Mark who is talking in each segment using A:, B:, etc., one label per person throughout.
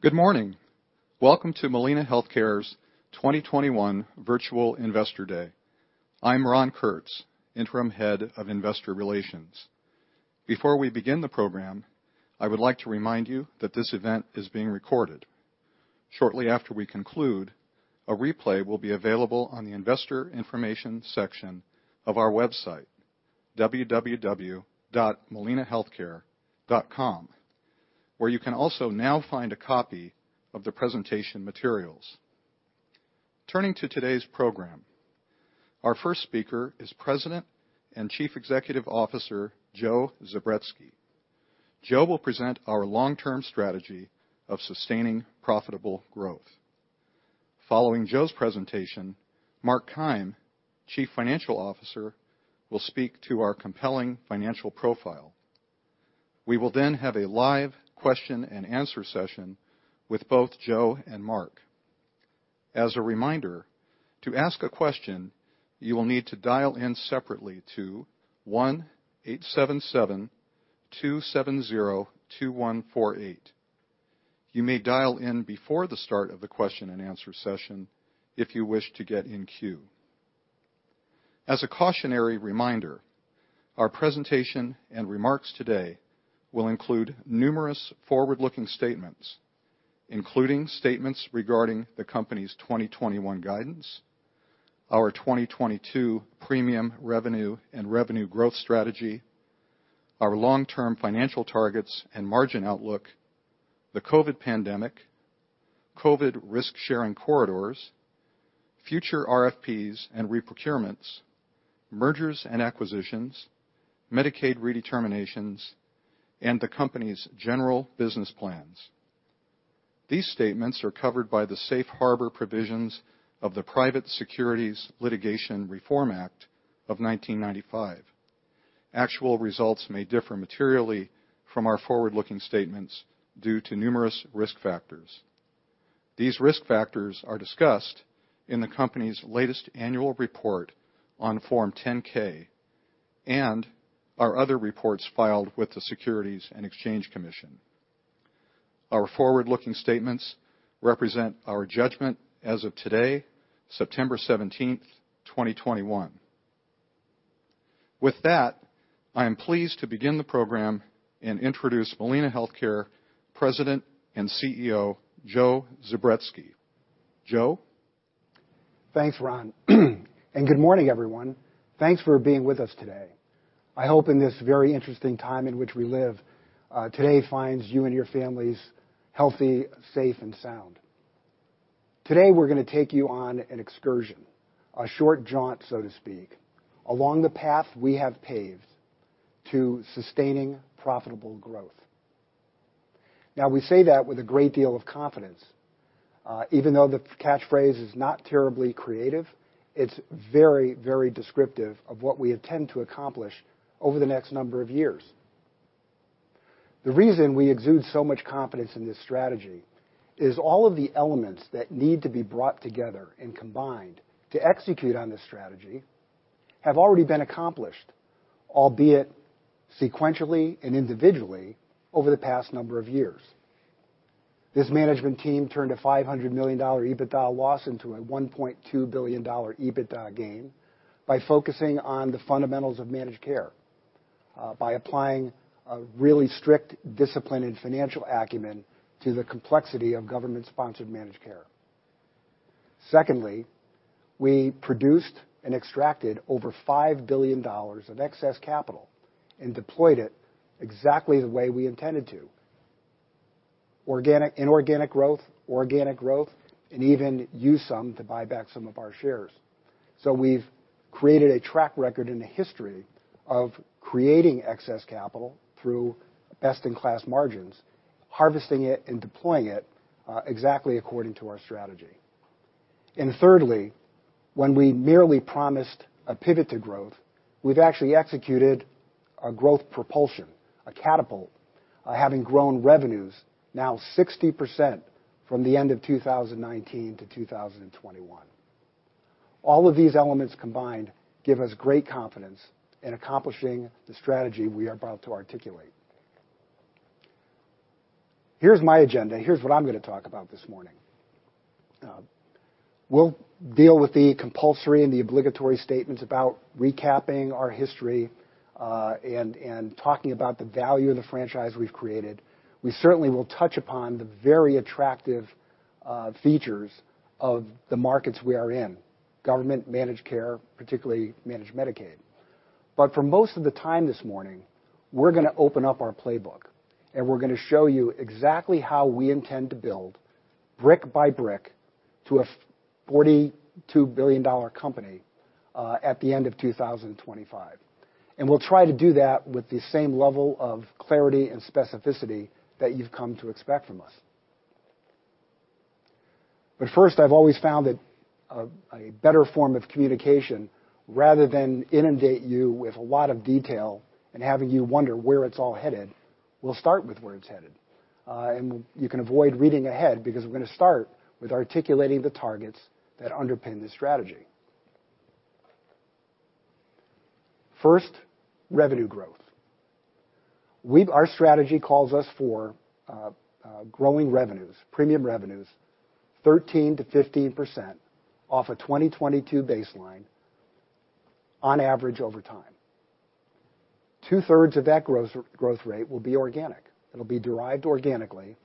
A: Good morning. Welcome to Molina Healthcare's 2021 Virtual Investor Day. I'm Ron Kurtz, Interim Head of Investor Relations. Before we begin the program, I would like to remind you that this event is being recorded. Shortly after we conclude, a replay will be available on the investor information section of our website, www.molinahealthcare.com, where you can also now find a copy of the presentation materials. Turning to today's program, our first speaker is President and Chief Executive Officer, Joe Zubretsky. Joe will present our long-term strategy of sustaining profitable growth. Following Joe's presentation, Mark Keim, Chief Financial Officer, will speak to our compelling financial profile. We will then have a live question and answer session with both Joe and Mark. As a reminder, to ask a question, you will need to dial in separately to 1-877-270-2148. You may dial in before the start of the question and answer session if you wish to get in queue. As a cautionary reminder, our presentation and remarks today will include numerous forward-looking statements, including statements regarding the company's 2021 guidance, our 2022 premium revenue and revenue growth strategy, our long-term financial targets and margin outlook, the COVID pandemic, COVID risk-sharing corridors, future RFPs and re-procurements, mergers and acquisitions, Medicaid redeterminations, and the company's general business plans. These statements are covered by the safe harbor provisions of the Private Securities Litigation Reform Act of 1995. Actual results may differ materially from our forward-looking statements due to numerous risk factors. These risk factors are discussed in the company's latest annual report on Form 10-K and our other reports filed with the Securities and Exchange Commission. Our forward-looking statements represent our judgment as of today, September 17th, 2021. With that, I am pleased to begin the program and introduce Molina Healthcare President and CEO, Joe Zubretsky. Joe?
B: Thanks, Ron. Good morning, everyone. Thanks for being with us today. I hope in this very interesting time in which we live, today finds you and your families healthy, safe, and sound. Today, we're going to take you on an excursion, a short jaunt, so to speak, along the path we have paved to sustaining profitable growth. We say that with a great deal of confidence. Even though the catchphrase is not terribly creative, it's very descriptive of what we intend to accomplish over the next number of years. The reason we exude so much confidence in this strategy is all of the elements that need to be brought together and combined to execute on this strategy have already been accomplished, albeit sequentially and individually over the past number of years. This management team turned a $500 million EBITDA loss into a $1.2 billion EBITDA gain by focusing on the fundamentals of managed care, by applying a really strict discipline and financial acumen to the complexity of government-sponsored managed care. Secondly, we produced and extracted over $5 billion of excess capital and deployed it exactly the way we intended to. Inorganic growth, organic growth, and even used some to buy back some of our shares. We've created a track record and a history of creating excess capital through best-in-class margins, harvesting it, and deploying it exactly according to our strategy. Thirdly, when we merely promised a pivot to growth, we've actually executed a growth propulsion, a catapult, having grown revenues now 60% from the end of 2019 to 2021. All of these elements combined give us great confidence in accomplishing the strategy we are about to articulate. Here's my agenda, here's what I'm going to talk about this morning. We'll deal with the compulsory and the obligatory statements about recapping our history, and talking about the value of the franchise we've created. We certainly will touch upon the very attractive features of the markets we are in, government-managed care, particularly managed Medicaid. For most of the time this morning, we're going to open up our playbook, and we're going to show you exactly how we intend to build brick by brick to a $42 billion company, at the end of 2025. We'll try to do that with the same level of clarity and specificity that you've come to expect from us. First, I've always found that a better form of communication, rather than inundate you with a lot of detail and having you wonder where it's all headed, we'll start with where it's headed. You can avoid reading ahead because we're going to start with articulating the targets that underpin this strategy. First, revenue growth. Our strategy calls for growing revenues, premium revenues, 13%-15% off a 2022 baseline on average over time. Two-thirds of that growth rate will be organic. It'll be derived organically,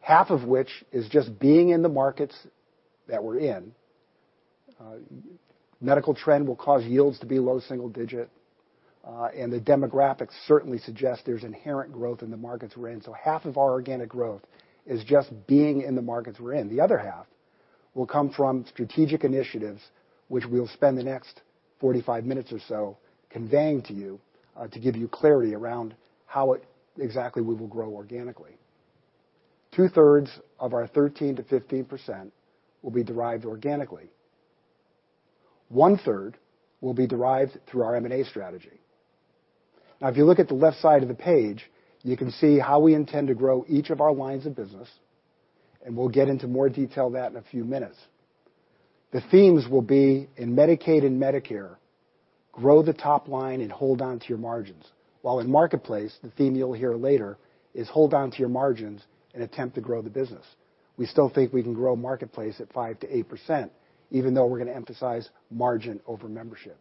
B: half of which is just being in the markets that we're in. Medical trend will cause yields to be low single-digit, and the demographics certainly suggest there's inherent growth in the markets we're in. Half of our organic growth is just being in the markets we're in. The other half will come from strategic initiatives, which we'll spend the next 45 minutes or so conveying to you to give you clarity around how exactly we will grow organically. Two-thirds of our 13%-15% will be derived organically. One-third will be derived through our M&A strategy. Now, if you look at the left side of the page, you can see how we intend to grow each of our lines of business, and we'll get into more detail of that in a few minutes. The themes will be in Medicaid and Medicare, grow the top line and hold onto your margins. While in Marketplace, the theme you'll hear later is hold onto your margins and attempt to grow the business. We still think we can grow Marketplace at 5%-8%, even though we're going to emphasize margin over membership.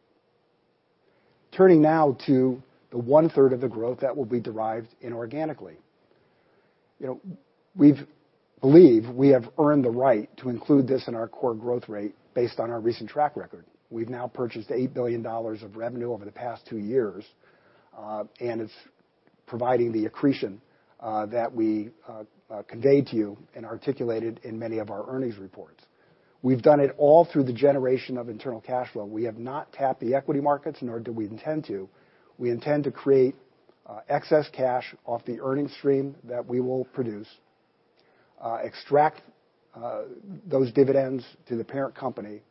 B: Turning now to the 1/3 of the growth that will be derived inorganically. We believe we have earned the right to include this in our core growth rate based on our recent track record. We've now purchased $8 billion of revenue over the past two years, and it's providing the accretion that we conveyed to you and articulated in many of our earnings reports. We've done it all through the generation of internal cash flow. We have not tapped the equity markets, nor do we intend to. We intend to create excess cash off the earnings stream that we will produce, extract those dividends to the parent company,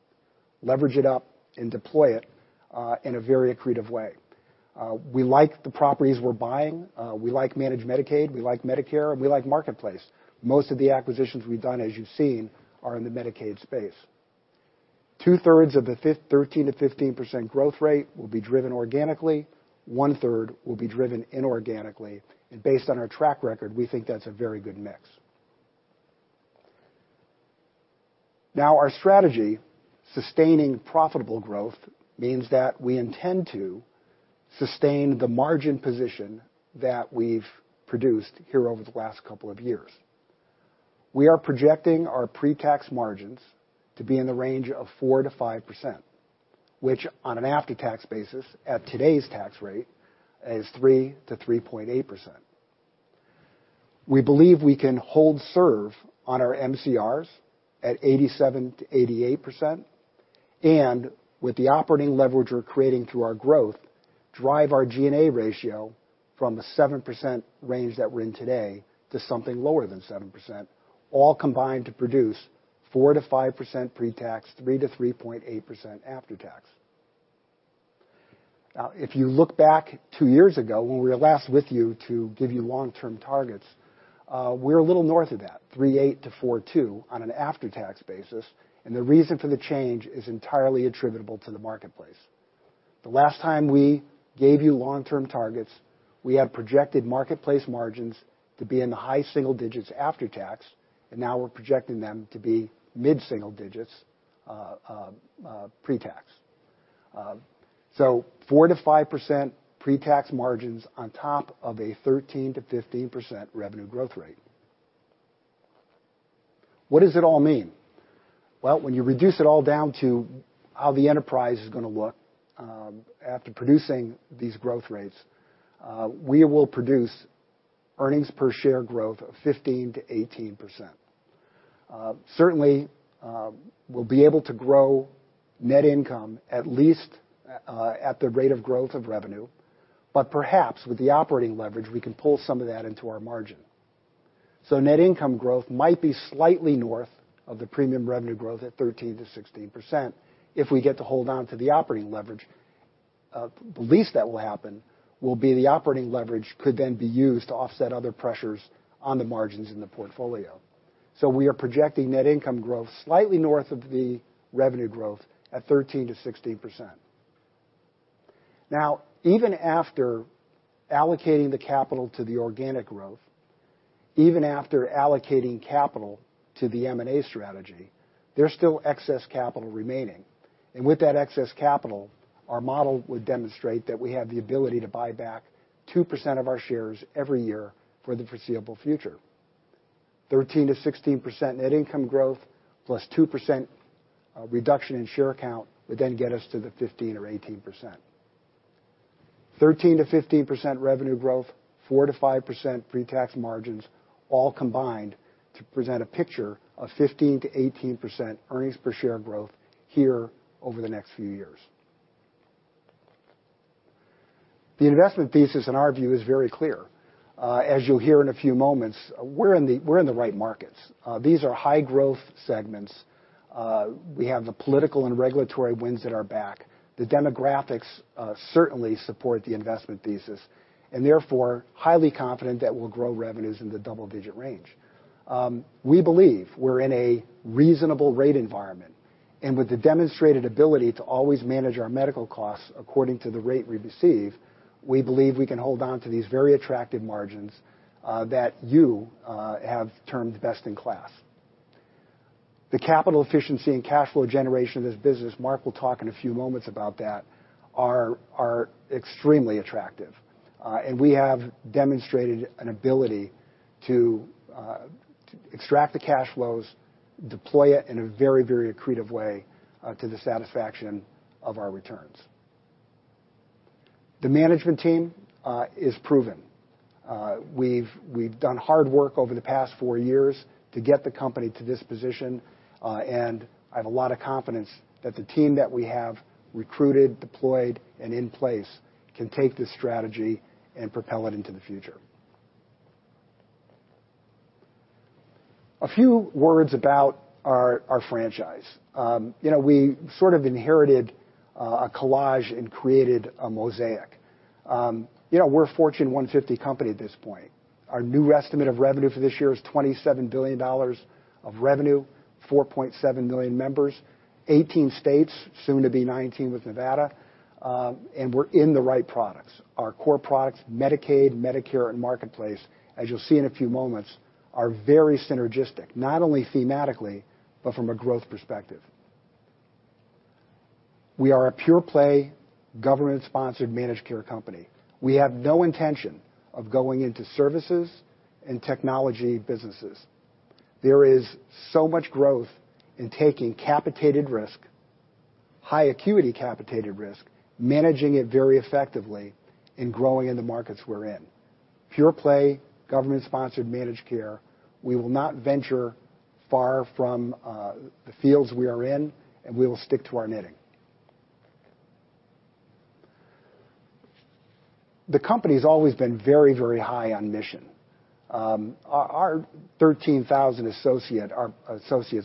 B: leverage it up and deploy it in a very accretive way. We like the properties we're buying. We like managed Medicaid, we like Medicare, and we like Marketplace. Most of the acquisitions we've done, as you've seen, are in the Medicaid space. 2/3 of the 13%-15% growth rate will be driven organically. 1/3 will be driven inorganically. Based on our track record, we think that's a very good mix. Our strategy, sustaining profitable growth, means that we intend to sustain the margin position that we've produced here over the last couple of years. We are projecting our pre-tax margins to be in the range of 4%-5%, which on an after-tax basis, at today's tax rate, is 3%-3.8%. We believe we can hold serve on our MCRs at 87%-88%, and with the operating leverage we're creating through our growth, drive our G&A ratio from the 7% range that we're in today to something lower than 7%, all combined to produce 4%-5% pre-tax, 3%-3.8% after tax. If you look back two years ago when we were last with you to give you long-term targets, we're a little north of that, 3.8%-4.2% on an after-tax basis. The reason for the change is entirely attributable to the Marketplace. The last time we gave you long-term targets, we had projected Marketplace margins to be in the high single digits after tax. Now we're projecting them to be mid-single digits pre-tax. 4%-5% pre-tax margins on top of a 13%-15% revenue growth rate. What does it all mean? Well, when you reduce it all down to how the enterprise is going to look after producing these growth rates, we will produce earnings per share growth of 15%-18%. Certainly, we'll be able to grow net income at least at the rate of growth of revenue. Perhaps with the operating leverage, we can pull some of that into our margin. Net income growth might be slightly north of the premium revenue growth at 13%-16% if we get to hold onto the operating leverage. The least that will happen will be the operating leverage could then be used to offset other pressures on the margins in the portfolio. We are projecting net income growth slightly north of the revenue growth at 13%-16%. Even after allocating the capital to the organic growth, even after allocating capital to the M&A strategy, there's still excess capital remaining. With that excess capital, our model would demonstrate that we have the ability to buy back 2% of our shares every year for the foreseeable future. 13%-16% net income growth plus 2% reduction in share count would then get us to the 15% or 18%. 13%-15% revenue growth, 4%-5% pre-tax margins, all combined to present a picture of 15%-18% earnings per share growth here over the next few years. The investment thesis in our view, is very clear. As you'll hear in a few moments, we're in the right markets, these are high-growth segments. We have the political and regulatory winds at our back. The demographics certainly support the investment thesis. Therefore, highly confident that we'll grow revenues in the double-digit range. We believe we're in a reasonable rate environment. With the demonstrated ability to always manage our medical costs according to the rate we receive, we believe we can hold on to these very attractive margins that you have termed best in class. The capital efficiency and cash flow generation of this business, Mark will talk in a few moments about that, are extremely attractive. We have demonstrated an ability to extract the cash flows, deploy it in a very, very accretive way to the satisfaction of our returns. The management team is proven. We've done hard work over the past four years to get the company to this position and I have a lot of confidence that the team that we have recruited, deployed, and in place can take this strategy and propel it into the future. A few words about our franchise. We sort of inherited a collage and created a mosaic. We're a Fortune 150 company at this point. Our new estimate of revenue for this year is $27 billion of revenue, 4.7 million members, 18 states, soon to be 19 with Nevada, and we're in the right products. Our core products, Medicaid, Medicare, and Marketplace, as you'll see in a few moments, are very synergistic, not only thematically, but from a growth perspective. We are a pure-play government-sponsored managed care company. We have no intention of going into services and technology businesses. There is so much growth in taking capitated risk, high acuity capitated risk, managing it very effectively, and growing in the markets we're in. Pure play, government-sponsored managed care. We will not venture far from the fields we are in, and we will stick to our knitting. The company's always been very, very high on mission. Our 13,000 associates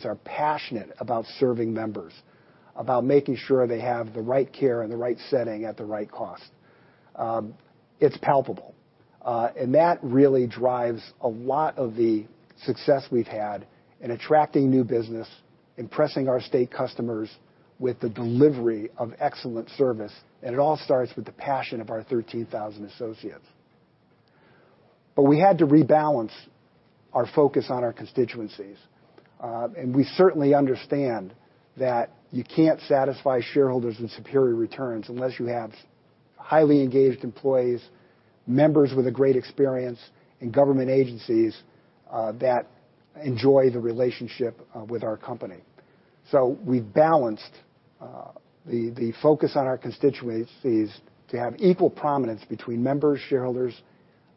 B: are passionate about serving members, about making sure they have the right care in the right setting at the right cost. It's palpable. That really drives a lot of the success we've had in attracting new business, impressing our state customers with the delivery of excellent service, and it all starts with the passion of our 13,000 associates. We had to rebalance our focus on our constituencies. We certainly understand that you can't satisfy shareholders and superior returns unless you have highly engaged employees, members with a great experience, and government agencies that enjoy the relationship with our company. We balanced the focus on our constituencies to have equal prominence between members, shareholders,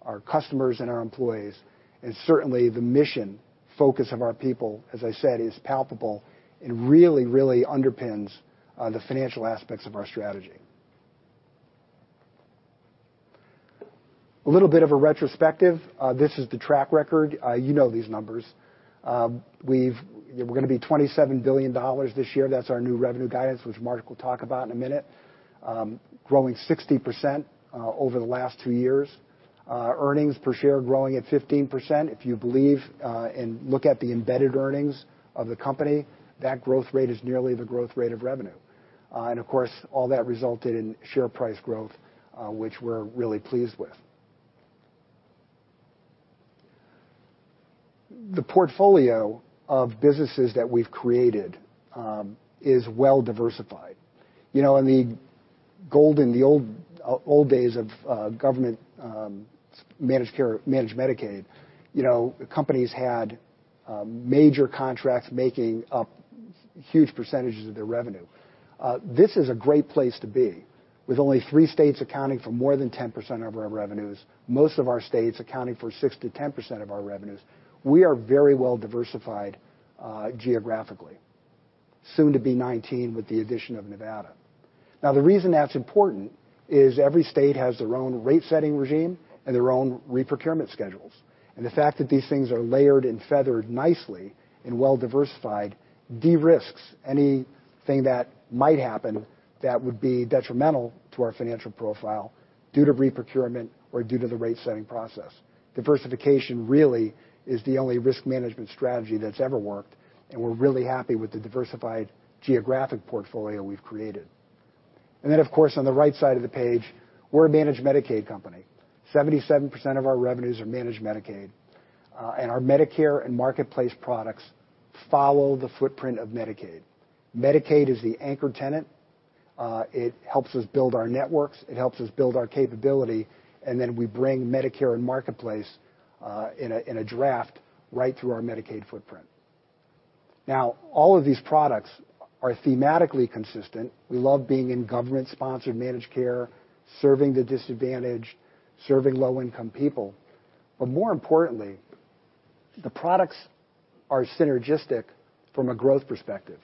B: our customers, and our employees. Certainly the mission focus of our people, as I said, is palpable and really underpins the financial aspects of our strategy. A little bit of a retrospective. This is the track record. You know these numbers. We're going to be $27 billion this year. That's our new revenue guidance, which Mark will talk about in a minute. Growing 60% over the last two years. Earnings per share growing at 15%. If you believe and look at the embedded earnings of the company, that growth rate is nearly the growth rate of revenue. Of course, all that resulted in share price growth, which we're really pleased with. The portfolio of businesses that we've created is well diversified. In the golden, the old days of government managed Medicaid, companies had major contracts making up huge percentages of their revenue. This is a great place to be. With only three states accounting for more than 10% of our revenues, most of our states accounting for 6%-10% of our revenues, we are very well diversified geographically, soon to be 19 with the addition of Nevada. The reason that's important is every state has their own rate-setting regime and their own re-procurement schedules. The fact that these things are layered and feathered nicely and well diversified de-risks anything that might happen that would be detrimental to our financial profile due to re-procurement or due to the rate-setting process. Diversification really is the only risk management strategy that's ever worked, and we're really happy with the diversified geographic portfolio we've created. Of course, on the right side of the page, we're a managed Medicaid company. 77% of our revenues are managed Medicaid and our Medicare and Marketplace products follow the footprint of Medicaid. Medicaid is the anchor tenant, it helps us build our networks, it helps us build our capability, and then we bring Medicare and Marketplace in a draft right through our Medicaid footprint. Now, all of these products are thematically consistent. We love being in government-sponsored managed care, serving the disadvantaged, serving low-income people. More importantly, the products are synergistic from a growth perspective.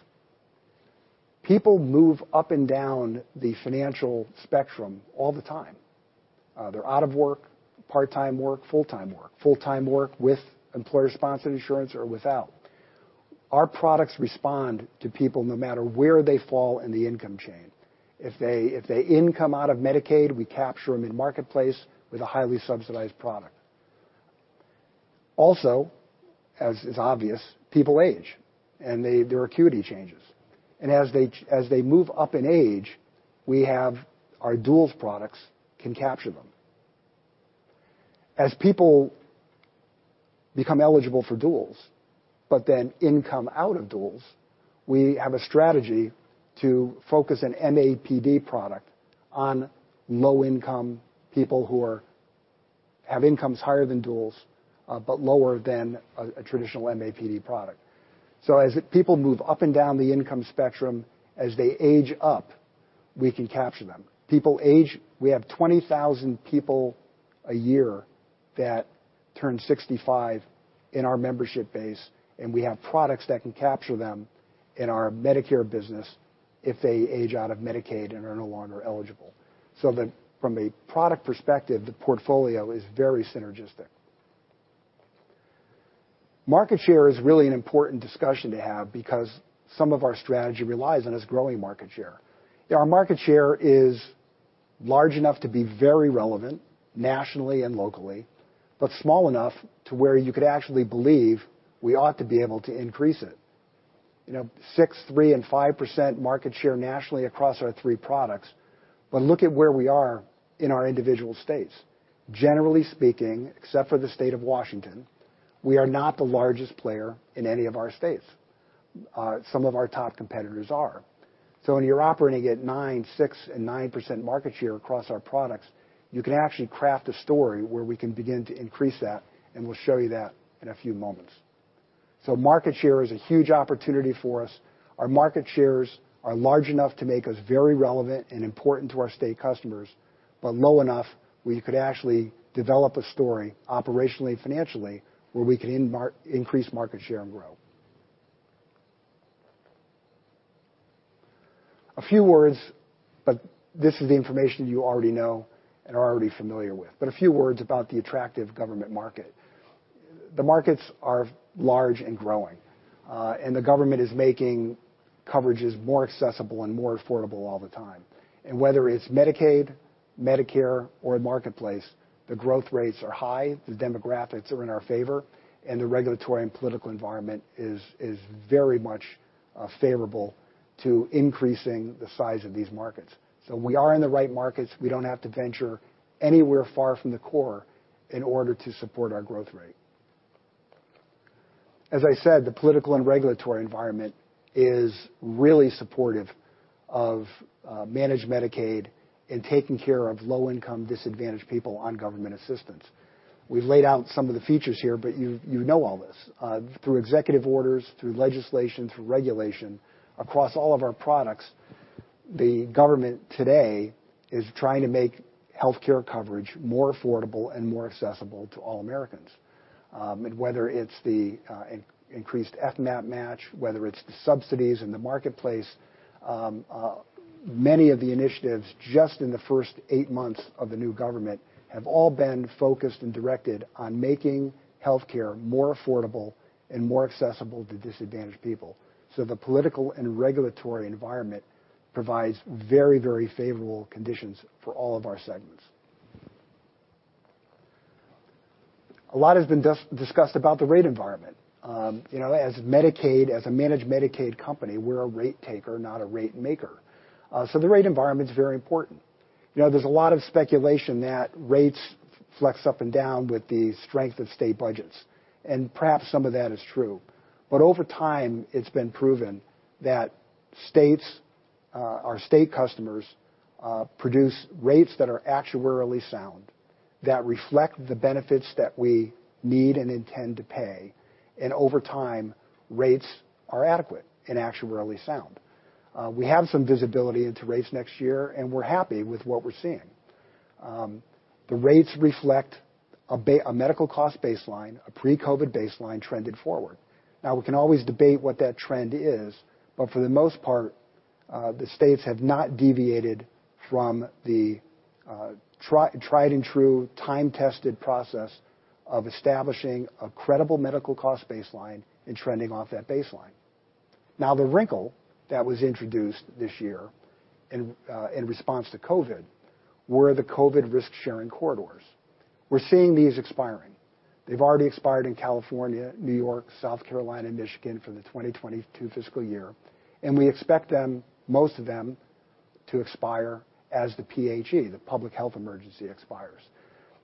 B: People move up and down the financial spectrum all the time. They're out of work, part-time work, full-time work, full-time work with employer-sponsored insurance or without. Our products respond to people no matter where they fall in the income chain. If their income out of Medicaid, we capture them in Marketplace with a highly subsidized product. As is obvious, people age, and their acuity changes. As they move up in age, our Duals products can capture them. As people become eligible for Duals, but then income out of Duals, we have a strategy to focus an MAPD product on low-income people who have incomes higher than Duals but lower than a traditional MAPD product. As people move up and down the income spectrum, as they age up, we can capture them. People age. We have 20,000 people a year that turn 65 in our membership base, and we have products that can capture them in our Medicare business if they age out of Medicaid and are no longer eligible. That from a product perspective, the portfolio is very synergistic. Market share is really an important discussion to have because some of our strategy relies on us growing market share. Our market share is large enough to be very relevant nationally and locally, but small enough to where you could actually believe we ought to be able to increase it. 6%, 3%, and 5% market share nationally across our three products. Look at where we are in our individual states. Generally speaking, except for the state of Washington, we are not the largest player in any of our states. Some of our top competitors are. When you're operating at 9%, 6%, and 9% market share across our products, you can actually craft a story where we can begin to increase that, and we'll show you that in a few moments. Market share is a huge opportunity for us. Our market shares are large enough to make us very relevant and important to our state customers, but low enough we could actually develop a story operationally and financially where we can increase market share and grow. A few words, but this is the information you already know and are already familiar with, but a few words about the attractive government market. The markets are large and growing. The government is making coverages more accessible and more affordable all the time. Whether it's Medicaid, Medicare, or Marketplace, the growth rates are high, the demographics are in our favor, and the regulatory and political environment is very much favorable to increasing the size of these markets. We are in the right markets. We don't have to venture anywhere far from the core in order to support our growth rate. As I said, the political and regulatory environment is really supportive of managed Medicaid and taking care of low-income, disadvantaged people on government assistance. We've laid out some of the features here, but you know all this. Through executive orders, through legislation, through regulation, across all of our products, the government today is trying to make healthcare coverage more affordable and more accessible to all Americans. Whether it's the increased FMAP match, whether it's the subsidies in the Marketplace, many of the initiatives just in the first eight months of the new government have all been focused and directed on making healthcare more affordable and more accessible to disadvantaged people. The political and regulatory environment provides very, very favorable conditions for all of our segments. A lot has been discussed about the rate environment. As a managed Medicaid company, we're a rate taker, not a rate maker. The rate environment is very important. There's a lot of speculation that rates flex up and down with the strength of state budgets, perhaps some of that is true. Over time, it's been proven that our state customers produce rates that are actuarially sound, that reflect the benefits that we need and intend to pay, over time, rates are adequate and actuarially sound. We have some visibility into rates next year, we're happy with what we're seeing. The rates reflect a medical cost baseline, a pre-COVID baseline trended forward. We can always debate what that trend is, for the most part, the states have not deviated from the tried-and-true time-tested process of establishing a credible medical cost baseline trending off that baseline. The wrinkle that was introduced this year in response to COVID were the COVID risk-sharing corridors. We're seeing these expiring. They've already expired in California, N.Y., South Carolina, and Michigan for FY 2022, and we expect most of them to expire as the PHE, the public health emergency, expires.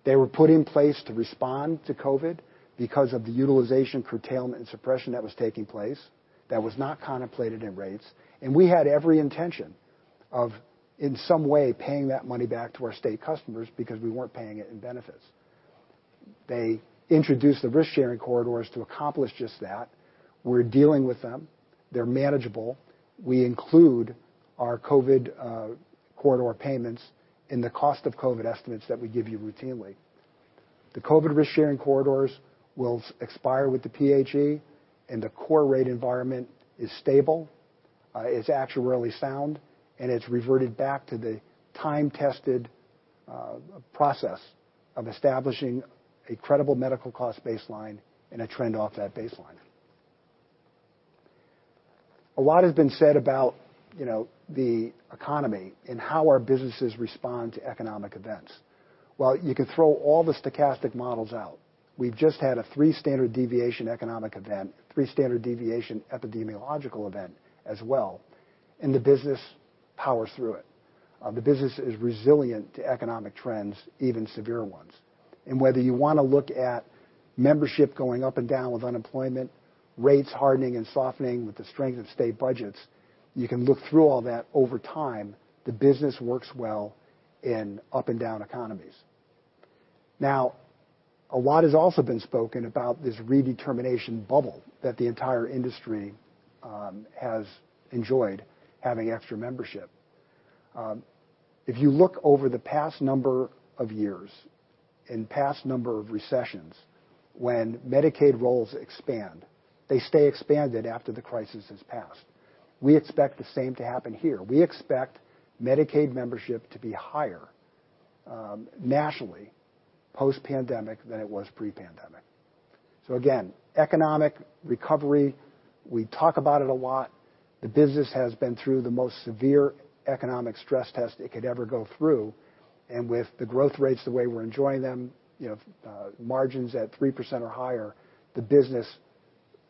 B: They were put in place to respond to COVID because of the utilization curtailment and suppression that was taking place that was not contemplated in rates. We had every intention of, in some way, paying that money back to our state customers because we weren't paying it in benefits. They introduced the risk-sharing corridors to accomplish just that. We're dealing with them. They're manageable. We include our COVID corridor payments in the cost of COVID estimates that we give you routinely. The COVID risk-sharing corridors will expire with the PHE, the core rate environment is stable, it's actuarially sound, and it's reverted back to the time-tested process of establishing a credible medical cost baseline and a trend off that baseline. A lot has been said about the economy and how our businesses respond to economic events. Well, you can throw all the stochastic models out. We've just had a three standard deviation economic event, three standard deviation epidemiological event as well, the business powers through it. The business is resilient to economic trends, even severe ones. Whether you want to look at membership going up and down with unemployment, rates hardening and softening with the strength of state budgets, you can look through all that over time. The business works well in up and down economies. A lot has also been spoken about this redetermination bubble that the entire industry has enjoyed having extra Medicaid membership. If you look over the past number of years and past number of recessions, when Medicaid roles expand, they stay expanded after the crisis has passed. We expect the same to happen here. We expect Medicaid membership to be higher nationally post-pandemic than it was pre-pandemic. Again, economic recovery, we talk about it a lot. The business has been through the most severe economic stress test it could ever go through, with the growth rates the way we're enjoying them, margins at 3% or higher, the business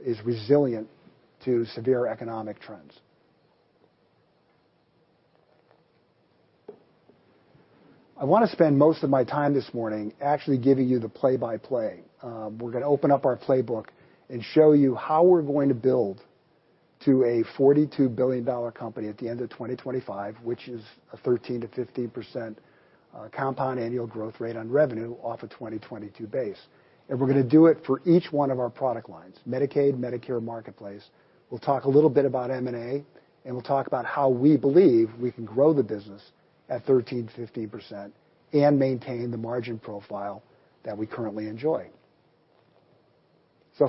B: is resilient to severe economic trends. I want to spend most of my time this morning actually giving you the play-by-play. We're going to open up our playbook and show you how we're going to build to a $42 billion company at the end of 2025, which is a 13%-15% compound annual growth rate on revenue off a 2022 base. We're going to do it for each one of our product lines, Medicaid, Medicare, Marketplace. We'll talk a little bit about M&A, and we'll talk about how we believe we can grow the business at 13%-15% and maintain the margin profile that we currently enjoy.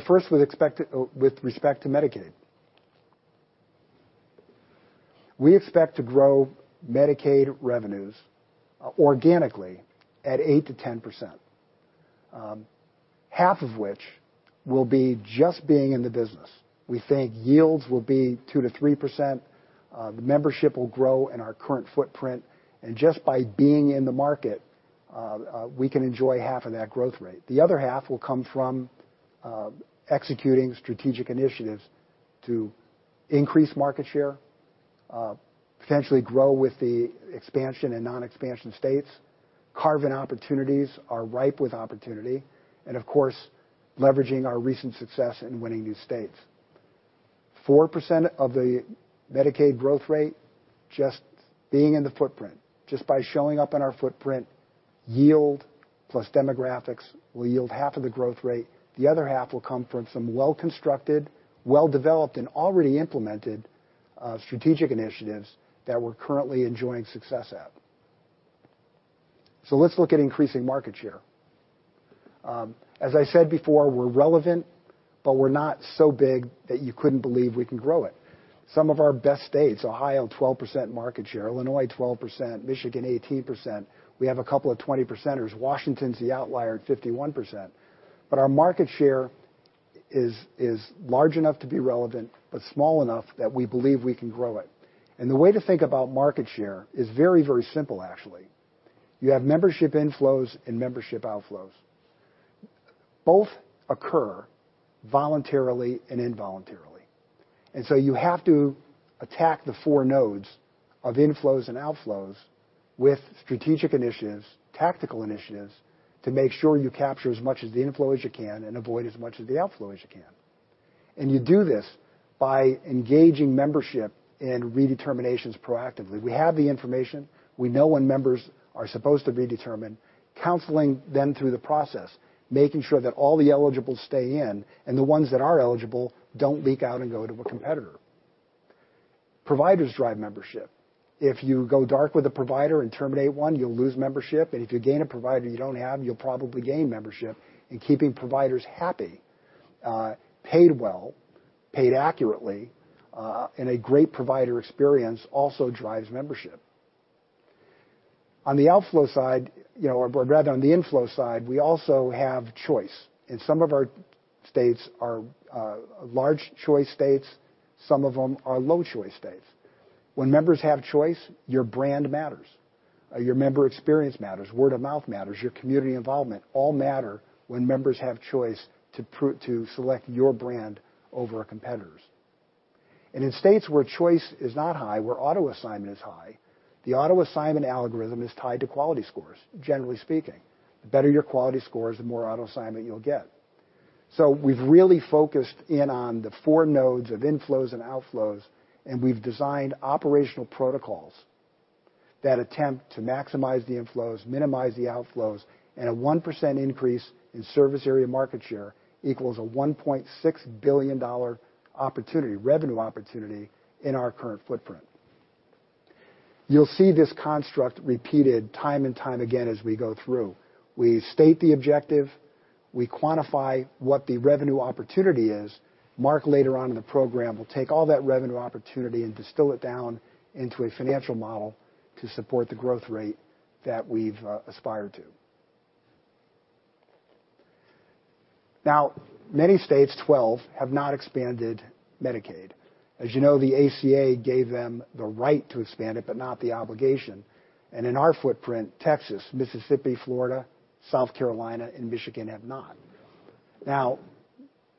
B: First, with respect to Medicaid. We expect to grow Medicaid revenues organically at 8%-10%, half of which will be just being in the business. We think yields will be 2%-3%. The membership will grow in our current footprint, and just by being in the market, we can enjoy half of that growth rate. The other half will come from executing strategic initiatives to increase market share, potentially grow with the expansion and non-expansion states. carve-in opportunities are ripe with opportunity, and of course, leveraging our recent success in winning new states. 4% of the Medicaid growth rate, just being in the footprint, just by showing up in our footprint, yield plus demographics will yield half of the growth rate. The other half will come from some well-constructed, well-developed, and already implemented strategic initiatives that we're currently enjoying success at. Let's look at increasing market share. As I said before, we're relevant, but we're not so big that you couldn't believe we can grow it. Some of our best states, Ohio, 12% market share, Illinois 12%, Michigan 18%. We have a couple of 20 percenters. Washington's the outlier at 51%. Our market share is large enough to be relevant but small enough that we believe we can grow it. The way to think about market share is very simple, actually. You have membership inflows and membership outflows. Both occur voluntarily and involuntarily, you have to attack the four nodes of inflows and outflows with strategic initiatives, tactical initiatives, to make sure you capture as much of the inflow as you can and avoid as much of the outflow as you can. You do this by engaging membership and redeterminations proactively. We have the information. We know when members are supposed to redetermine, counseling them through the process, making sure that all the eligibles stay in, and the ones that are eligible don't leak out and go to a competitor. Providers drive membership. If you go dark with a provider and terminate one, you'll lose membership. If you gain a provider you don't have, you'll probably gain membership, and keeping providers happy, paid well, paid accurately, and a great provider experience also drives membership. On the outflow side, or rather on the inflow side, we also have choice, and some of our states are large choice states, some of them are low choice states. When members have choice, your brand matters. Your member experience matters. Word of mouth matters. Your community involvement all matter when members have choice to select your brand over a competitor's. In states where choice is not high, where auto assignment is high, the auto assignment algorithm is tied to quality scores, generally speaking. The better your quality scores, the more auto assignment you'll get. We've really focused in on the four nodes of inflows and outflows, and we've designed operational protocols that attempt to maximize the inflows, minimize the outflows, and a 1% increase in service area market share equals a $1.6 billion revenue opportunity in our current footprint. You'll see this construct repeated time and time again as we go through. We state the objective, we quantify what the revenue opportunity is. Mark, later on in the program, will take all that revenue opportunity and distill it down into a financial model to support the growth rate that we've aspired to. Many states, 12, have not expanded Medicaid. As you know, the ACA gave them the right to expand it, but not the obligation. In our footprint, Texas, Mississippi, Florida, South Carolina, and Michigan have not.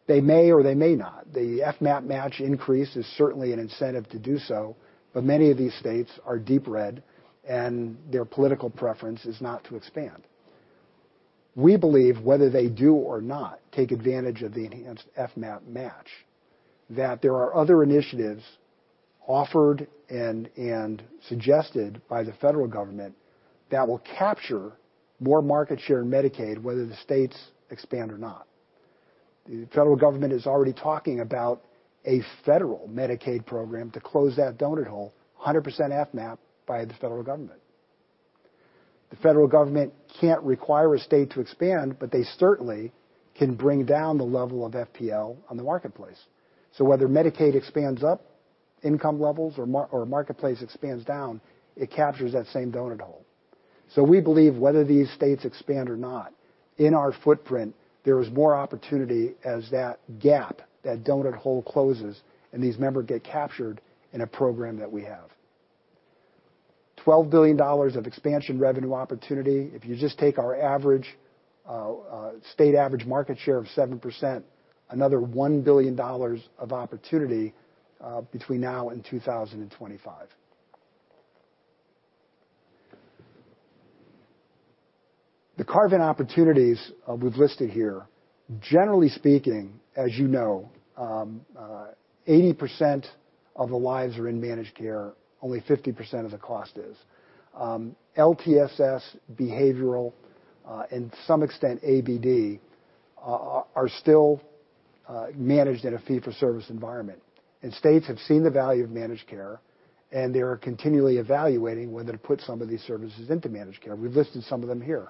B: They may or they may not. The FMAP match increase is certainly an incentive to do so, but many of these states are deep red, and their political preference is not to expand. We believe whether they do or not take advantage of the enhanced FMAP match, that there are other initiatives offered and suggested by the federal government that will capture more market share in Medicaid, whether the states expand or not. The federal government is already talking about a federal Medicaid program to close that donut hole, 100% FMAP by the federal government. The federal government can't require a state to expand, but they certainly can bring down the level of FPL on the Marketplace. Whether Medicaid expands up income levels or Marketplace expands down, it captures that same donut hole. We believe whether these states expand or not, in our footprint, there is more opportunity as that gap, that donut hole closes, and these members get captured in a program that we have. $12 billion of expansion revenue opportunity. If you just take our state average market share of 7%, another $1 billion of opportunity, between now and 2025. The carve-in opportunities we've listed here, generally speaking, as you know, 80% of the lives are in managed care. Only 50% of the cost is. LTSS behavioral, and to some extent, ABD, are still managed in a fee-for-service environment. States have seen the value of managed care, and they are continually evaluating whether to put some of these services into managed care. We've listed some of them here.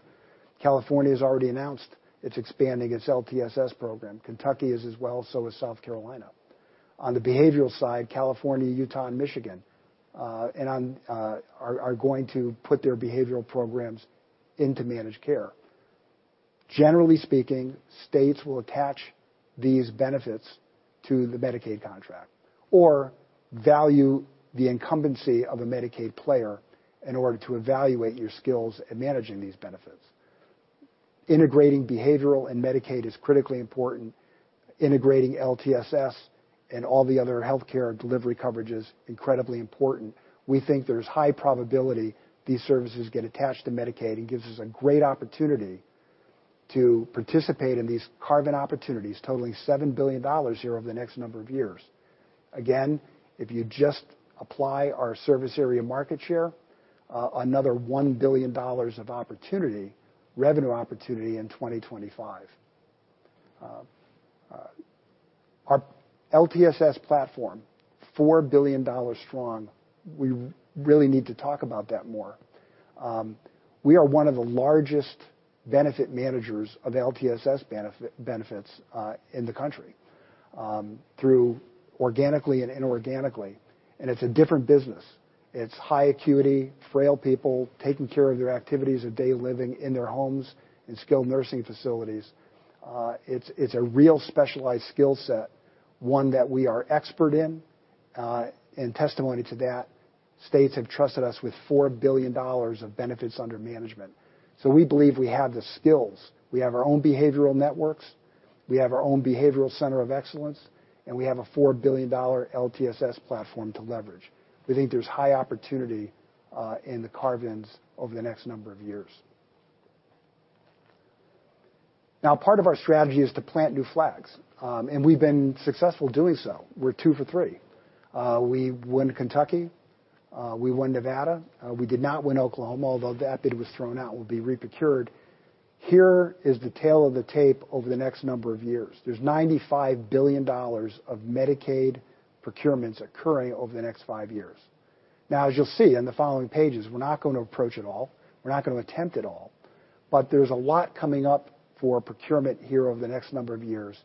B: California's already announced it's expanding its LTSS program. Kentucky is as well, so is South Carolina. On the behavioral side, California, Utah, and Michigan are going to put their behavioral programs into managed care. Generally speaking, states will attach these benefits to the Medicaid contract or value the incumbency of a Medicaid player in order to evaluate your skills at managing these benefits. Integrating behavioral and Medicaid is critically important. Integrating LTSS and all the other healthcare delivery coverage is incredibly important. We think there's high probability these services get attached to Medicaid, and gives us a great opportunity to participate in these carve-in opportunities totaling $7 billion here over the next number of years. Again, if you just apply our service area market share, another $1 billion of revenue opportunity in 2025. Our LTSS platform, $4 billion strong. We really need to talk about that more. We are one of the largest benefit managers of LTSS benefits in the country through organically and inorganically. It's a different business. It's high acuity, frail people taking care of their activities of daily living in their homes and skilled nursing facilities. It's a real specialized skill set, one that we are expert in. In testimony to that, states have trusted us with $4 billion of benefits under management. We believe we have the skills. We have our own behavioral networks, we have our own behavioral center of excellence, and we have a $4 billion LTSS platform to leverage. We think there's high opportunity in the carve-ins over the next number of years. Part of our strategy is to plant new flags. We've been successful doing so. We're two for three. We won Kentucky, we won Nevada. We did not win Oklahoma, although that bid was thrown out, will be re-procured. Here is the tale of the tape over the next number of years. There's $95 billion of Medicaid procurements occurring over the next five years. As you'll see on the following pages, we're not going to approach it all, we're not going to attempt it all, but there's a lot coming up for procurement here over the next number of years,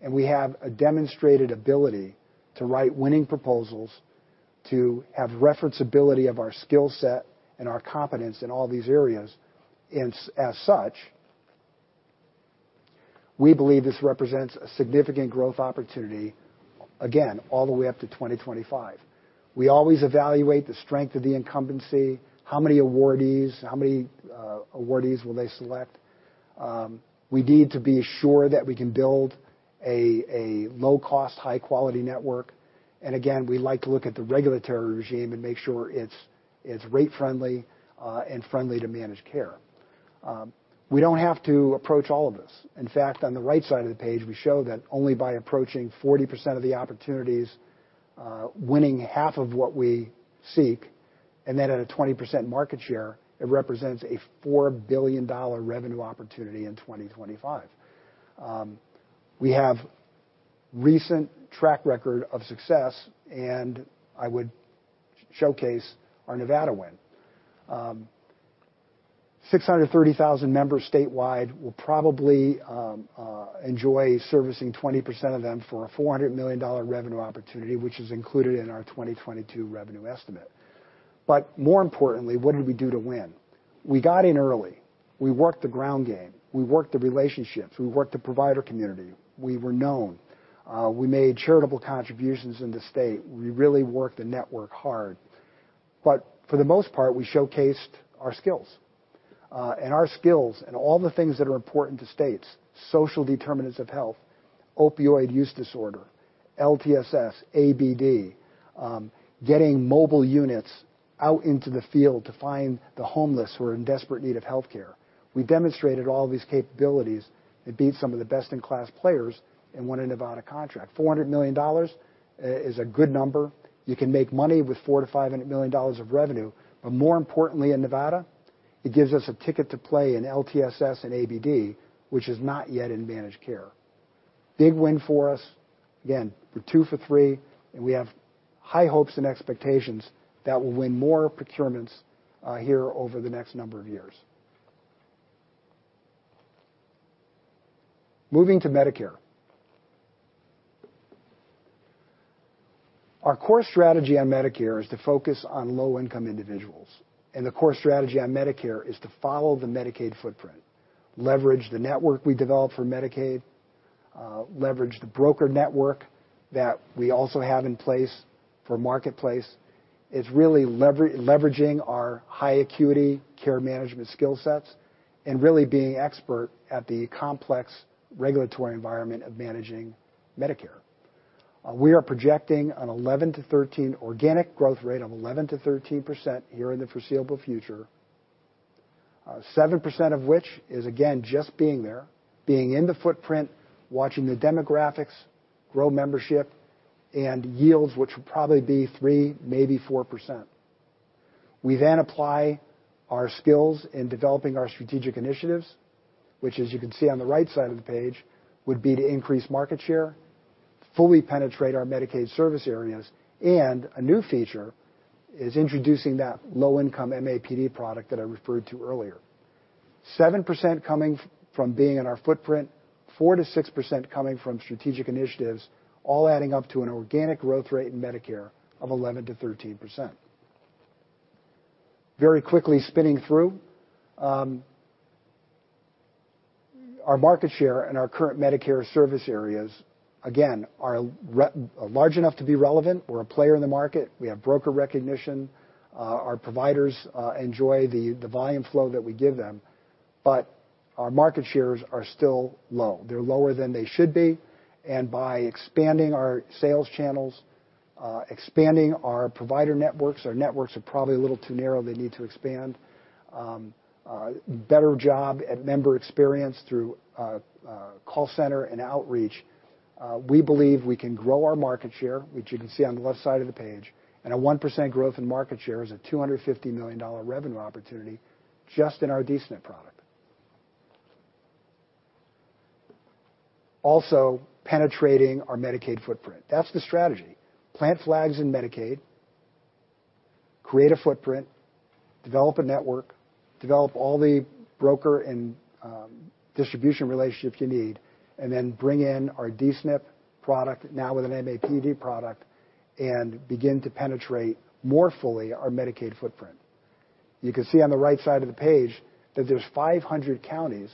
B: and we have a demonstrated ability to write winning proposals, to have referenceability of our skill set and our competence in all these areas. As such, we believe this represents a significant growth opportunity, again, all the way up to 2025. We always evaluate the strength of the incumbency, how many awardees will they select? We need to be assured that we can build a low-cost, high-quality network. Again, we like to look at the regulatory regime and make sure it's rate-friendly and friendly to managed care. We don't have to approach all of this. On the right side of the page, we show that only by approaching 40% of the opportunities, winning half of what we seek, and then at a 20% market share, it represents a $4 billion revenue opportunity in 2025. We have recent track record of success, and I would showcase our Nevada win. 630,000 members statewide will probably enjoy servicing 20% of them for a $400 million revenue opportunity, which is included in our 2022 revenue estimate. More importantly, what did we do to win? We got in early, we worked the ground game, we worked the relationships, we worked the provider community, we were known. We made charitable contributions in the state. We really worked the network hard. For the most part, we showcased our skills. Our skills and all the things that are important to states, social determinants of health, opioid use disorder, LTSS, ABD, getting mobile units out into the field to find the homeless who are in desperate need of healthcare. We demonstrated all these capabilities and beat some of the best-in-class players and won a Nevada contract. $400 million is a good number. You can make money with $400 million-$500 million of revenue. More importantly, in Nevada, it gives us a ticket to play in LTSS and ABD, which is not yet in managed care. Big win for us. Again, we're two for three, and we have high hopes and expectations that we'll win more procurements here over the next number of years. Moving to Medicare. Our core strategy on Medicare is to focus on low-income individuals. The core strategy on Medicare is to follow the Medicaid footprint, leverage the network we developed for Medicaid, leverage the broker network that we also have in place for Marketplace. It's really leveraging our high acuity care management skill sets and really being expert at the complex regulatory environment of managing Medicare. We are projecting an 11-13 organic growth rate of 11%-13% here in the foreseeable future, 7% of which is again, just being there, being in the footprint, watching the demographics grow membership and yields, which will probably be 3%, maybe 4%. We apply our skills in developing our strategic initiatives, which as you can see on the right side of the page, would be to increase market share, fully penetrate our Medicaid service areas, and a new feature is introducing that low-income MAPD product that I referred to earlier. 7% coming from being in our footprint, 4%-6% coming from strategic initiatives, all adding up to an organic growth rate in Medicare of 11%-13%. Very quickly spinning through. Our market share and our current Medicare service areas, again, are large enough to be relevant. We're a player in the market. We have broker recognition. Our providers enjoy the volume flow that we give them, but our market shares are still low. They're lower than they should be, and by expanding our sales channels, expanding our provider networks. Our networks are probably a little too narrow. They need to expand. Better job at member experience through call center and outreach. We believe we can grow our market share, which you can see on the left side of the page, and a 1% growth in market share is a $250 million revenue opportunity just in our D-SNP product. Also penetrating our Medicaid footprint. That's the strategy. Plant flags in Medicaid, create a footprint, develop a network, develop all the broker and distribution relationships you need, and then bring in our D-SNP product, now with an MAPD product, and begin to penetrate more fully our Medicaid footprint. You can see on the right side of the page that there's 500 counties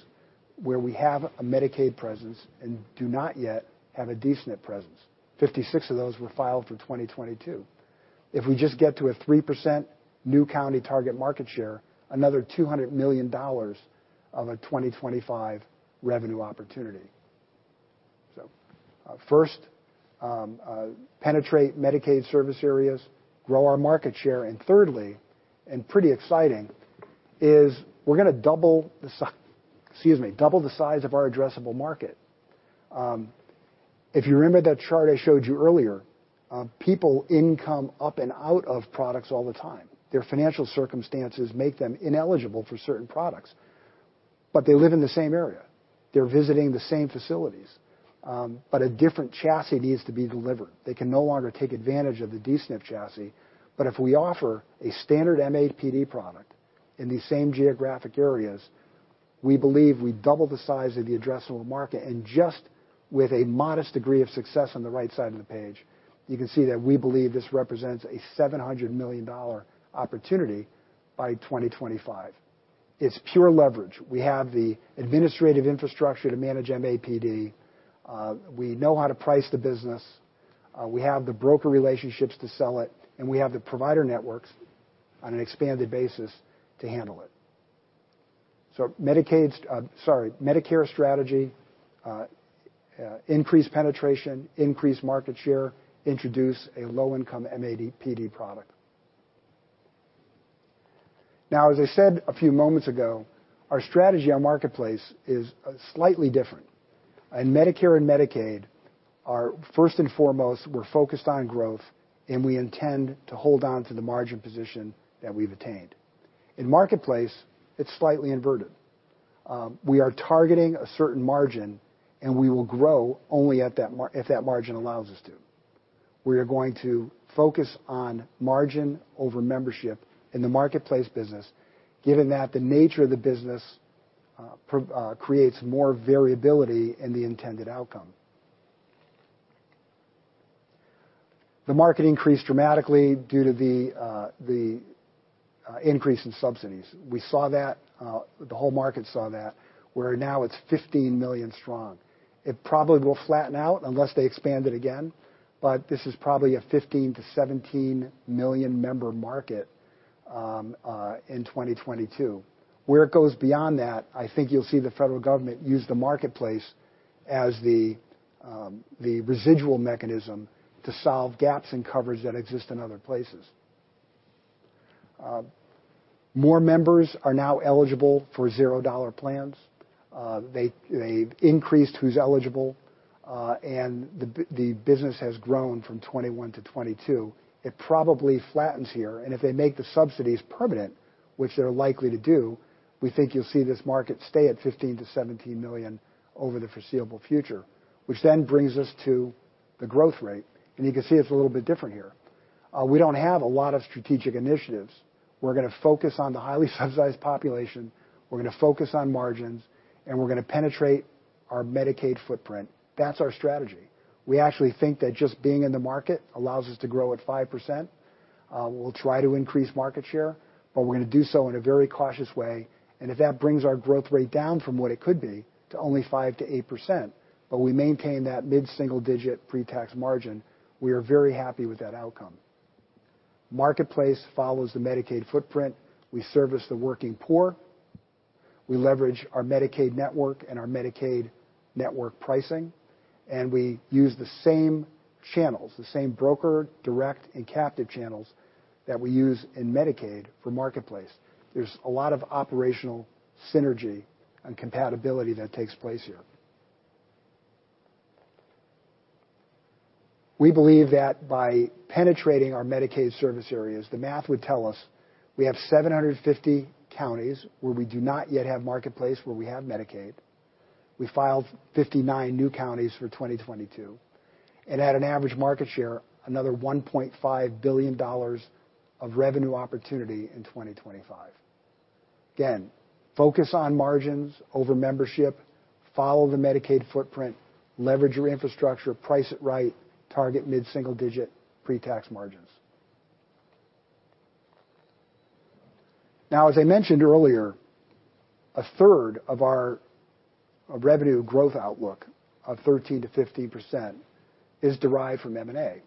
B: where we have a Medicaid presence and do not yet have a D-SNP presence. 56 of those were filed for 2022. If we just get to a 3% new county target market share, another $200 million of a 2025 revenue opportunity. First, penetrate Medicaid service areas, grow our market share, and thirdly, and pretty exciting, is we're going to double the size of our addressable market. If you remember that chart I showed you earlier, people income up and out of products all the time. Their financial circumstances make them ineligible for certain products, but they live in the same area. They're visiting the same facilities. A different chassis needs to be delivered. They can no longer take advantage of the D-SNP chassis. If we offer a standard MAPD product in these same geographic areas, we believe we double the size of the addressable market. Just with a modest degree of success on the right side of the page, you can see that we believe this represents a $700 million opportunity by 2025. It's pure leverage. We have the administrative infrastructure to manage MAPD. We know how to price the business, we have the broker relationships to sell it, and we have the provider networks on an expanded basis to handle it. Medicare strategy, increased penetration, increased market share, introduce a low-income MAPD product. Now, as I said a few moments ago, our strategy on Marketplace is slightly different. In Medicare and Medicaid, first and foremost, we're focused on growth, and we intend to hold on to the margin position that we've attained. In Marketplace, it's slightly inverted. We are targeting a certain margin, and we will grow only if that margin allows us to. We are going to focus on margin over membership in the Marketplace business, given that the nature of the business creates more variability in the intended outcome. The market increased dramatically due to the increase in subsidies. We saw that, the whole market saw that, where now it's 15 million strong. It probably will flatten out unless they expand it again, but this is probably a 15 million-17 million member market in 2022. Where it goes beyond that, I think you'll see the federal government use the Marketplace as the residual mechanism to solve gaps in coverage that exist in other places. More members are now eligible for $0 plans. They've increased who's eligible, and the business has grown from 2021 to 2022. It probably flattens here, and if they make the subsidies permanent, which they're likely to do, we think you'll see this market stay at 15 million-17 million over the foreseeable future. Brings us to the growth rate. You can see it's a little bit different here. We don't have a lot of strategic initiatives. We're going to focus on the highly subsidized population, we're going to focus on margins, and we're going to penetrate our Medicaid footprint. That's our strategy. We actually think that just being in the market allows us to grow at 5%. We'll try to increase market share, but we're going to do so in a very cautious way, and if that brings our growth rate down from what it could be to only 5%-8%, but we maintain that mid-single-digit pre-tax margin, we are very happy with that outcome. Marketplace follows the Medicaid footprint. We service the working poor, we leverage our Medicaid network and our Medicaid network pricing, we use the same channels, the same broker, direct, and captive channels that we use in Medicaid for Marketplace. There's a lot of operational synergy and compatibility that takes place here. We believe that by penetrating our Medicaid service areas, the math would tell us we have 750 counties where we do not yet have Marketplace, where we have Medicaid. We filed 59 new counties for 2022, and at an average market share, another $1.5 billion of revenue opportunity in 2025. Again, focus on margins over membership, follow the Medicaid footprint, leverage your infrastructure, price it right, target mid-single digit pre-tax margins. Now, as I mentioned earlier, 1/3 of our revenue growth outlook of 13%-15% is derived from M&A.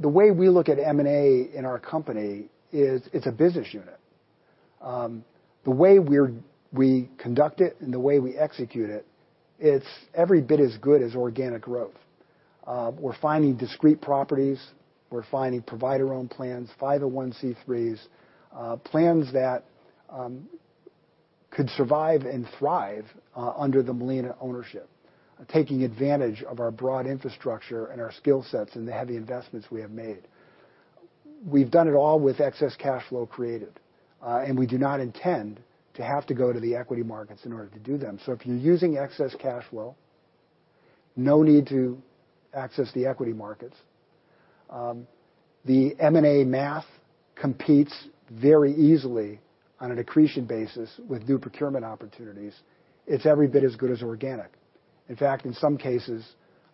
B: The way we look at M&A in our company is it's a business unit. The way we conduct it and the way we execute it's every bit as good as organic growth. We're finding discrete properties, we're finding provider-owned plans, 501(c)(3)s plans that could survive and thrive under the Molina ownership, taking advantage of our broad infrastructure and our skill sets and the heavy investments we have made. We've done it all with excess cash flow created. We do not intend to have to go to the equity markets in order to do them. If you're using excess cash flow, no need to access the equity markets. The M&A math competes very easily on an accretion basis with new procurement opportunities. It's every bit as good as organic. In fact, in some cases,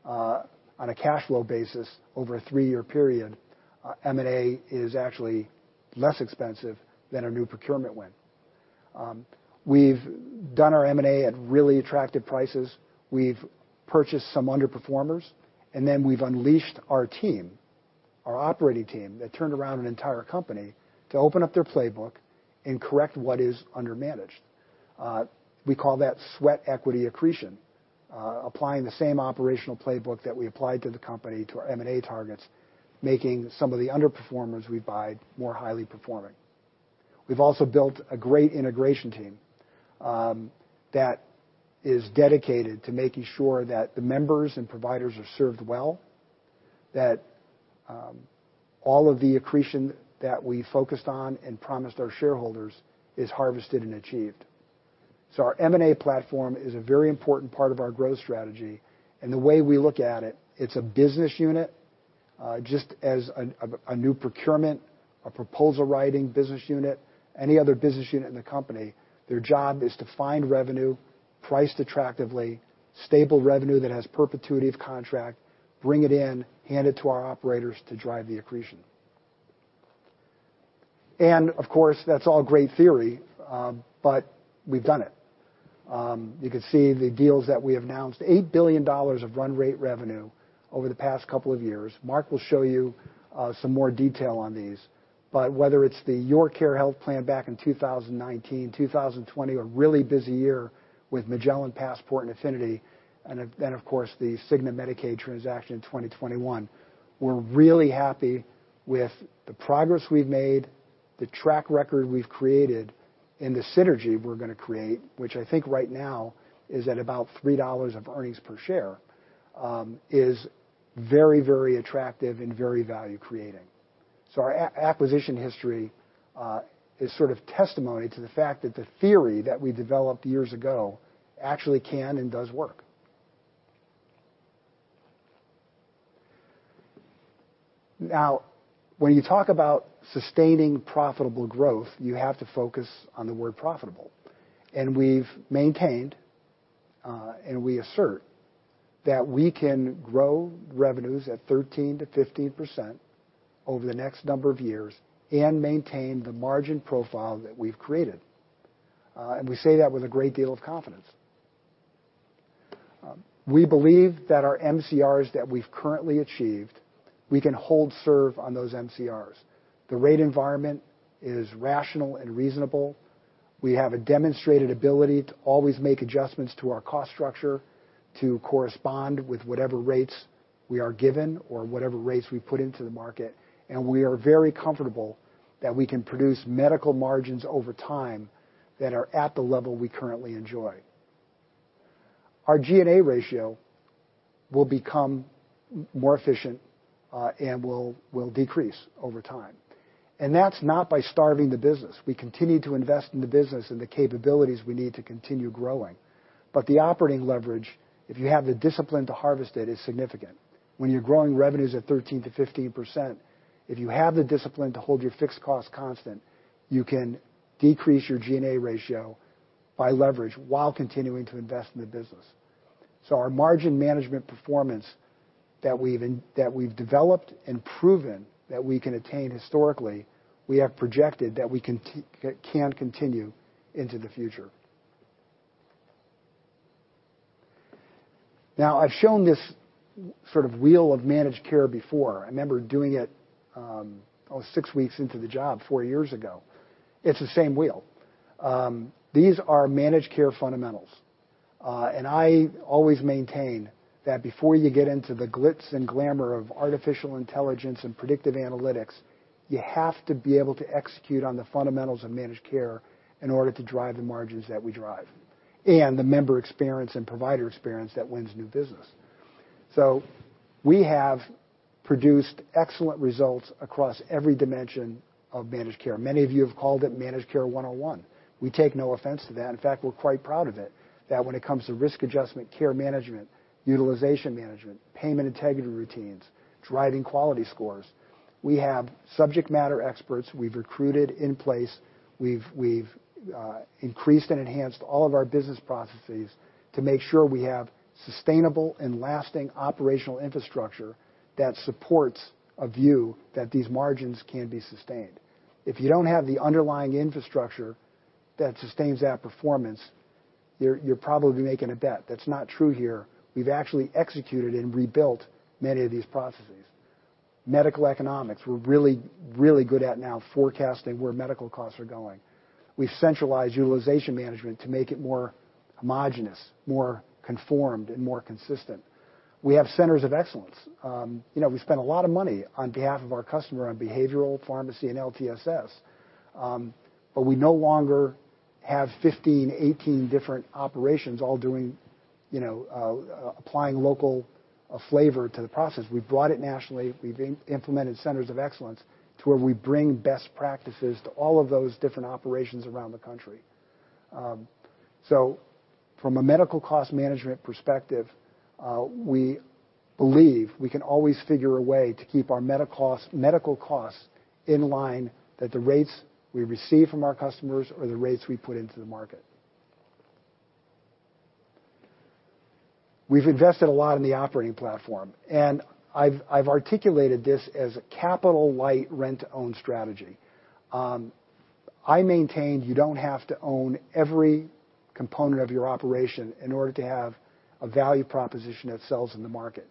B: on a cash flow basis over a three-year period, M&A is actually less expensive than a new procurement win. We've done our M&A at really attractive prices, we've purchased some underperformers, and then we've unleashed our team, our operating team that turned around an entire company to open up their playbook and correct what is under-managed. We call that sweat equity accretion, applying the same operational playbook that we applied to the company to our M&A targets, making some of the underperformers we buy more highly performing. We've also built a great integration team that is dedicated to making sure that the members and providers are served well, that all of the accretion that we focused on and promised our shareholders is harvested and achieved. Our M&A platform is a very important part of our growth strategy, and the way we look at it's a business unit, just as a new procurement, a proposal writing business unit, any other business unit in the company, their job is to find revenue priced attractively, stable revenue that has perpetuity of contract, bring it in, hand it to our operators to drive the accretion. Of course, that's all great theory, but we've done it. You can see the deals that we have announced, $8 billion of run rate revenue over the past couple of years. Mark will show you some more detail on these. Whether it's the YourCare Health Plan back in 2019, 2020, a really busy year with Magellan Complete Care, Passport Health Plan, and Affinity Health Plan, and then of course, the Cigna Texas Medicaid transaction in 2021. We're really happy with the progress we've made, the track record we've created, and the synergy we're going to create, which I think right now is at about $3 of earnings per share, is very, very attractive and very value creating. Our acquisition history is sort of testimony to the fact that the theory that we developed years ago actually can and does work. Now, when you talk about sustaining profitable growth, you have to focus on the word profitable. We've maintained, and we assert that we can grow revenues at 13%-15% over the next number of years and maintain the margin profile that we've created. We say that with a great deal of confidence. We believe that our MCRs that we've currently achieved, we can hold serve on those MCRs. The rate environment is rational and reasonable. We have a demonstrated ability to always make adjustments to our cost structure to correspond with whatever rates we are given or whatever rates we put into the market, and we are very comfortable that we can produce medical margins over time that are at the level we currently enjoy. Our G&A ratio will become more efficient, and will decrease over time. That's not by starving the business. We continue to invest in the business and the capabilities we need to continue growing. The operating leverage, if you have the discipline to harvest it, is significant. When you're growing revenues at 13%-15%, if you have the discipline to hold your fixed cost constant, you can decrease your G&A ratio by leverage while continuing to invest in the business. Our margin management performance that we've developed and proven that we can attain historically, we have projected that can continue into the future. Now, I've shown this sort of wheel of managed care before. I remember doing it, almost six weeks into the job four years ago. It's the same wheel. These are managed care fundamentals. I always maintain that before you get into the glitz and glamour of artificial intelligence and predictive analytics, you have to be able to execute on the fundamentals of managed care in order to drive the margins that we drive, and the member experience and provider experience that wins new business. We have produced excellent results across every dimension of managed care. Many of you have called it Managed Care 101. We take no offense to that. In fact, we're quite proud of it, that when it comes to risk adjustment, care management, utilization management, payment integrity routines, driving quality scores, we have subject matter experts we've recruited in place. We've increased and enhanced all of our business processes to make sure we have sustainable and lasting operational infrastructure that supports a view that these margins can be sustained. If you don't have the underlying infrastructure that sustains that performance, you're probably making a bet. That's not true here. We've actually executed and rebuilt many of these processes. medical economics, we're really good at now forecasting where medical costs are going. We've centralized utilization management to make it more homogenous, more conformed, and more consistent. We have centers of excellence. We spend a lot of money on behalf of our customer on behavioral pharmacy and LTSS. We no longer have 15, 18 different operations all applying local flavor to the process. We've brought it nationally. We've implemented centers of excellence to where we bring best practices to all of those different operations around the country. From a medical cost management perspective, we believe we can always figure a way to keep our medical costs in line that the rates we receive from our customers or the rates we put into the market. We've invested a lot in the operating platform, and I've articulated this as a capital-light rent-own strategy. I maintain you don't have to own every component of your operation in order to have a value proposition that sells in the market.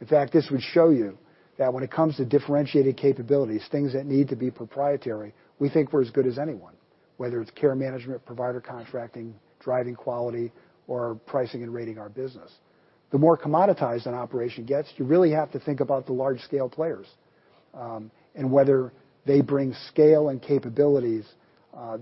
B: In fact, this would show you that when it comes to differentiated capabilities, things that need to be proprietary, we think we're as good as anyone, whether it's care management, provider contracting, driving quality, or pricing and rating our business. The more commoditized an operation gets, you really have to think about the large-scale players, and whether they bring scale and capabilities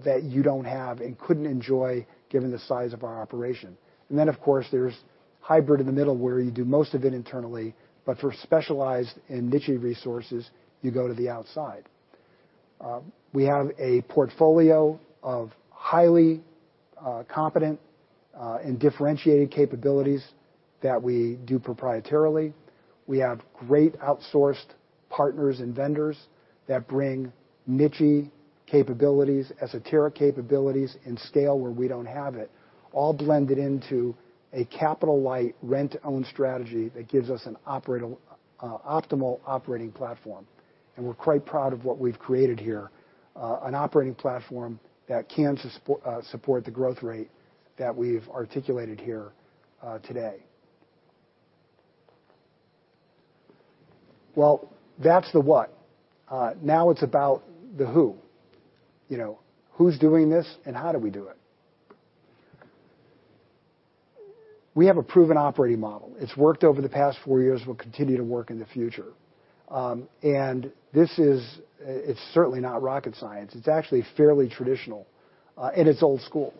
B: that you don't have and couldn't enjoy given the size of our operation. Then of course, there's hybrid in the middle, where you do most of it internally, but for specialized and niche resources, you go to the outside. We have a portfolio of highly competent and differentiated capabilities that we do proprietarily, we have great outsourced partners and vendors that bring niche capabilities, esoteric capabilities, and scale where we don't have it, all blended into a capital-light rent-own strategy that gives us an optimal operating platform. We're quite proud of what we've created here, an operating platform that can support the growth rate that we've articulated here today. Well, that's the what. Now it's about the who. Who's doing this, and how do we do it? We have a proven operating model. It's worked over the past four years, will continue to work in the future, and this is certainly not rocket science. It's actually fairly traditional, and it's old school.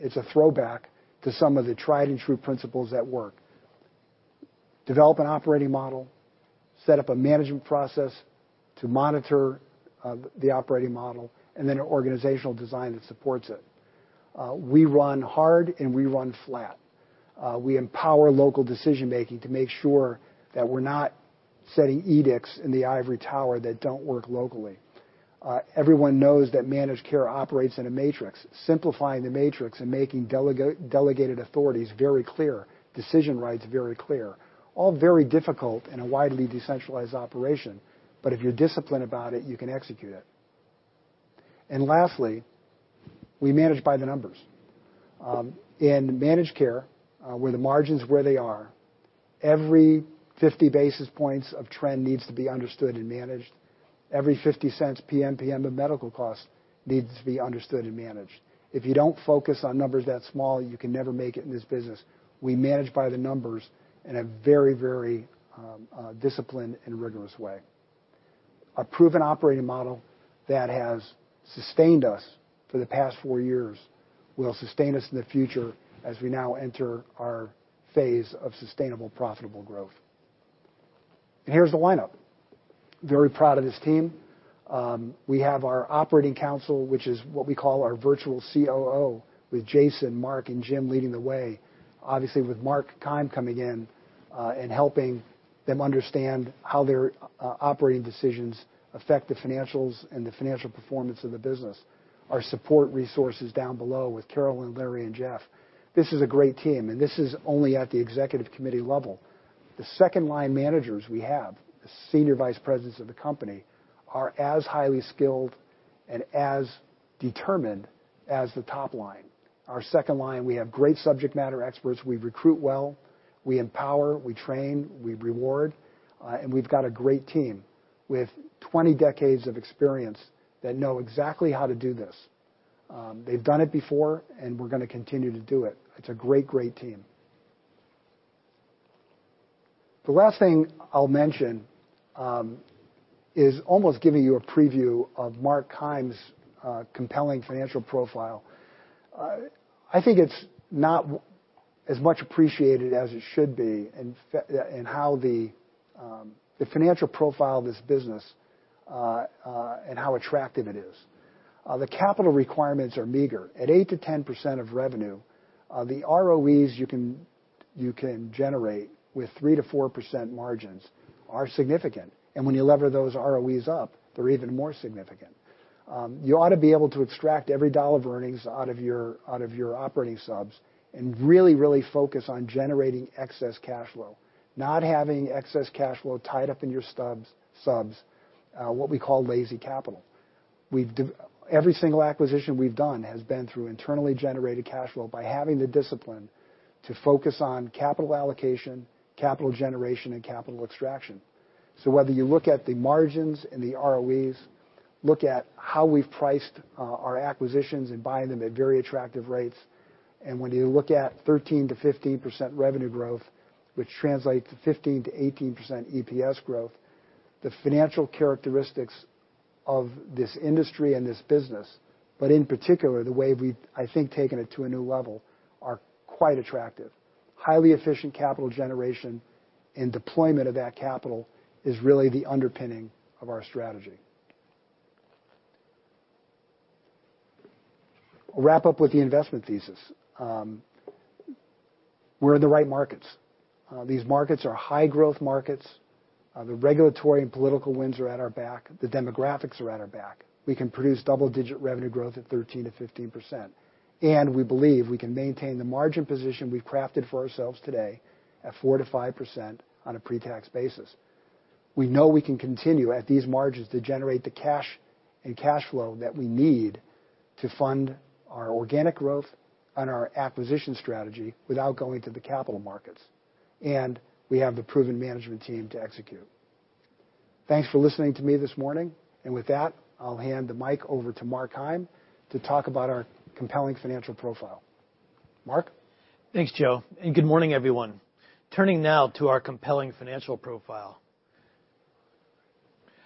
B: It's a throwback to some of the tried and true principles that work. Develop an operating model, set up a management process to monitor the operating model, and then an organizational design that supports it. We run hard and we run flat. We empower local decision-making to make sure that we're not setting edicts in the ivory tower that don't work locally. Everyone knows that managed care operates in a matrix. Simplifying the matrix and making delegated authorities very clear, decision rights very clear, all very difficult in a widely decentralized operation. If you're disciplined about it, you can execute it. Lastly, we manage by the numbers. In managed care, where the margins where they are, every 50 basis points of trend needs to be understood and managed. Every $0.50 PMPM of medical costs needs to be understood and managed. If you don't focus on numbers that small, you can never make it in this business. We manage by the numbers in a very disciplined and rigorous way. A proven operating model that has sustained us for the past four years will sustain us in the future as we now enter our phase of sustainable profitable growth. Here's the lineup. Very proud of this team. We have our operating council, which is what we call our virtual COO, with Jason, Mark, and Jim leading the way. Obviously, with Mark Keim coming in and helping them understand how their operating decisions affect the financials and the financial performance of the business. Our support resources down below with Carol and Larry and Jeff. This is a great team. This is only at the executive committee level. The second-line managers we have, the Senior Vice Presidents of the company, are as highly skilled and as determined as the top line. Our second line, we have great subject matter experts. We recruit well, we empower, we train, we reward. We've got a great team with 20 decades of experience that know exactly how to do this. They've done it before. We're going to continue to do it. It's a great team. The last thing I'll mention is almost giving you a preview of Mark Keim's compelling financial profile. I think it's not as much appreciated as it should be in how the financial profile of this business and how attractive it is. The capital requirements are meager. At 8%-10% of revenue, the ROEs you can generate with 3%-4% margins are significant. When you lever those ROEs up, they're even more significant. You ought to be able to extract every dollar of earnings out of your operating subs and really focus on generating excess cash flow. Not having excess cash flow tied up in your subs, what we call lazy capital. Every single acquisition we've done has been through internally generated cash flow by having the discipline to focus on capital allocation, capital generation, and capital extraction. Whether you look at the margins and the ROEs, look at how we've priced our acquisitions and buying them at very attractive rates, when you look at 13%-15% revenue growth, which translates to 15%-18% EPS growth, the financial characteristics of this industry and this business, but in particular, the way we've, I think, taken it to a new level, are quite attractive. Highly efficient capital generation and deployment of that capital is really the underpinning of our strategy. We'll wrap up with the investment thesis. We're in the right markets. These markets are high growth markets. The regulatory and political winds are at our back. The demographics are at our back. We can produce double-digit revenue growth at 13%-15%. We believe we can maintain the margin position we've crafted for ourselves today at 4%-5% on a pre-tax basis. We know we can continue at these margins to generate the cash and cash flow that we need to fund our organic growth and our acquisition strategy without going to the capital markets. We have the proven management team to execute. Thanks for listening to me this morning. With that, I'll hand the mic over to Mark Keim to talk about our compelling financial profile. Mark?
C: Thanks, Joe, and good morning, everyone. Turning now to our compelling financial profile.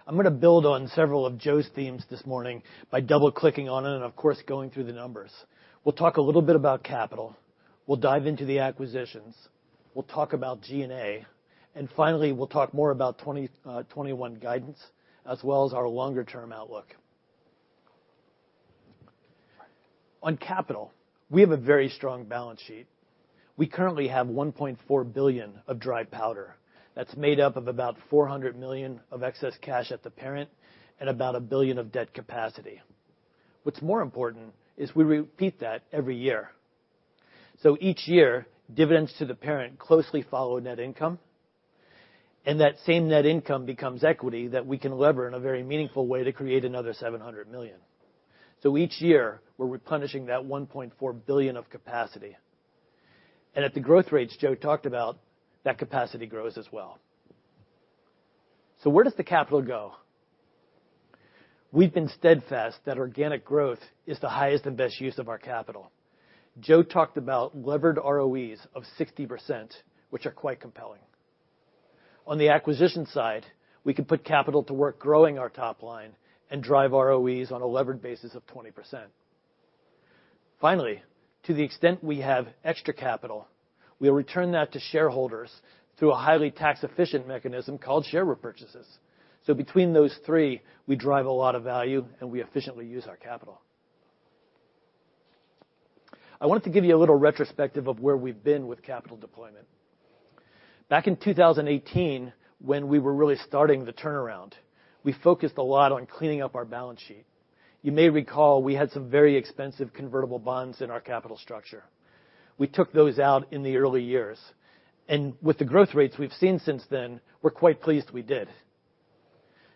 C: I'm going to build on several of Joe's themes this morning by double-clicking on it and of course, going through the numbers. We'll talk a little bit about capital, we'll dive into the acquisitions, we'll talk about G&A, and finally, we'll talk more about 2021 guidance as well as our longer-term outlook. On capital, we have a very strong balance sheet. We currently have $1.4 billion of dry powder that's made up of about $400 million of excess cash at the parent and about a billion of debt capacity. What's more important is we repeat that every year. Each year, dividends to the parent closely follow net income, and that same net income becomes equity that we can lever in a very meaningful way to create another $700 million. Each year, we're replenishing that $1.4 billion of capacity. At the growth rates Joe talked about, that capacity grows as well. Where does the capital go? We've been steadfast that organic growth is the highest and best use of our capital. Joe talked about levered ROEs of 60%, which are quite compelling. On the acquisition side, we can put capital to work growing our top line and drive ROEs on a levered basis of 20%. Finally, to the extent we have extra capital, we'll return that to shareholders through a highly tax-efficient mechanism called share repurchases. Between those three, we drive a lot of value, and we efficiently use our capital. I wanted to give you a little retrospective of where we've been with capital deployment. Back in 2018, when we were really starting the turnaround, we focused a lot on cleaning up our balance sheet. You may recall we had some very expensive convertible bonds in our capital structure. We took those out in the early years, and with the growth rates we've seen since then, we're quite pleased we did.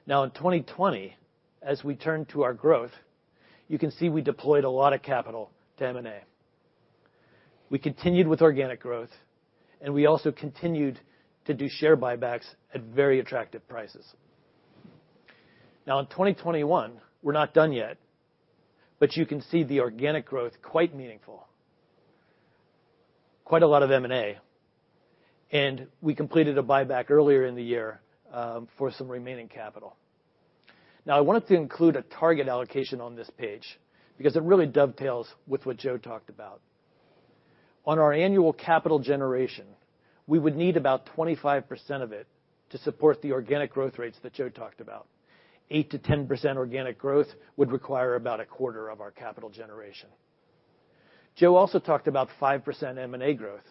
C: Now in 2020, as we turn to our growth, you can see we deployed a lot of capital to M&A. We continued with organic growth, and we also continued to do share buybacks at very attractive prices. Now in 2021, we're not done yet, but you can see the organic growth quite meaningful. Quite a lot of M&A, and we completed a buyback earlier in the year for some remaining capital. Now, I wanted to include a target allocation on this page because it really dovetails with what Joe talked about. On our annual capital generation, we would need about 25% of it to support the organic growth rates that Joe talked about. 8%-10% organic growth would require about a quarter of our capital generation. Joe also talked about 5% M&A growth.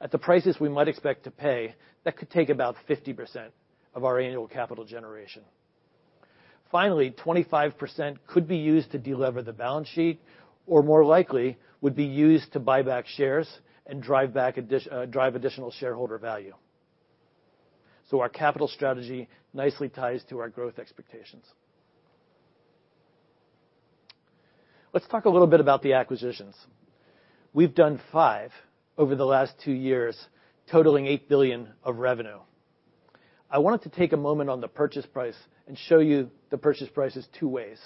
C: At the prices we might expect to pay, that could take about 50% of our annual capital generation. 25% could be used to delever the balance sheet, or more likely, would be used to buy back shares and drive additional shareholder value. Our capital strategy nicely ties to our growth expectations. Let's talk a little bit about the acquisitions. We've done five over the last two years, totaling $8 billion of revenue. I wanted to take a moment on the purchase price and show you the purchase prices two ways.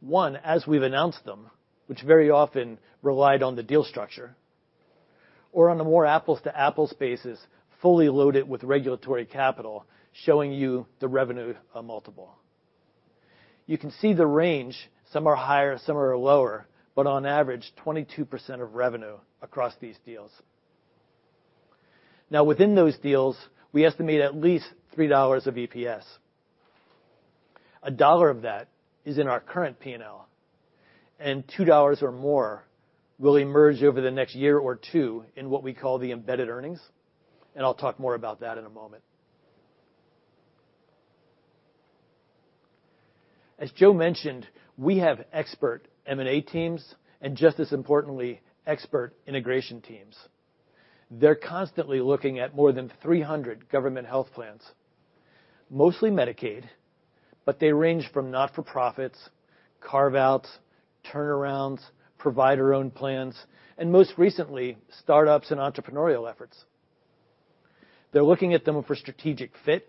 C: One, as we've announced them, which very often relied on the deal structure, or on a more apples-to-apples basis, fully loaded with regulatory capital, showing you the revenue multiple. You can see the range, some are higher, some are lower, but on average, 22% of revenue across these deals. Within those deals, we estimate at least $3 of EPS. A dollar of that is in our current P&L, and $2 or more will emerge over the next year or two in what we call the embedded earnings, and I'll talk more about that in a moment. As Joe mentioned, we have expert M&A teams, and just as importantly, expert integration teams. They're constantly looking at more than 300 government health plans, mostly Medicaid, but they range from not-for-profits, carve-outs, turnarounds, provider-owned plans, and most recently, startups and entrepreneurial efforts. They're looking at them for strategic fit.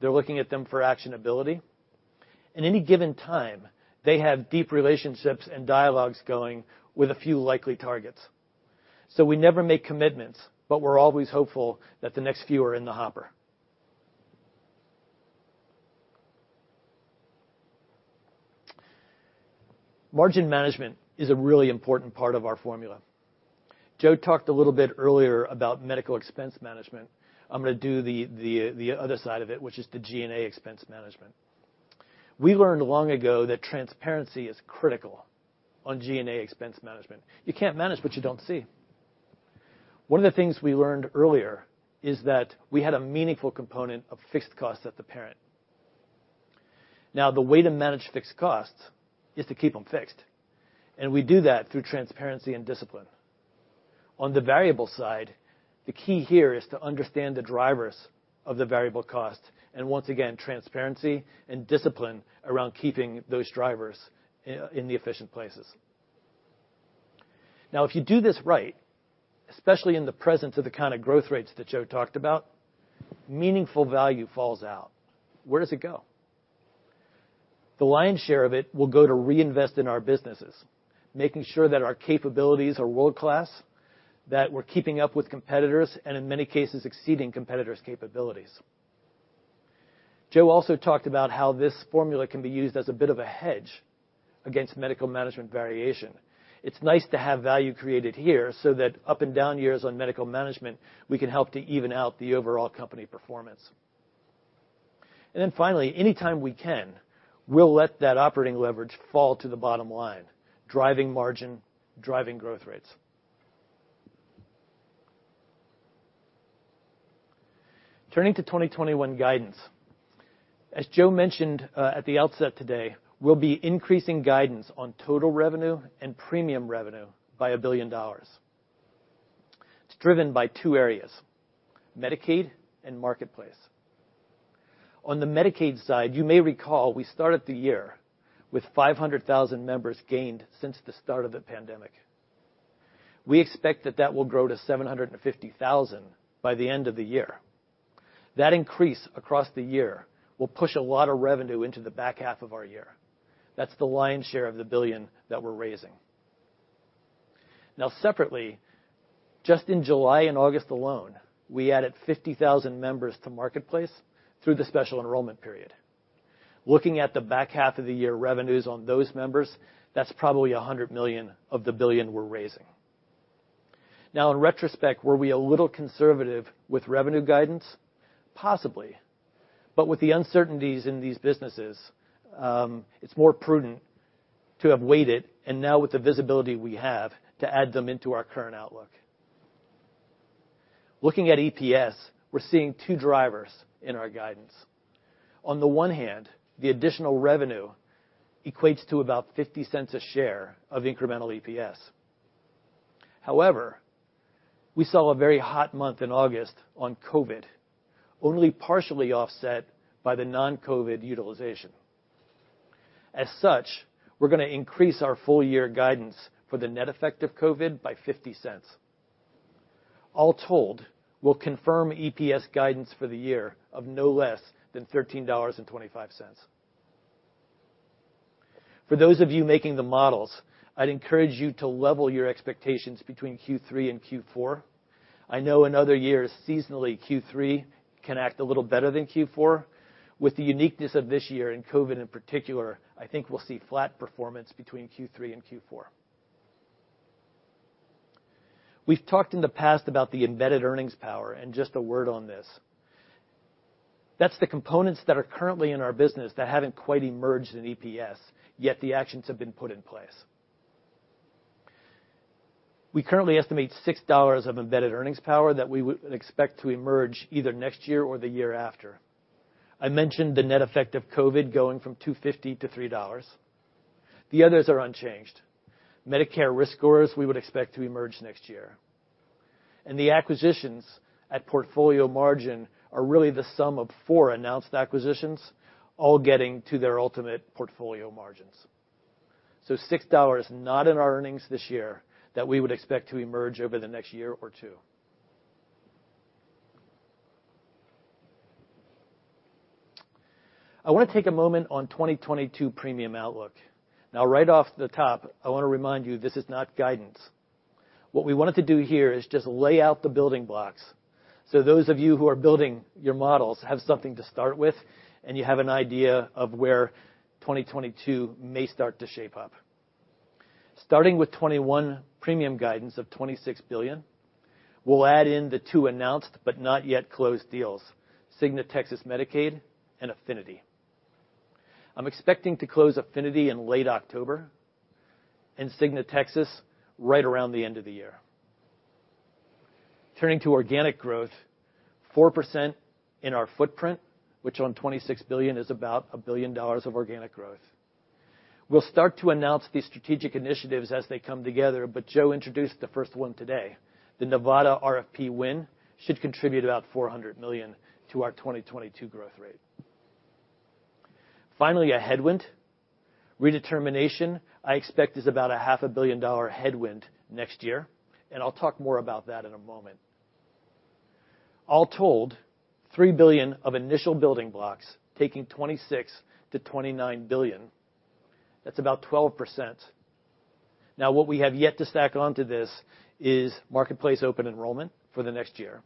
C: They're looking at them for actionability. At any given time, they have deep relationships and dialogues going with a few likely targets. We never make commitments, but we're always hopeful that the next few are in the hopper. Margin management is a really important part of our formula. Joe talked a little bit earlier about medical expense management. I'm going to do the other side of it, which is the G&A expense management. We learned long ago that transparency is critical on G&A expense management. You can't manage what you don't see. One of the things we learned earlier is that we had a meaningful component of fixed costs at the parent. The way to manage fixed costs is to keep them fixed, and we do that through transparency and discipline. On the variable side, the key here is to understand the drivers of the variable cost, and once again, transparency and discipline around keeping those drivers in the efficient places. If you do this right, especially in the presence of the kind of growth rates that Joe talked about, meaningful value falls out. Where does it go? The lion's share of it will go to reinvest in our businesses, making sure that our capabilities are world-class, that we're keeping up with competitors, and in many cases, exceeding competitors' capabilities. Joe also talked about how this formula can be used as a bit of a hedge against medical management variation. It's nice to have value created here, so that up and down years on medical management, we can help to even out the overall company performance. Finally, anytime we can, we'll let that operating leverage fall to the bottom line, driving margin, driving growth rates. Turning to 2021 guidance. As Joe mentioned at the outset today, we'll be increasing guidance on total revenue and premium revenue by a billion. It's driven by two areas, Medicaid and Marketplace. On the Medicaid side, you may recall we started the year with 500,000 members gained since the start of the pandemic. We expect that that will grow to 750,000 by the end of the year. That increase across the year will push a lot of revenue into the back half of our year. That's the lion's share of the the billion that we're raising. Now separately, just in July and August alone, we added 50,000 members to Marketplace through the special enrollment period. Looking at the back half of the year revenues on those members, that's probably $100 million of the the billion we're raising. Now in retrospect, were we a little conservative with revenue guidance? Possibly, with the uncertainties in these businesses, it's more prudent to have waited, and now with the visibility we have, to add them into our current outlook. Looking at EPS, we're seeing two drivers in our guidance. On the one hand, the additional revenue equates to about $0.50 a share of incremental EPS. However, we saw a very hot month in August on COVID, only partially offset by the non-COVID utilization. As such, we're going to increase our full year guidance for the net effect of COVID by $0.50. All told, we'll confirm EPS guidance for the year of no less than $13.25. For those of you making the models, I'd encourage you to level your expectations between Q3 and Q4. I know in other years, seasonally Q3 can act a little better than Q4. With the uniqueness of this year, and COVID in particular, I think we'll see flat performance between Q3 and Q4. We've talked in the past about the embedded earnings power, and just a word on this. That's the components that are currently in our business that haven't quite emerged in EPS, yet the actions have been put in place. We currently estimate $6 of embedded earnings power that we would expect to emerge either next year or the year after. I mentioned the net effect of COVID going from $2.50 to $3. The others are unchanged. Medicare risk scores we would expect to emerge next year. The acquisitions at portfolio margin are really the sum of four announced acquisitions, all getting to their ultimate portfolio margins. $6 not in our earnings this year that we would expect to emerge over the next year or two. I want to take a moment on 2022 premium outlook. Right off the top, I want to remind you this is not guidance. What we wanted to do here is just lay out the building blocks so those of you who are building your models have something to start with, and you have an idea of where 2022 may start to shape up. Starting with 2021 premium guidance of $26 billion, we'll add in the two announced but not yet closed deals, Cigna Texas Medicaid and Affinity. I'm expecting to close Affinity in late October, and Cigna Texas right around the end of the year. Turning to organic growth, 4% in our footprint, which on $26 billion is about a billion dollars of organic growth. We'll start to announce these strategic initiatives as they come together, but Joe introduced the first one today. The Nevada RFP win should contribute about $400 million to our 2022 growth rate. Finally, a headwind. Redetermination, I expect, is about a half a billion dollar headwind next year, and I'll talk more about that in a moment. All told, $3 billion of initial building blocks, taking $26 billion-$29 billion. That's about 12%. What we have yet to stack onto this is Marketplace open enrollment for the next year.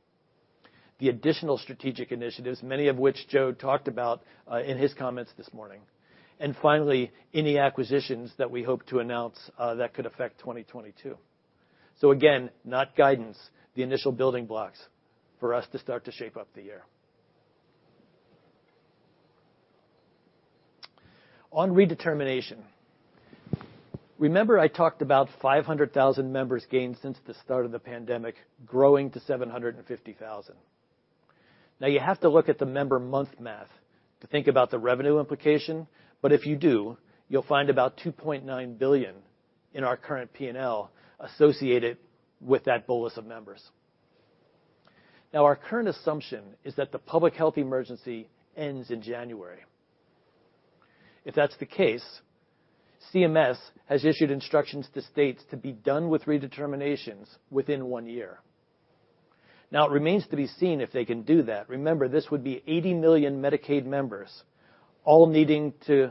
C: The additional strategic initiatives, many of which Joe talked about in his comments this morning. Finally, any acquisitions that we hope to announce that could affect 2022. Again, not guidance, the initial building blocks for us to start to shape up the year. On redetermination. Remember I talked about 500,000 members gained since the start of the pandemic, growing to 750,000. You have to look at the member month math to think about the revenue implication, but if you do, you'll find about $2.9 billion in our current P&L associated with that bolus of members. Our current assumption is that the public health emergency ends in January. If that's the case, CMS has issued instructions to states to be done with redeterminations within one year. It remains to be seen if they can do that. Remember, this would be 80 million Medicaid members all needing to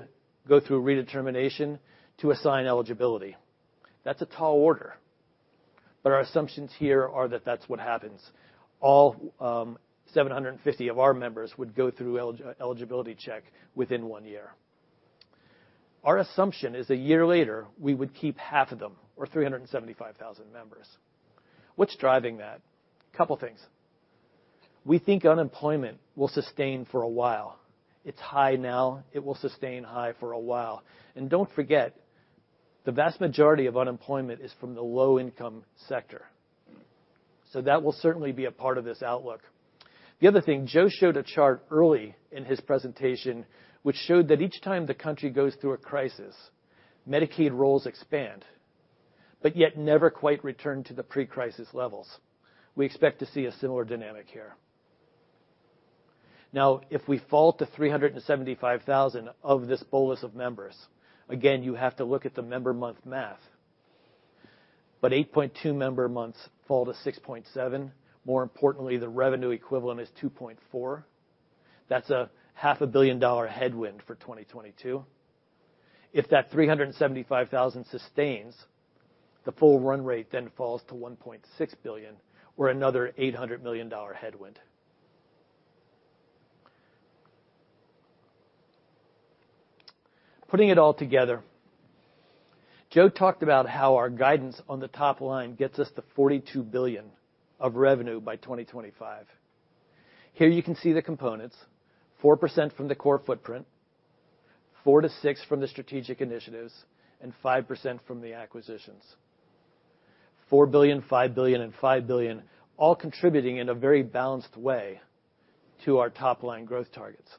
C: go through redetermination to assign eligibility. That's a tall order, but our assumptions here are that that's what happens. All 750 of our members would go through eligibility check within one year. Our assumption is a year later, we would keep half of them, or 375,000 members. What's driving that? Couple things. We think unemployment will sustain for a while. It's high now. It will sustain high for a while, and don't forget the vast majority of unemployment is from the low-income sector. That will certainly be a part of this outlook. The other thing, Joe showed a chart early in his presentation, which showed that each time the country goes through a crisis, Medicaid rolls expand, but yet never quite return to the pre-crisis levels. We expect to see a similar dynamic here. If we fall to 375,000 of this bolus of members, again, you have to look at the member month math. 8.2 member months fall to 6.7. More importantly, the revenue equivalent is 2.4. That's a half a billion dollar headwind for 2022. If that 375,000 sustains, the full run rate then falls to $1.6 billion, or another $800 million headwind. Putting it all together, Joe talked about how our guidance on the top line gets us to $42 billion of revenue by 2025. Here you can see the components, 4% from the core footprint, 4%-6% from the strategic initiatives, and 5% from the acquisitions. $4 billion, $5 billion, and $5 billion, all contributing in a very balanced way to our top-line growth targets.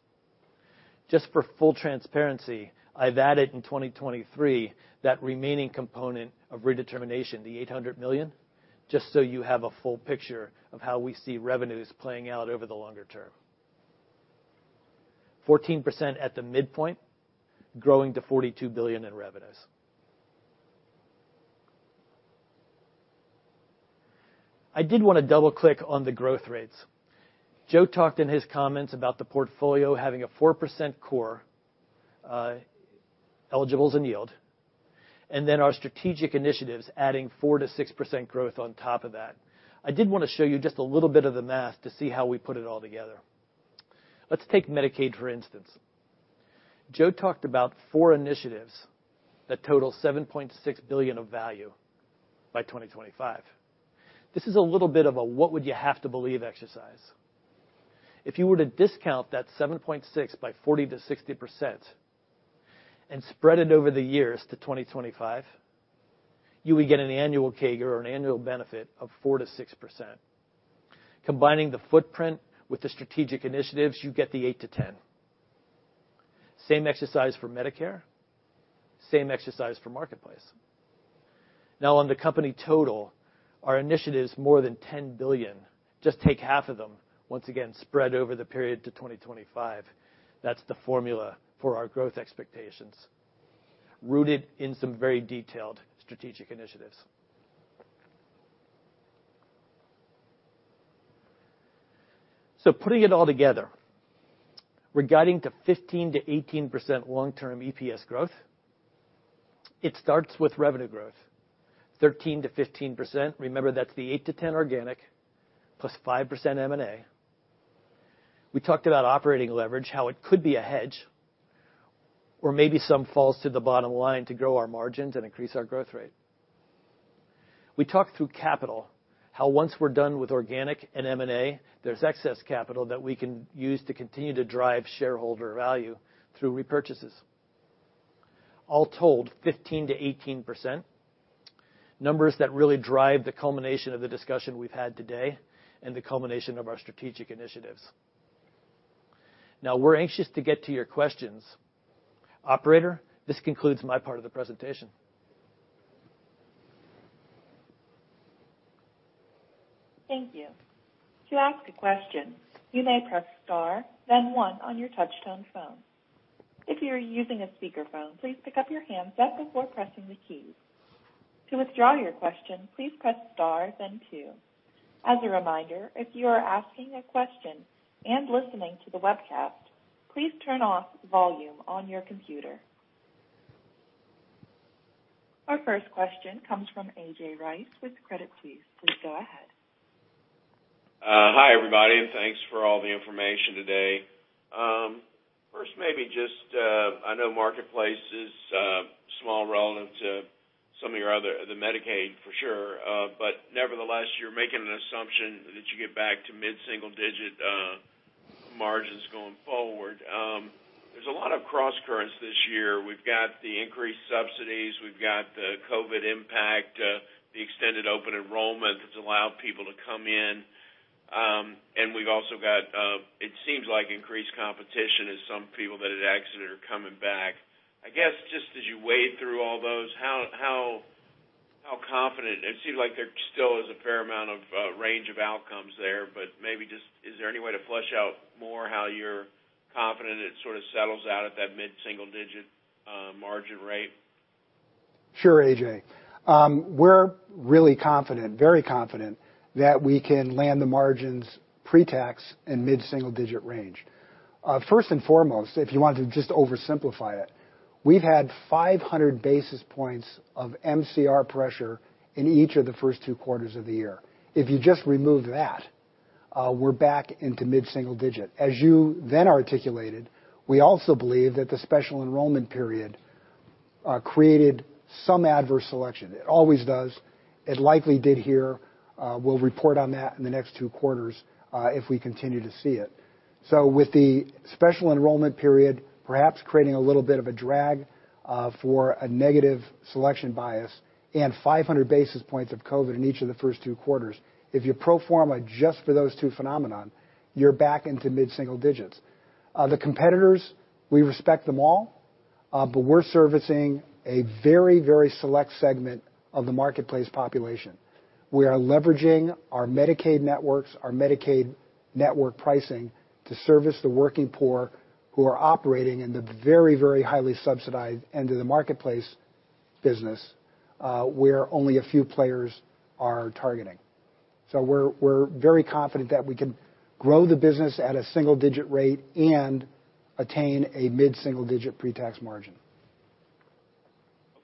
C: Just for full transparency, I've added in 2023 that remaining component of redetermination, the $800 million, just so you have a full picture of how we see revenues playing out over the longer term. 14% at the midpoint, growing to $42 billion in revenues. I did want to double click on the growth rates. Joe talked in his comments about the portfolio having a 4% core eligibles and yield, and then our strategic initiatives adding 4%-6% growth on top of that. I did want to show you just a little bit of the math to see how we put it all together. Let's take Medicaid, for instance. Joe talked about four initiatives that total $7.6 billion of value by 2025. This is a little bit of a 'what would you have to believe' exercise. If you were to discount that 7.6 by 40%-60% and spread it over the years to 2025, you would get an annual CAGR, or an annual benefit, of 4%-6%. Combining the footprint with the strategic initiatives, you get the 8%-10%. Same exercise for Medicare, same exercise for Marketplace. Now on the company total, our initiative's more than $10 billion. Just take half of them, once again, spread over the period to 2025. That's the formula for our growth expectations, rooted in some very detailed strategic initiatives. Putting it all together, we're guiding to 15%-18% long-term EPS growth. It starts with revenue growth, 13%-15%. Remember, that's the 8%-10% organic plus 5% M&A. We talked about operating leverage, how it could be a hedge, or maybe some falls to the bottom line to grow our margins and increase our growth rate. We talked through capital, how once we're done with organic and M&A, there's excess capital that we can use to continue to drive shareholder value through repurchases. All told, 15%-18%, numbers that really drive the culmination of the discussion we've had today and the culmination of our strategic initiatives. We're anxious to get to your questions. Operator, this concludes my part of the presentation.
D: Thank you. Our first question comes from A.J. Rice with Credit Suisse. Please go ahead.
E: Hi, everybody, and thanks for all the information today. First, I know Marketplace is small relative to the Medicaid, for sure. Nevertheless, you're making an assumption that you get back to mid-single-digit margins going forward. There's a lot of crosscurrents this year. We've got the increased subsidies, we've got the COVID impact, the extended open enrollment that's allowed people to come in. We've also got, it seems like, increased competition as some people that had exited are coming back. I guess, just as you wade through all those, how confident? It seems like there still is a fair amount of range of outcomes there, but maybe just, is there any way to flesh out more how you're confident it sort of settles out at that mid-single-digit margin rate?
B: Sure, A.J. We're really confident, very confident, that we can land the margins pre-tax in mid-single digit range. First and foremost, if you wanted to just oversimplify it, we've had 500 basis points of MCR pressure in each of the first two quarters of the year. If you just remove that, we're back into mid-single digit. As you then articulated, we also believe that the special enrollment period created some adverse selection. It always does. It likely did here. We'll report on that in the next two quarters if we continue to see it. With the special enrollment period perhaps creating a little bit of a drag for a negative selection bias and 500 basis points of COVID in each of the first two quarters, if you pro forma just for those two phenomenon, you're back into mid-single digits. The competitors, we respect them all, but we're servicing a very select segment of the Marketplace population. We are leveraging our Medicaid networks, our Medicaid network pricing to service the working poor who are operating in the very highly subsidized end of the Marketplace business, where only a few players are targeting. We're very confident that we can grow the business at a single-digit rate and attain a mid-single-digit pre-tax margin.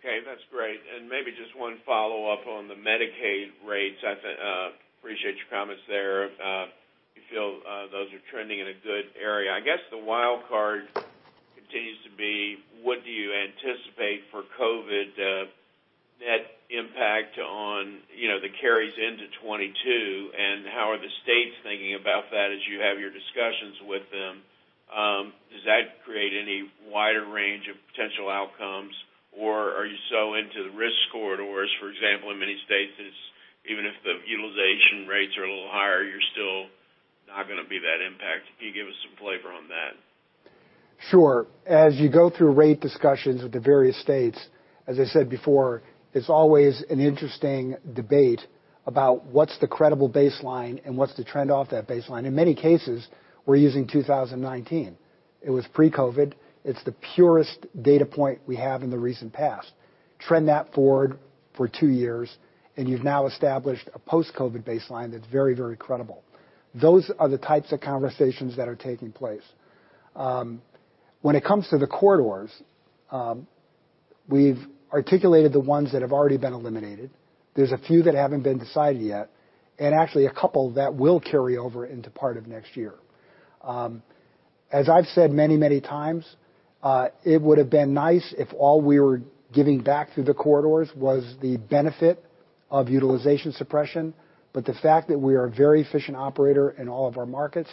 E: Okay, that's great. Maybe just one follow-up on the Medicaid rates, I appreciate your comments there. You feel those are trending in a good area. I guess the wild card continues to be what do you anticipate for COVID net impact on the carries into 2022, and how are the states thinking about that as you have your discussions with them? Does that create any wider range of potential outcomes, or are you so into the risk corridors, for example, in many states, even if the utilization rates are a little higher, you're still not going to be that impact? Can you give us some flavor on that?
B: Sure. As you go through rate discussions with the various states, as I said before, it's always an interesting debate about what's the credible baseline and what's the trend off that baseline. In many cases, we're using 2019. It was pre-COVID. It's the purest data point we have in the recent past. Trend that forward for two years, and you've now established a post-COVID baseline that's very credible. Those are the types of conversations that are taking place. When it comes to the corridors, we've articulated the ones that have already been eliminated. There's a few that haven't been decided yet, and actually a couple that will carry over into part of next year. As I've said many times, it would have been nice if all we were giving back through the corridors was the benefit of utilization suppression. The fact that we are a very efficient operator in all of our markets,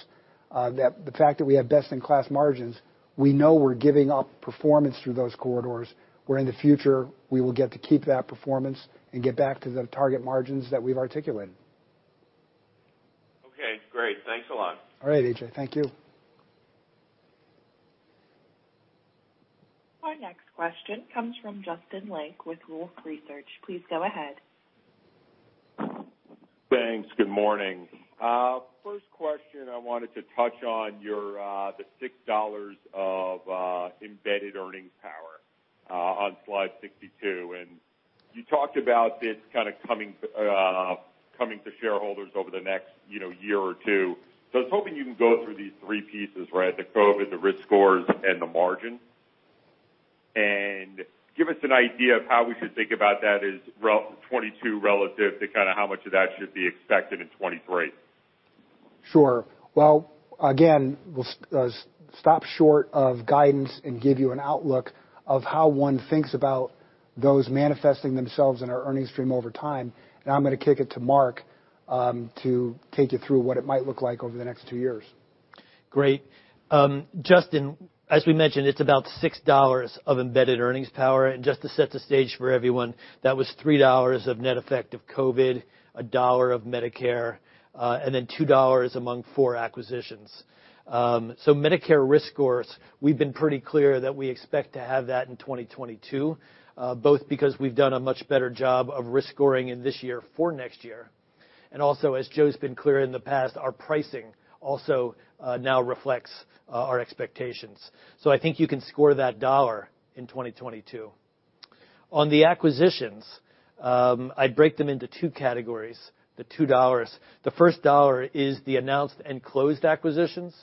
B: the fact that we have best-in-class margins, we know we're giving up performance through those corridors, where in the future, we will get to keep that performance and get back to the target margins that we've articulated.
E: Okay, great. Thanks a lot.
B: All right, A.J. Thank you.
D: Our next question comes from Justin Lake with Wolfe Research. Please go ahead.
F: Thanks, good morning. First question, I wanted to touch on the $6 of embedded earnings power on slide 62. You talked about this kind of coming to shareholders over the next year or two. I was hoping you can go through these three pieces, right? The COVID, the risk scores, and the margin. Give us an idea of how we should think about that as 2022 relative to how much of that should be expected in 2023.
B: Sure. Well, again, we'll stop short of guidance and give you an outlook of how one thinks about those manifesting themselves in our earnings stream over time. I'm going to kick it to Mark to take you through what it might look like over the next two years.
C: Great. Justin, as we mentioned, it's about $6 of embedded earnings power. Just to set the stage for everyone, that was $3 of net effect of COVID, a dollar of Medicare, and then $2 among four acquisitions. Medicare risk scores, we've been pretty clear that we expect to have that in 2022, both because we've done a much better job of risk scoring in this year for next year. Also, as Joe's been clear in the past, our pricing also now reflects our expectations, so I think you can score that dollar in 2022. On the acquisitions, I'd break them into two categories, the $2. The first dollar is the announced and closed acquisitions.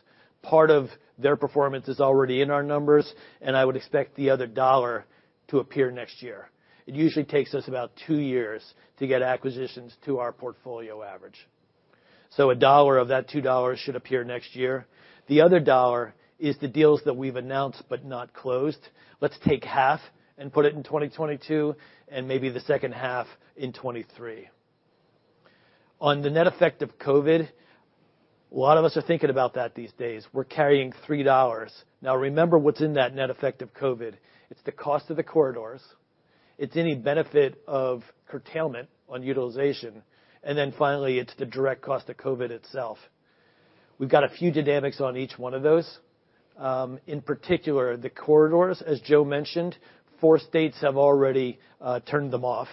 C: Part of their performance is already in our numbers, and I would expect the other dollar to appear next year. It usually takes us about two years to get acquisitions to our portfolio average. A dollar of that $2 should appear next year. The other dollar is the deals that we've announced but not closed. Let's take half and put it in 2022, and maybe the second half in 2023. On the net effect of COVID, a lot of us are thinking about that these days. We're carrying $3. Remember what's in that net effect of COVID. It's the cost of the corridors. It's any benefit of curtailment on utilization. Finally, it's the direct cost of COVID itself. We've got a few dynamics on each one of those. In particular, the corridors, as Joe mentioned, four states have already turned them off.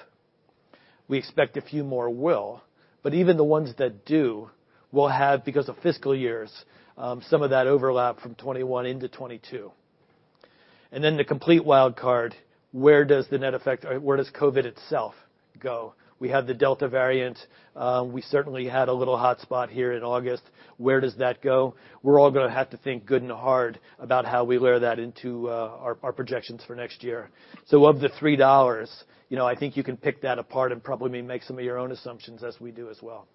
C: We expect a few more will, but even the ones that do will have, because of fiscal years, some of that overlap from 2021 into 2022. The complete wild card, where does COVID itself go? We have the Delta variant, we certainly had a little hot spot here in August. Where does that go? We're all going to have to think good and hard about how we layer that into our projections for next year. Of the $3, I think you can pick that apart and probably make some of your own assumptions as we do as well.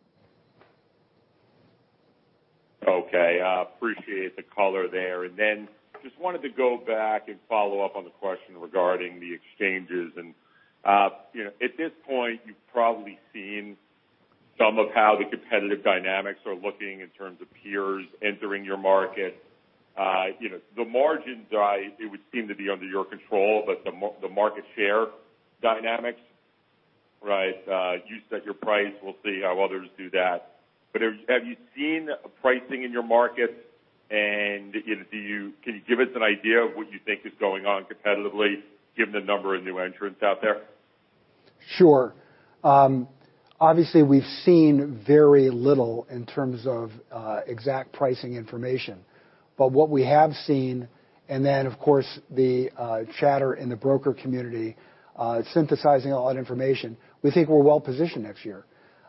F: Okay. Appreciate the color there. Then just wanted to go back and follow up on the question regarding the exchanges. At this point, you've probably seen some of how the competitive dynamics are looking in terms of peers entering your market. The margins, it would seem to be under your control, but the market share dynamics, you set your price. We'll see how others do that. Have you seen pricing in your markets, and can you give us an idea of what you think is going on competitively given the number of new entrants out there?
B: Sure. Obviously, we've seen very little in terms of exact pricing information, but what we have seen, and of course, the chatter in the broker community synthesizing all that information. We think we're well-positioned next year.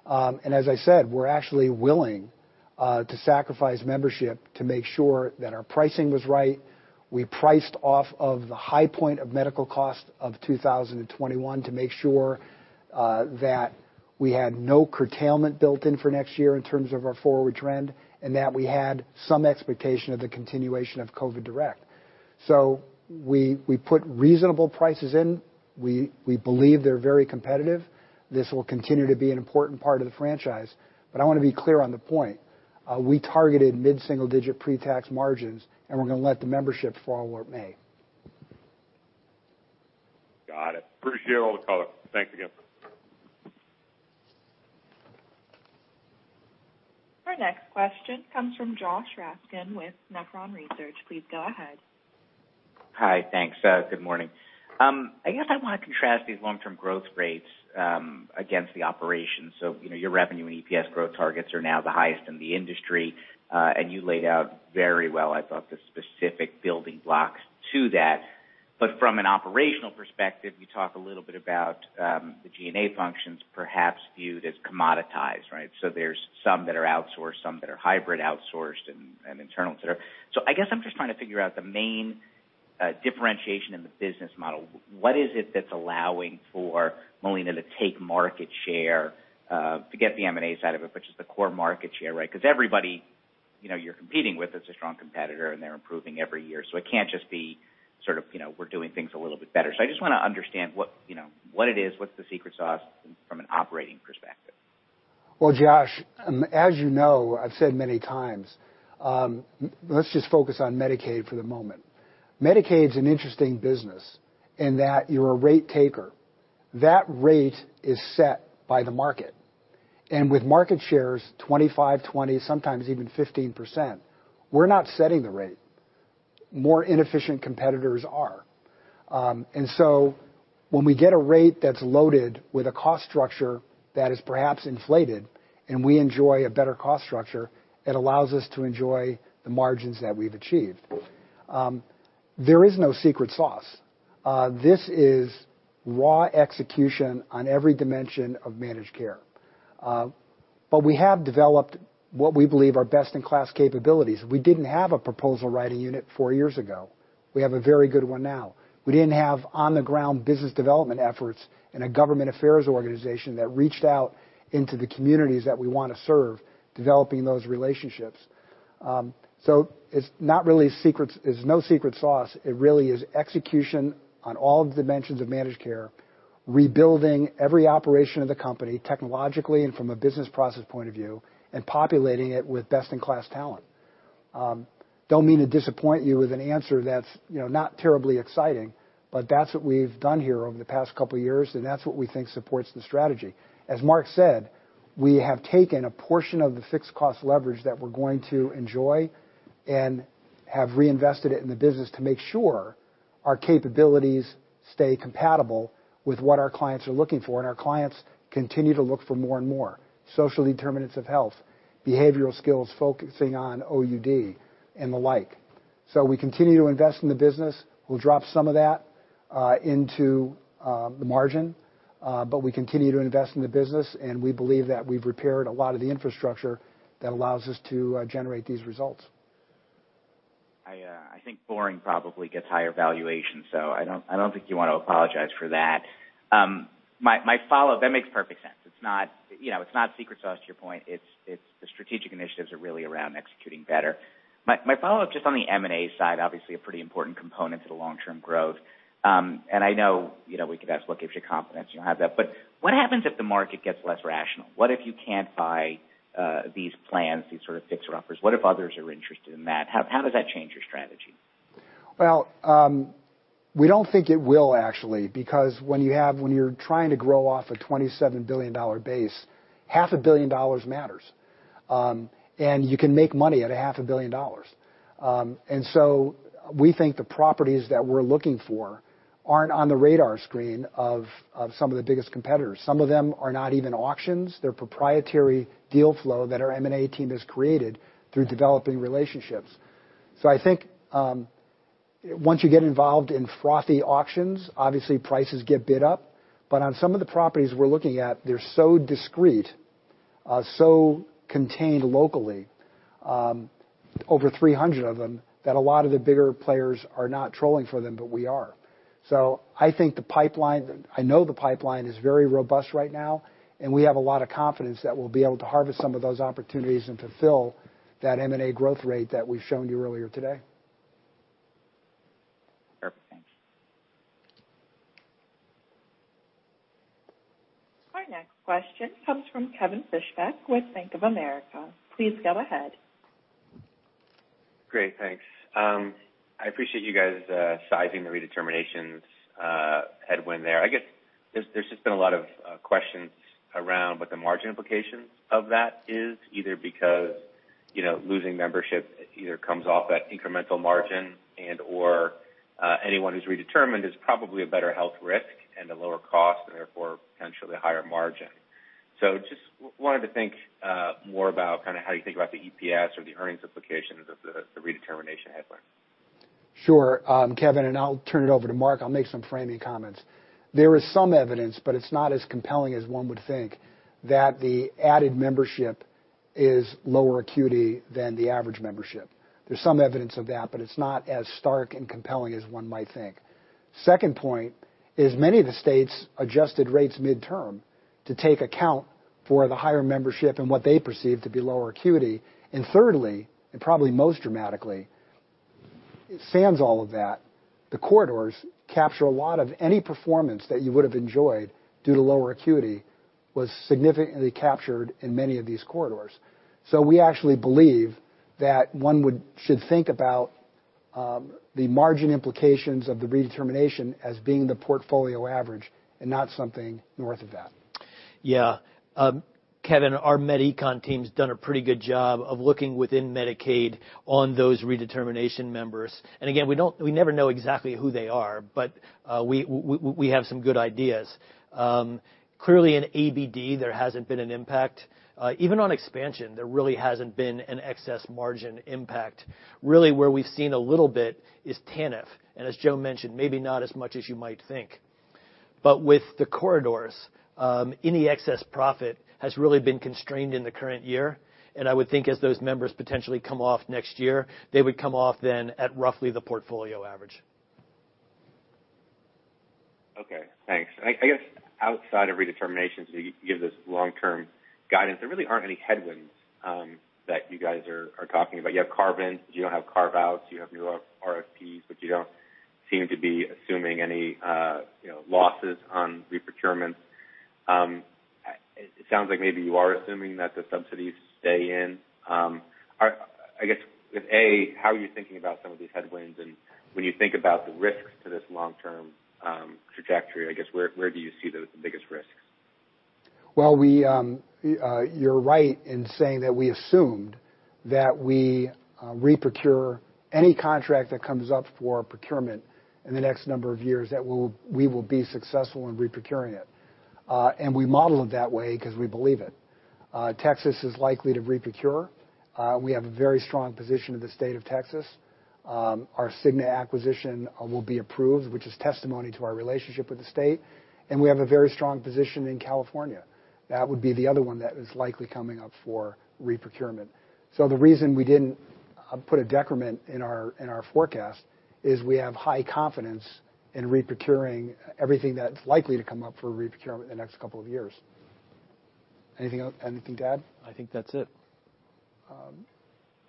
B: As I said, we're actually willing to sacrifice membership to make sure that our pricing was right. We priced off of the high point of medical cost of 2021 to make sure that we had no curtailment built in for next year in terms of our forward trend, and that we had some expectation of the continuation of COVID direct. We put reasonable prices in. We believe they're very competitive. This will continue to be an important part of the franchise, but I want to be clear on the point. We targeted mid-single-digit pre-tax margins, and we're going to let the membership fall where it may.
F: Got it. Appreciate all the color. Thanks again.
D: Our next question comes from Josh Raskin with Nephron Research. Please go ahead.
G: Hi, thanks. Good morning. I guess I want to contrast these long-term growth rates against the operations. Your revenue and EPS growth targets are now the highest in the industry. You laid out very well, I thought, the specific building blocks to that. From an operational perspective, you talk a little bit about the G&A functions perhaps viewed as commoditized, right? There's some that are outsourced, some that are hybrid outsourced and internal, et cetera. I guess I'm just trying to figure out the main differentiation in the business model. What is it that's allowing for Molina to take market share, to get the M&As out of it, which is the core market share, right? Because everybody you're competing with is a strong competitor, and they're improving every year. It can't just be sort of we're doing things a little bit better. I just want to understand what it is, what's the secret sauce from an operating perspective.
B: Well, Josh, as you know, I've said many times, let's just focus on Medicaid for the moment. Medicaid's an interesting business in that you're a rate taker. That rate is set by the market, and with market shares 25, 20, sometimes even 15%, we're not setting the rate. More inefficient competitors are. When we get a rate that's loaded with a cost structure that is perhaps inflated, and we enjoy a better cost structure, it allows us to enjoy the margins that we've achieved. There is no secret sauce. This is raw execution on every dimension of managed care. We have developed what we believe are best-in-class capabilities. We didn't have a proposal writing unit four years ago. We have a very good one now. We didn't have on-the-ground business development efforts and a government affairs organization that reached out into the communities that we want to serve, developing those relationships. It's no secret sauce. It really is execution on all of the dimensions of managed care, rebuilding every operation of the company technologically and from a business process point of view, and populating it with best-in-class talent. Don't mean to disappoint you with an answer that's not terribly exciting, but that's what we've done here over the past couple years, and that's what we think supports the strategy. As Mark said, we have taken a portion of the fixed cost leverage that we're going to enjoy and have reinvested it in the business to make sure our capabilities stay compatible with what our clients are looking for. Our clients continue to look for more and more social determinants of health, behavioral skills focusing on OUD, and the like. We continue to invest in the business. We'll drop some of that into the margin. We continue to invest in the business, and we believe that we've repaired a lot of the infrastructure that allows us to generate these results.
G: I think boring probably gets higher valuation. I don't think you want to apologize for that. That makes perfect sense. It's not secret sauce, to your point, it's the strategic initiatives are really around executing better. My follow-up, just on the M&A side, obviously a pretty important component to the long-term growth. I know we could ask what gives you confidence you don't have that. What happens if the market gets less rational? What if you can't buy these plans, these sort of fixer-uppers? What if others are interested in that? How does that change your strategy?
B: Well, we don't think it will, actually, because when you're trying to grow off a $27 billion base, half a billion dollars matters, and you can make money at a half a billion dollars. We think the properties that we're looking for aren't on the radar screen of some of the biggest competitors. Some of them are not even auctions, they're proprietary deal flow that our M&A team has created through developing relationships. I think once you get involved in frothy auctions, obviously prices get bid up. On some of the properties we're looking at, they're so discreet, so contained locally, over 300 of them, that a lot of the bigger players are not trolling for them, but we are. I know the pipeline is very robust right now, and we have a lot of confidence that we'll be able to harvest some of those opportunities and fulfill that M&A growth rate that we've shown you earlier today.
G: Perfect. Thanks.
D: Our next question comes from Kevin Fischbeck with Bank of America. Please go ahead.
H: Great. Thanks. I appreciate you guys sizing the redeterminations headwind there. I guess there's just been a lot of questions around what the margin implications of that is, either because losing membership either comes off at incremental margin and/or anyone who's redetermined is probably a better health risk and a lower cost, and therefore potentially a higher margin. Just wanted to think more about how you think about the EPS or the earnings implications of the redetermination headwinds.
B: Sure, Kevin, and I'll turn it over to Mark, I'll make some framing comments. There is some evidence, but it's not as compelling as one would think, that the added membership is lower acuity than the average membership. There's some evidence of that, but it's not as stark and compelling as one might think. Second point is many of the states adjusted rates midterm to take account for the higher membership and what they perceive to be lower acuity. Thirdly, and probably most dramatically, sans all of that, the corridors capture a lot of any performance that you would have enjoyed due to lower acuity, was significantly captured in many of these corridors. We actually believe that one should think about the margin implications of the redetermination as being the portfolio average and not something north of that.
C: Yeah. Kevin, our medical economics team's done a pretty good job of looking within Medicaid on those redetermination members. Again, we never know exactly who they are, but we have some good ideas. Clearly in ABD, there hasn't been an impact. Even on expansion, there really hasn't been an excess margin impact. Really where we've seen a little bit is TANF, and as Joe mentioned, maybe not as much as you might think. With the corridors, any excess profit has really been constrained in the current year, and I would think as those members potentially come off next year, they would come off then at roughly the portfolio average.
H: Okay, thanks. I guess outside of redeterminations, you give this long-term guidance, there really aren't any headwinds that you guys are talking about. You have carve-ins, you don't have carve-outs. You have new RFPs, you don't seem to be assuming any losses on re-procurement. It sounds like maybe you are assuming that the subsidies stay in. I guess with A, how are you thinking about some of these headwinds, and when you think about the risks to this long-term trajectory, I guess, where do you see the biggest risks?
B: Well, you're right in saying that we assumed that we re-procure any contract that comes up for procurement in the next number of years, that we will be successful in re-procuring it. We model it that way because we believe it. Texas is likely to re-procure, we have a very strong position in the state of Texas, our Cigna acquisition will be approved, which is testimony to our relationship with the state, and we have a very strong position in California. That would be the other one that is likely coming up for re-procurement. The reason we didn't put a decrement in our forecast is we have high confidence in re-procuring everything that's likely to come up for re-procurement in the next couple of years. Anything to add?
C: I think that's it.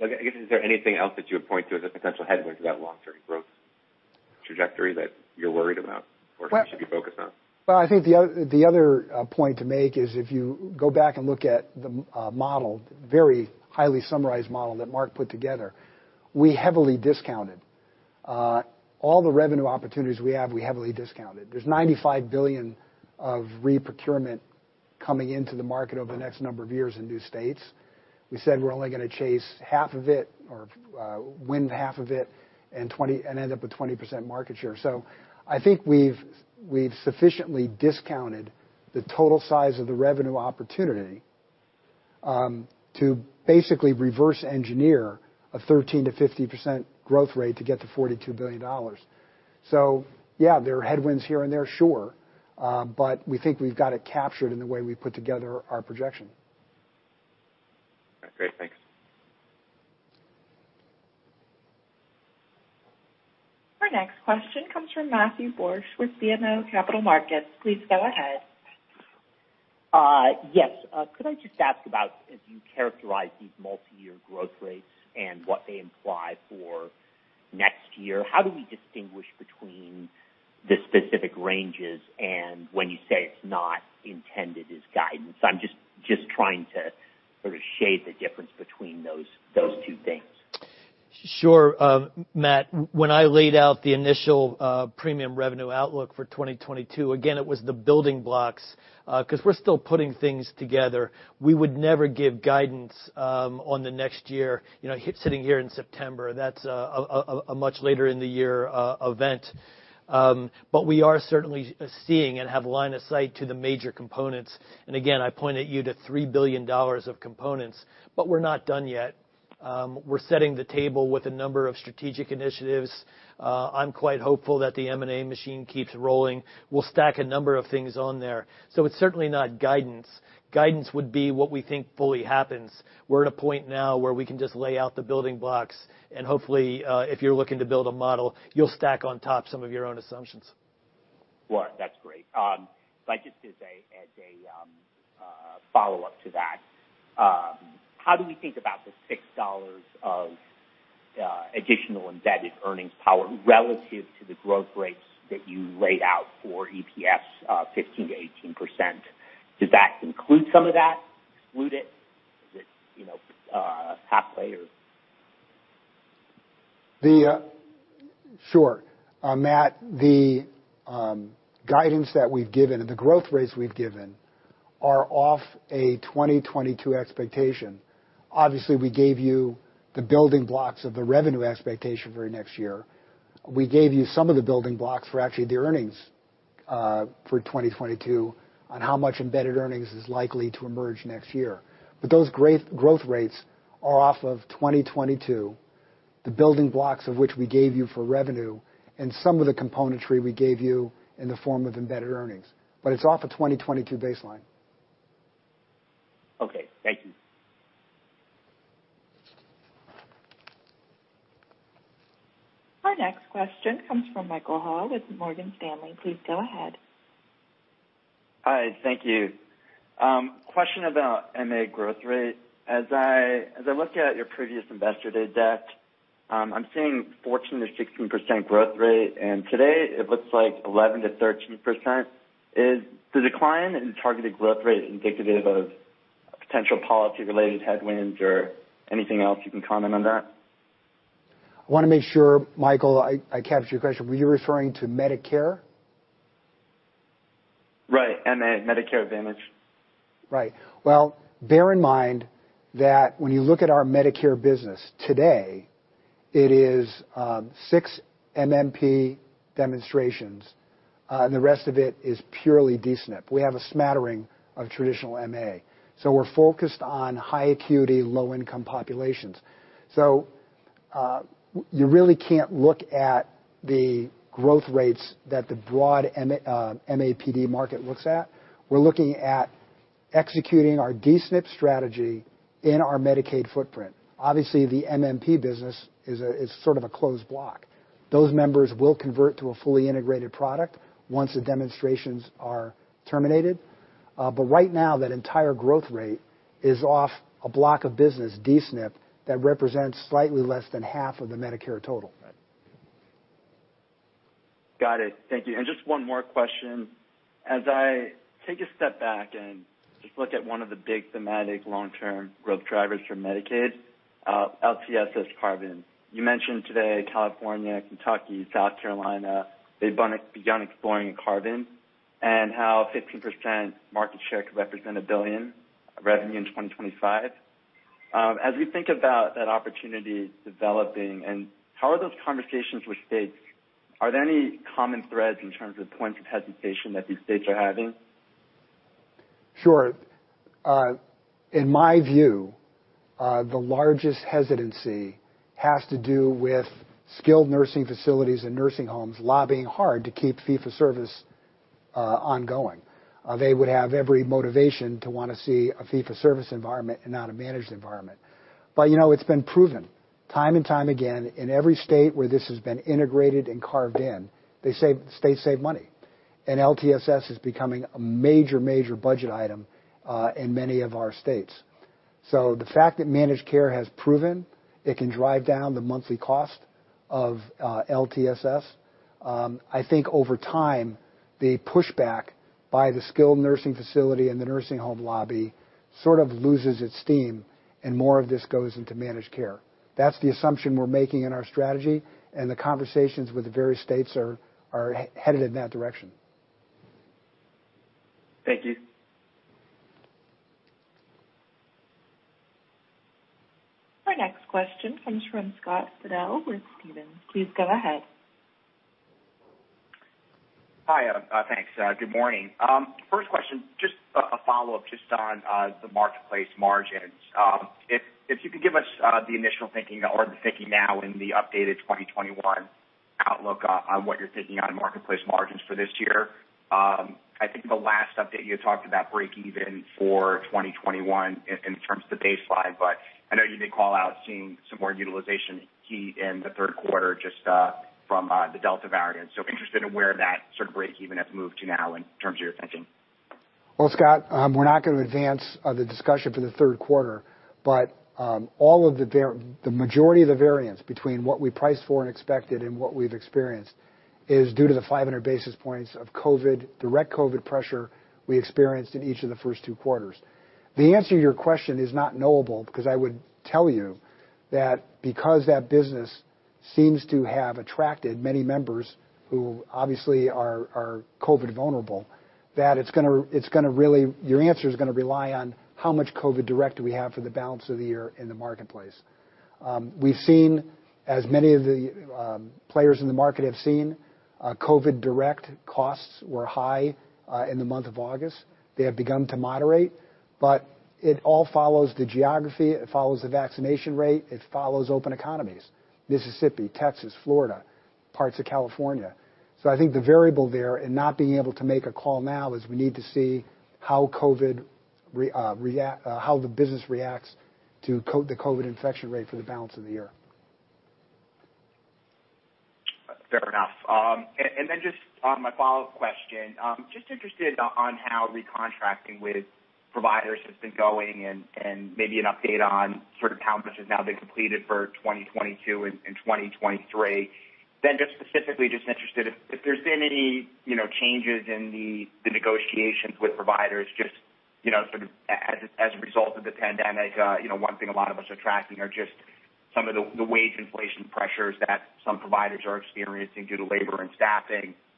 H: I guess, is there anything else that you would point to as a potential headwind to that long-term growth trajectory that you're worried about or should be focused on?
B: I think the other point to make is if you go back and look at the model, very highly summarized model that Mark put together, we heavily discounted. All the revenue opportunities we have, we heavily discounted. There's $95 billion of re-procurement coming into the market over the next number of years in new states. We said we're only going to chase half of it or win half of it and end up with 20% market share. I think we've sufficiently discounted the total size of the revenue opportunity to basically reverse engineer a 13%-50% growth rate to get to $42 billion. Yeah, there are headwinds here and there, sure. We think we've got it captured in the way we put together our projection.
H: Great, thanks.
D: Our next question comes from Matthew Borsch with BMO Capital Markets. Please go ahead.
I: Yes. Could I just ask about as you characterize these multi-year growth rates and what they imply for next year, how do we distinguish between the specific ranges and when you say it is not intended as guidance? I am just trying to sort of shade the difference between those two things.
C: Sure. Matt, when I laid out the initial premium revenue outlook for 2022, again, it was the building blocks, because we're still putting things together. We would never give guidance on the next year. Sitting here in September, that's a much later in the year event. We are certainly seeing and have line of sight to the major components. Again, I point at you to $3 billion of components, but we're not done yet. We're setting the table with a number of strategic initiatives. I'm quite hopeful that the M&A machine keeps rolling. We'll stack a number of things on there. It's certainly not guidance. Guidance would be what we think fully happens. We're at a point now where we can just lay out the building blocks, and hopefully if you're looking to build a model, you'll stack on top some of your own assumptions.
I: Well, that's great. If I could just add a follow-up to that. How do we think about the $6 of additional embedded earnings power relative to the growth rates that you laid out for EPS of 15%-18%? Does that include some of that? Exclude it? Is it half plate or?
B: Sure. Matt, the guidance that we've given and the growth rates we've given are off a 2022 expectation. Obviously, we gave you the building blocks of the revenue expectation for next year. We gave you some of the building blocks for actually the earnings for 2022 on how much embedded earnings is likely to emerge next year. Those growth rates are off of 2022, the building blocks of which we gave you for revenue, and some of the componentry we gave you in the form of embedded earnings. It's off a 2022 baseline.
I: Okay. Thank you.
D: Our next question comes from Michael Ha with Morgan Stanley. Please go ahead.
J: Hi, thank you. Question about MA growth rate. As I look at your previous Investor Day deck, I'm seeing 14%-16% growth rate, and today it looks like 11%-13%. Is the decline in targeted growth rate indicative of potential policy-related headwinds or anything else you can comment on that?
B: I want to make sure, Michael, I captured your question. Were you referring to Medicare?
J: Right. MA, Medicare Advantage.
B: Right. Well, bear in mind that when you look at our Medicare business today, it is 6 MMP demonstrations, and the rest of it is purely D-SNP. We have a smattering of traditional MA. We're focused on high acuity, low-income populations. You really can't look at the growth rates that the broad MAPD market looks at. We're looking at executing our D-SNP strategy in our Medicaid footprint. Obviously, the MMP business is sort of a closed block. Those members will convert to a fully integrated product once the demonstrations are terminated. Right now, that entire growth rate is off a block of business, D-SNP, that represents slightly less than half of the Medicare total.
J: Got it, thank you. Just one more question. As I take a step back and just look at one of the big thematic long-term growth drivers for Medicaid, LTSS carve-in. You mentioned today California, Kentucky, South Carolina, they've begun exploring carve-in, and how 15% market share could represent a billion revenue in 2025. As we think about that opportunity developing, and how are those conversations with states, are there any common threads in terms of points of hesitation that these states are having?
B: Sure. In my view, the largest hesitancy has to do with skilled nursing facilities and nursing homes lobbying hard to keep fee-for-service ongoing. They would have every motivation to want to see a fee-for-service environment and not a managed environment. It's been proven time and time again in every state where this has been integrated and carved in, the states save money. LTSS is becoming a major budget item in many of our states. The fact that managed care has proven it can drive down the monthly cost of LTSS, I think over time, the pushback by the skilled nursing facility and the nursing home lobby sort of loses its steam, and more of this goes into managed care. That's the assumption we're making in our strategy, and the conversations with the various states are headed in that direction.
J: Thank you.
D: Our next question comes from Scott Fidel with Stephens. Please go ahead.
K: Hi, thanks. Good morning. First question, just a follow-up just on the Marketplace margins. If you could give us the initial thinking or the thinking now in the updated 2021 outlook on what you're thinking on Marketplace margins for this year. I think the last update you had talked about breakeven for 2021 in terms of the baseline, but I know you did call out seeing some more utilization heat in the third quarter just from the Delta variant. Interested in where that sort of breakeven has moved to now in terms of your thinking.
B: Well, Scott, we're not going to advance the discussion for the third quarter, but the majority of the variance between what we priced for and expected and what we've experienced is due to the 500 basis points of direct COVID pressure we experienced in each of the first two quarters. The answer to your question is not knowable because I would tell you that because that business seems to have attracted many members who obviously are COVID vulnerable, that your answer is going to rely on how much COVID direct do we have for the balance of the year in the Marketplace. We've seen, as many of the players in the market have seen, COVID direct costs were high in the month of August. They have begun to moderate, but it all follows the geography, it follows the vaccination rate, it follows open economies. Mississippi, Texas, Florida, parts of California. I think the variable there in not being able to make a call now is we need to see how the business reacts to the COVID infection rate for the balance of the year.
K: Fair enough. Just on my follow-up question, just interested on how recontracting with providers has been going and maybe an update on sort of how much has now been completed for 2022 and 2023. Just specifically, just interested if there's been any changes in the negotiations with providers, just sort of as a result of the pandemic. One thing a lot of us are tracking are just some of the wage inflation pressures that some providers are experiencing due to labor and staffing pressure.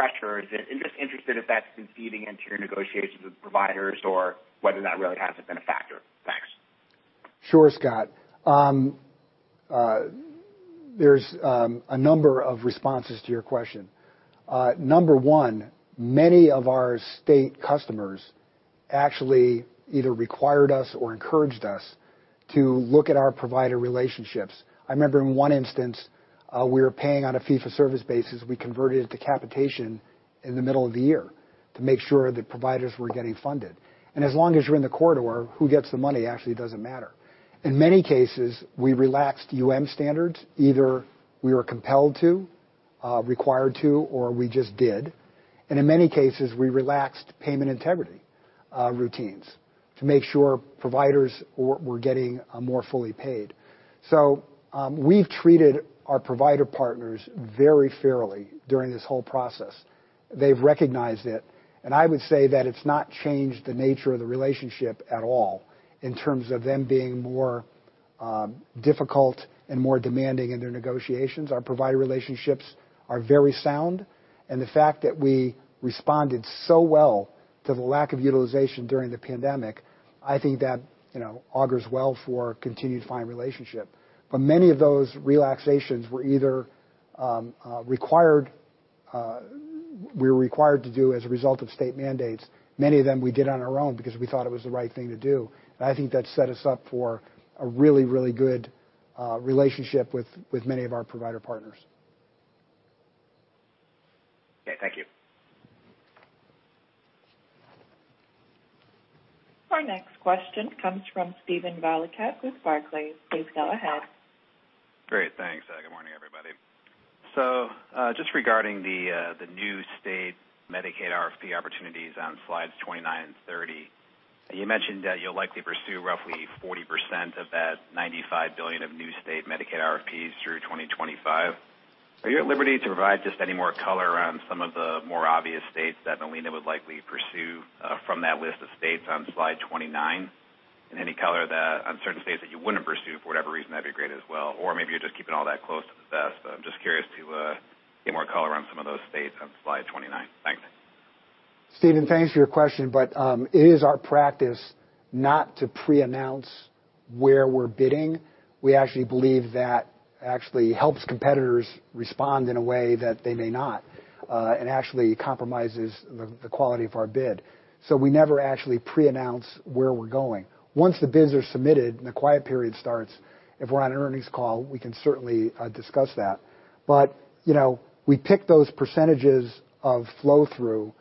K: I'm just interested if that's been feeding into your negotiations with providers or whether that really hasn't been a factor. Thanks.
B: Sure, Scott. There's a number of responses to your question. Number one, many of our state customers actually either required us or encouraged us to look at our provider relationships. I remember in one instance, we were paying on a fee-for-service basis. We converted it to capitation in the middle of the year to make sure that providers were getting funded. As long as you're in the corridor, who gets the money actually doesn't matter. In many cases, we relaxed UM standards, either we were compelled to, required to, or we just did. In many cases, we relaxed payment integrity routines to make sure providers were getting more fully paid. We've treated our provider partners very fairly during this whole process. They've recognized it, I would say that it's not changed the nature of the relationship at all in terms of them being more difficult and more demanding in their negotiations. Our provider relationships are very sound, the fact that we responded so well to the lack of utilization during the pandemic, I think that augurs well for a continued fine relationship. Many of those relaxations were required to do as a result of state mandates. Many of them we did on our own because we thought it was the right thing to do. I think that set us up for a really, really good relationship with many of our provider partners.
K: Okay, thank you.
D: Our next question comes from Steven Valiquette with Barclays. Please go ahead.
L: Great, thanks and good morning, everybody. Just regarding the new state Medicaid RFP opportunities on slides 29 and 30. You mentioned that you'll likely pursue roughly 40% of that $95 billion of new state Medicaid RFPs through 2025. Are you at liberty to provide just any more color around some of the more obvious states that Molina would likely pursue from that list of states on slide 29? Any color on certain states that you wouldn't pursue for whatever reason, that'd be great as well. Maybe you're just keeping all that close to the vest, but I'm just curious to get more color on some of those states on slide 29. Thanks.
B: Steven, thanks for your question, but it is our practice not to preannounce where we're bidding. We actually believe that actually helps competitors respond in a way that they may not, and actually compromises the quality of our bid. We never actually preannounce where we're going. Once the bids are submitted and the quiet period starts, if we're on an earnings call, we can certainly discuss that. We pick those percentages of flow-through,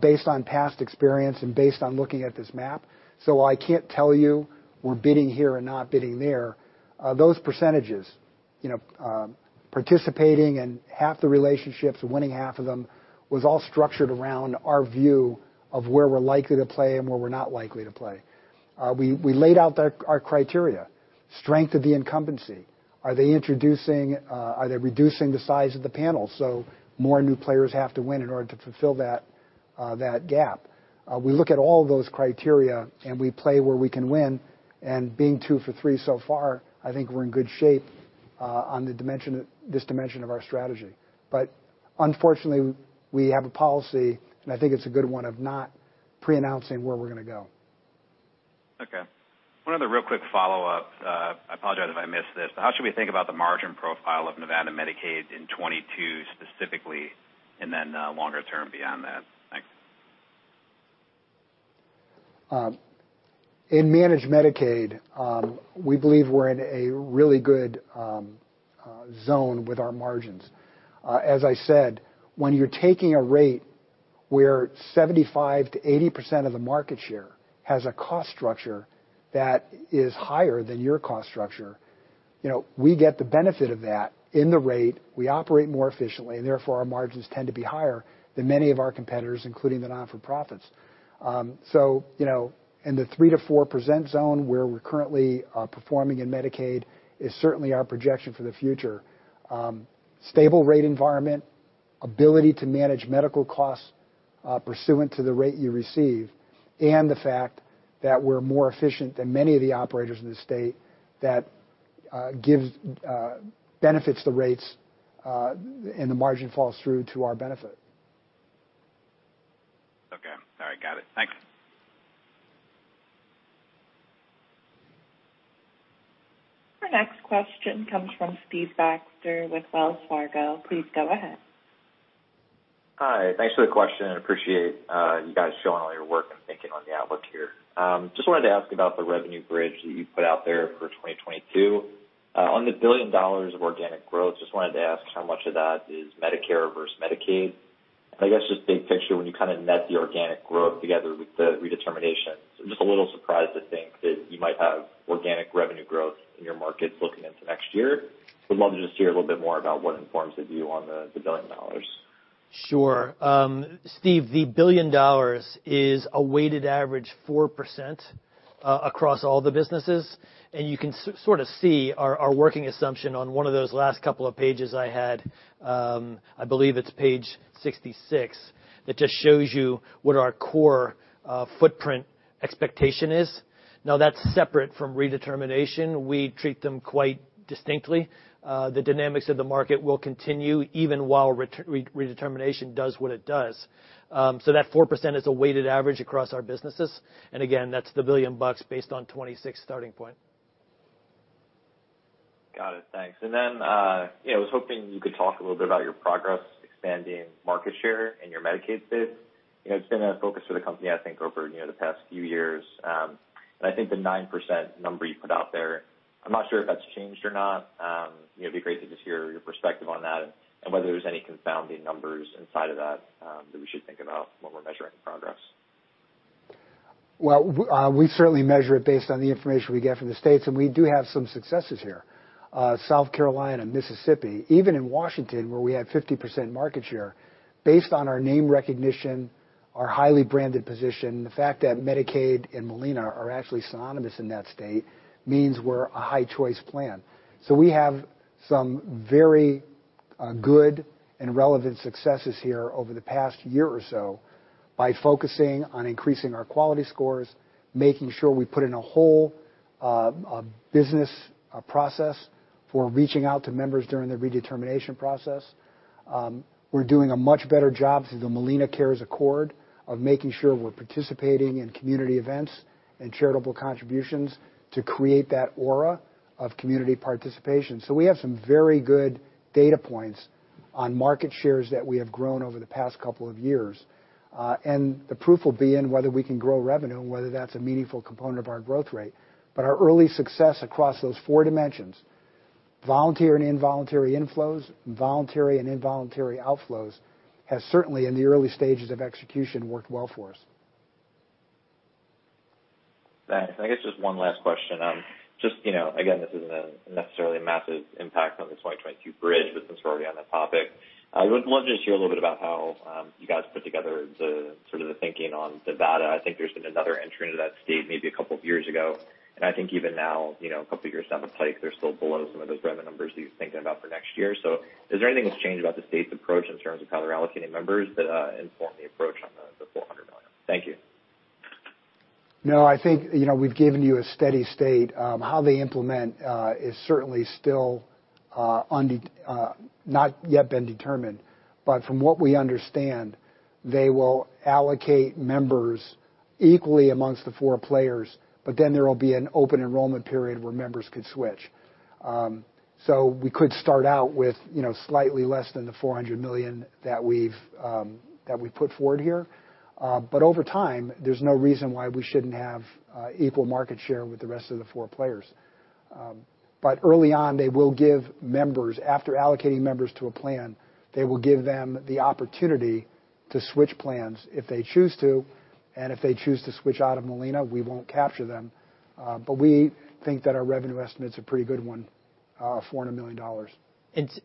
B: based on past experience and based on looking at this map. While I can't tell you we're bidding here and not bidding there, those percentages, participating in half the relationships and winning half of them, was all structured around our view of where we're likely to play and where we're not likely to play. We laid out our criteria, strength of the incumbency. Are they reducing the size of the panel so more new players have to win in order to fulfill that gap? We look at all those criteria. We play where we can win, and being two for three so far, I think we're in good shape on this dimension of our strategy. Unfortunately, we have a policy, and I think it's a good one, of not preannouncing where we're going to go.
L: Okay. One other real quick follow-up. I apologize if I missed this, but how should we think about the margin profile of Nevada Medicaid in 2022 specifically, and then longer term beyond that? Thanks.
B: In managed Medicaid, we believe we're in a really good zone with our margins. As I said, when you're taking a rate where 75%-80% of the market share has a cost structure that is higher than your cost structure, we get the benefit of that in the rate. We operate more efficiently and therefore our margins tend to be higher than many of our competitors, including the not-for-profits. In the 3%-4% zone where we're currently performing in Medicaid is certainly our projection for the future. Stable rate environment, ability to manage medical costs pursuant to the rate you receive, and the fact that we're more efficient than many of the operators in the state that benefits the rates, and the margin falls through to our benefit.
L: Okay, all right got it. Thanks.
D: Our next question comes from Steve Baxter with Wells Fargo. Please go ahead.
M: Hi, thanks for the question. Appreciate you guys showing all your work and thinking on the outlook here. Just wanted to ask about the revenue bridge that you put out there for 2022. On the billion dollars of organic growth, just wanted to ask how much of that is Medicare versus Medicaid. I guess just big picture, when you net the organic growth together with the redetermination. Just a little surprised to think that you might have organic revenue growth in your markets looking into next year. Would love to just hear a little bit more about what informs the view on the billion dollars.
C: Sure. Steve, the billion dollars is a weighted average 4% across all the businesses. You can sort of see our working assumption on one of those last couple of pages I had. I believe it's page 66, that just shows you what our core footprint expectation is. That's separate from Redetermination. We treat them quite distinctly. The dynamics of the market will continue even while Redetermination does what it does. That 4% is a weighted average across our businesses, and again, that's the the billion bucks based on 2026 starting point.
M: Got it. Thanks. Then I was hoping you could talk a little bit about your progress expanding market share in your Medicaid bid. It's been a focus for the company, I think, over the past few years. I think the 9% number you put out there, I'm not sure if that's changed or not. It'd be great to just hear your perspective on that and whether there's any confounding numbers inside of that we should think about when we're measuring progress.
B: Well, we certainly measure it based on the information we get from the states, and we do have some successes here. South Carolina, Mississippi, even in Washington, where we have 50% market share, based on our name recognition, our highly branded position, the fact that Medicaid and Molina are actually synonymous in that state means we're a high choice plan. We have some very good and relevant successes here over the past year or so by focusing on increasing our quality scores, making sure we put in a whole business process for reaching out to members during the redetermination process. We're doing a much better job through the MolinaCares Accord of making sure we're participating in community events and charitable contributions to create that aura of community participation. We have some very good data points on market shares that we have grown over the past couple of years. The proof will be in whether we can grow revenue and whether that's a meaningful component of our growth rate. Our early success across those four dimensions, volunteer and involuntary inflows, and voluntary and involuntary outflows, has certainly, in the early stages of execution, worked well for us.
M: Thanks. I guess just one last question. Just, again, this isn't a necessarily massive impact on the 2022 bridge, but since we're already on that topic, I would love to just hear a little bit about how you guys put together the thinking on Nevada. I think there's been another entrant into that state maybe a couple of years ago, and I think even now, a couple of years down the pike, they're still below some of those revenue numbers you're thinking about for next year. Is there anything that's changed about the state's approach in terms of how they're allocating members that inform the approach on the $400 million? Thank you.
B: I think, we've given you a steady state. How they implement is certainly still not yet been determined. From what we understand, they will allocate members equally amongst the four players, there will be an open enrollment period where members could switch. We could start out with slightly less than the $400 million that we've put forward here, but over time, there's no reason why we shouldn't have equal market share with the rest of the four players. Early on, they will give members, after allocating members to a plan, they will give them the opportunity to switch plans if they choose to. If they choose to switch out of Molina, we won't capture them. We think that our revenue estimate's a pretty good one, $400 million.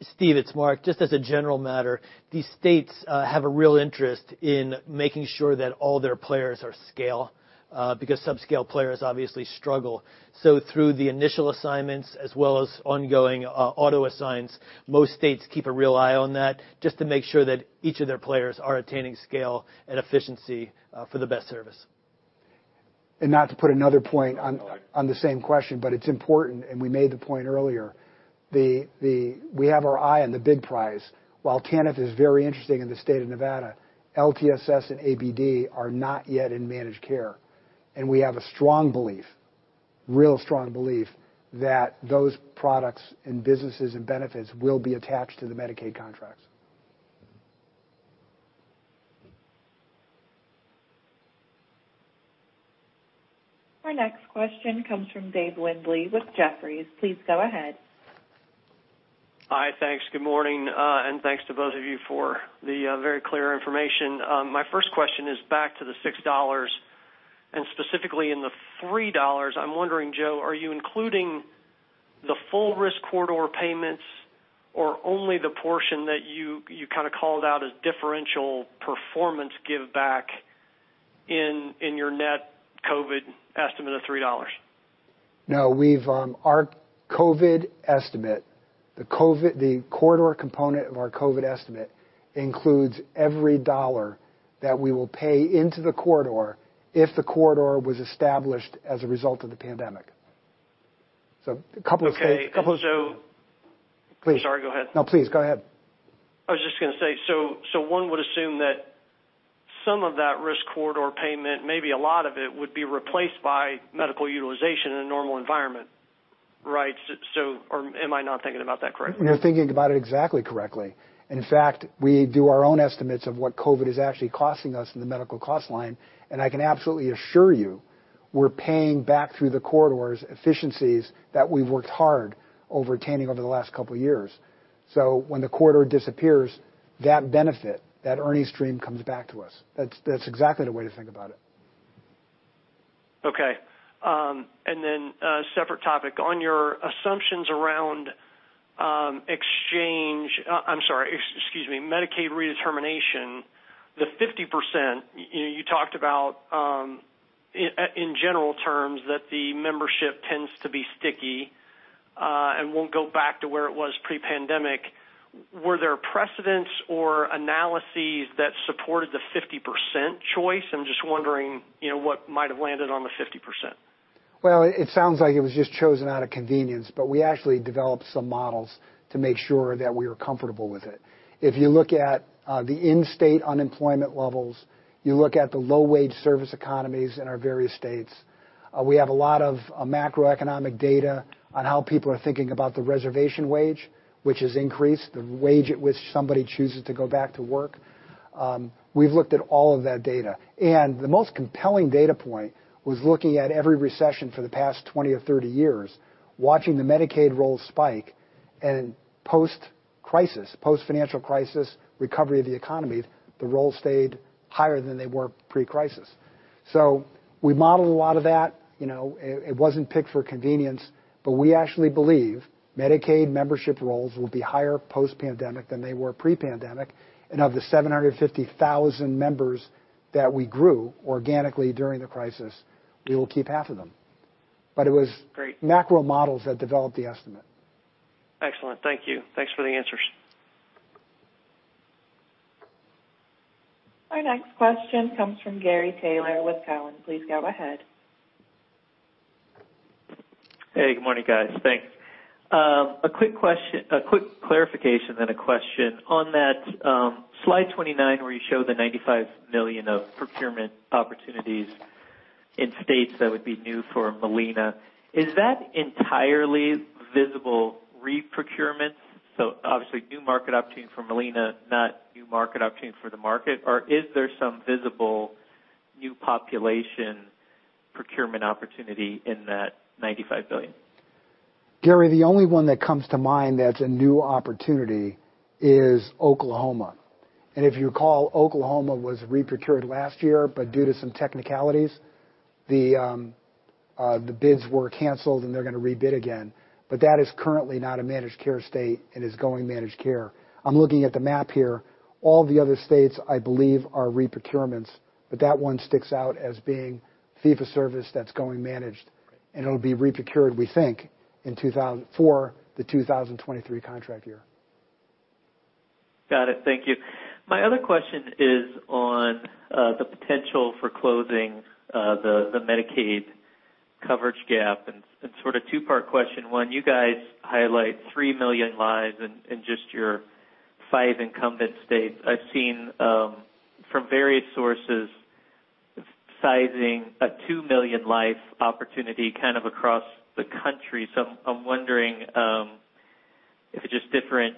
C: Steve, it's Mark. Just as a general matter, these states have a real interest in making sure that all their players are scale, because sub-scale players obviously struggle. Through the initial assignments as well as ongoing auto-assigns, most states keep a real eye on that just to make sure that each of their players are attaining scale and efficiency for the best service.
B: Not to put another point on the same question, but it's important, and we made the point earlier. We have our eye on the big prize. While TANF is very interesting in the state of Nevada, LTSS and ABD are not yet in managed care. We have a strong belief, real strong belief, that those products and businesses and benefits will be attached to the Medicaid contracts.
D: Our next question comes from Dave Windley with Jefferies. Please go ahead.
N: Hi, thanks. Good morning, and thanks to both of you for the very clear information. My first question is back to the $6, and specifically in the $3, I'm wondering, Joe, are you including the full risk corridor payments or only the portion that you called out as differential performance give back in your net COVID estimate of $3?
B: No. Our COVID estimate, the corridor component of our COVID estimate includes every dollar that we will pay into the corridor if the corridor was established as a result of the pandemic.
N: Okay.
B: Please.
N: Sorry, go ahead.
B: No, please, go ahead.
N: I was just going to say, one would assume that some of that risk corridor payment, maybe a lot of it, would be replaced by medical utilization in a normal environment, right? Am I not thinking about that correctly?
B: You're thinking about it exactly correctly. In fact, we do our own estimates of what COVID is actually costing us in the medical cost line, and I can absolutely assure you we're paying back through the corridors efficiencies that we've worked hard over attaining over the last 2 years. When the corridor disappears, that benefit, that earnings stream comes back to us. That's exactly the way to think about it.
N: Okay. Separate topic, on your assumptions around, I'm sorry, excuse me, Medicaid redetermination, the 50%, you talked about, in general terms, that the membership tends to be sticky, and won't go back to where it was pre-pandemic. Were there precedents or analyses that supported the 50% choice? I'm just wondering what might have landed on the 50%.
B: Well, it sounds like it was just chosen out of convenience, but we actually developed some models to make sure that we were comfortable with it. If you look at the in-state unemployment levels, you look at the low-wage service economies in our various states. We have a lot of macroeconomic data on how people are thinking about the reservation wage, which has increased, the wage at which somebody chooses to go back to work. We've looked at all of that data, and the most compelling data point was looking at every recession for the past 20 or 30 years, watching the Medicaid rolls spike and post-crisis, post-financial crisis, recovery of the economy, the rolls stayed higher than they were pre-crisis. We modeled a lot of that. It wasn't picked for convenience, but we actually believe Medicaid membership rolls will be higher post-pandemic than they were pre-pandemic, and of the 750,000 members that we grew organically during the crisis, we will keep half of them.
N: Great
B: Macro models that developed the estimate.
N: Excellent, thank you. Thanks for the answers.
D: Our next question comes from Gary Taylor with TD Cowen. Please go ahead.
O: Hey, good morning, guys. Thanks. A quick clarification, then a question. On that slide 29, where you show the $95 million of procurement opportunities in states that would be new for Molina, is that entirely visible reprocurement? Obviously new market opportunity for Molina, not new market opportunity for the market, or is there some visible new population procurement opportunity in that $95 billion?
B: Gary, the only one that comes to mind that's a new opportunity is Oklahoma. If you recall, Oklahoma was reprocured last year, but due to some technicalities, the bids were canceled, and they're going to rebid again. That is currently not a managed care state and is going managed care. I'm looking at the map here. All the other states, I believe, are reprocurements, but that one sticks out as being fee-for-service that's going managed, and it'll be reprocured, we think, for the 2023 contract year.
O: Got it. Thank you. My other question is on the potential for closing the Medicaid coverage gap, a two-part question. One, you guys highlight three million lives in just your five incumbent states. I've seen, from various sources, sizing a two million life opportunity kind of across the country. I'm wondering if it's just different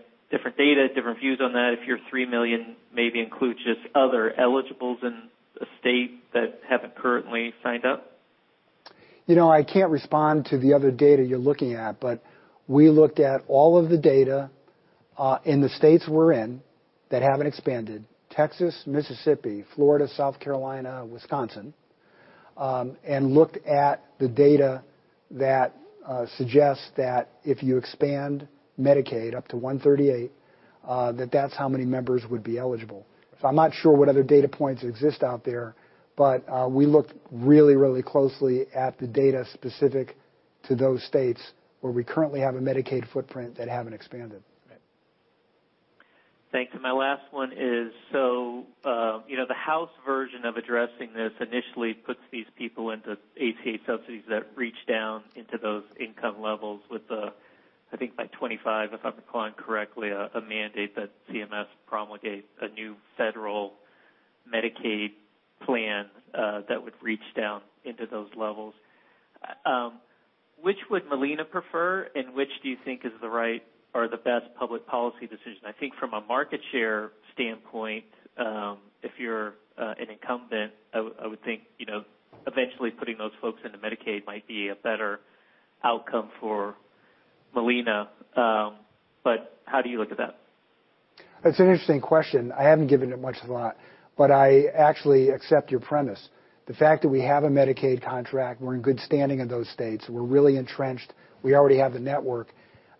O: data, different views on that, if your three million maybe includes just other eligibles in the state that haven't currently signed up.
B: I can't respond to the other data you're looking at, but we looked at all of the data in the states we're in that haven't expanded, Texas, Mississippi, Florida, South Carolina, Wisconsin, and looked at the data that suggests that if you expand Medicaid up to 138, that that's how many members would be eligible. I'm not sure what other data points exist out there, but we looked really closely at the data specific to those states where we currently have a Medicaid footprint that haven't expanded.
O: Thanks. My last one is, the House version of addressing this initially puts these people into ACA subsidies that reach down into those income levels, I think by 2025, if I'm recalling correctly, a mandate that CMS promulgate a new federal Medicaid plan that would reach down into those levels. Which would Molina prefer? Which do you think is the right or the best public policy decision? I think from a market share standpoint, if you're an incumbent, I would think, eventually putting those folks into Medicaid might be a better outcome for Molina. How do you look at that?
B: That's an interesting question. I haven't given it much thought, but I actually accept your premise. The fact that we have a Medicaid contract, we're in good standing in those states. We're really entrenched. We already have the network.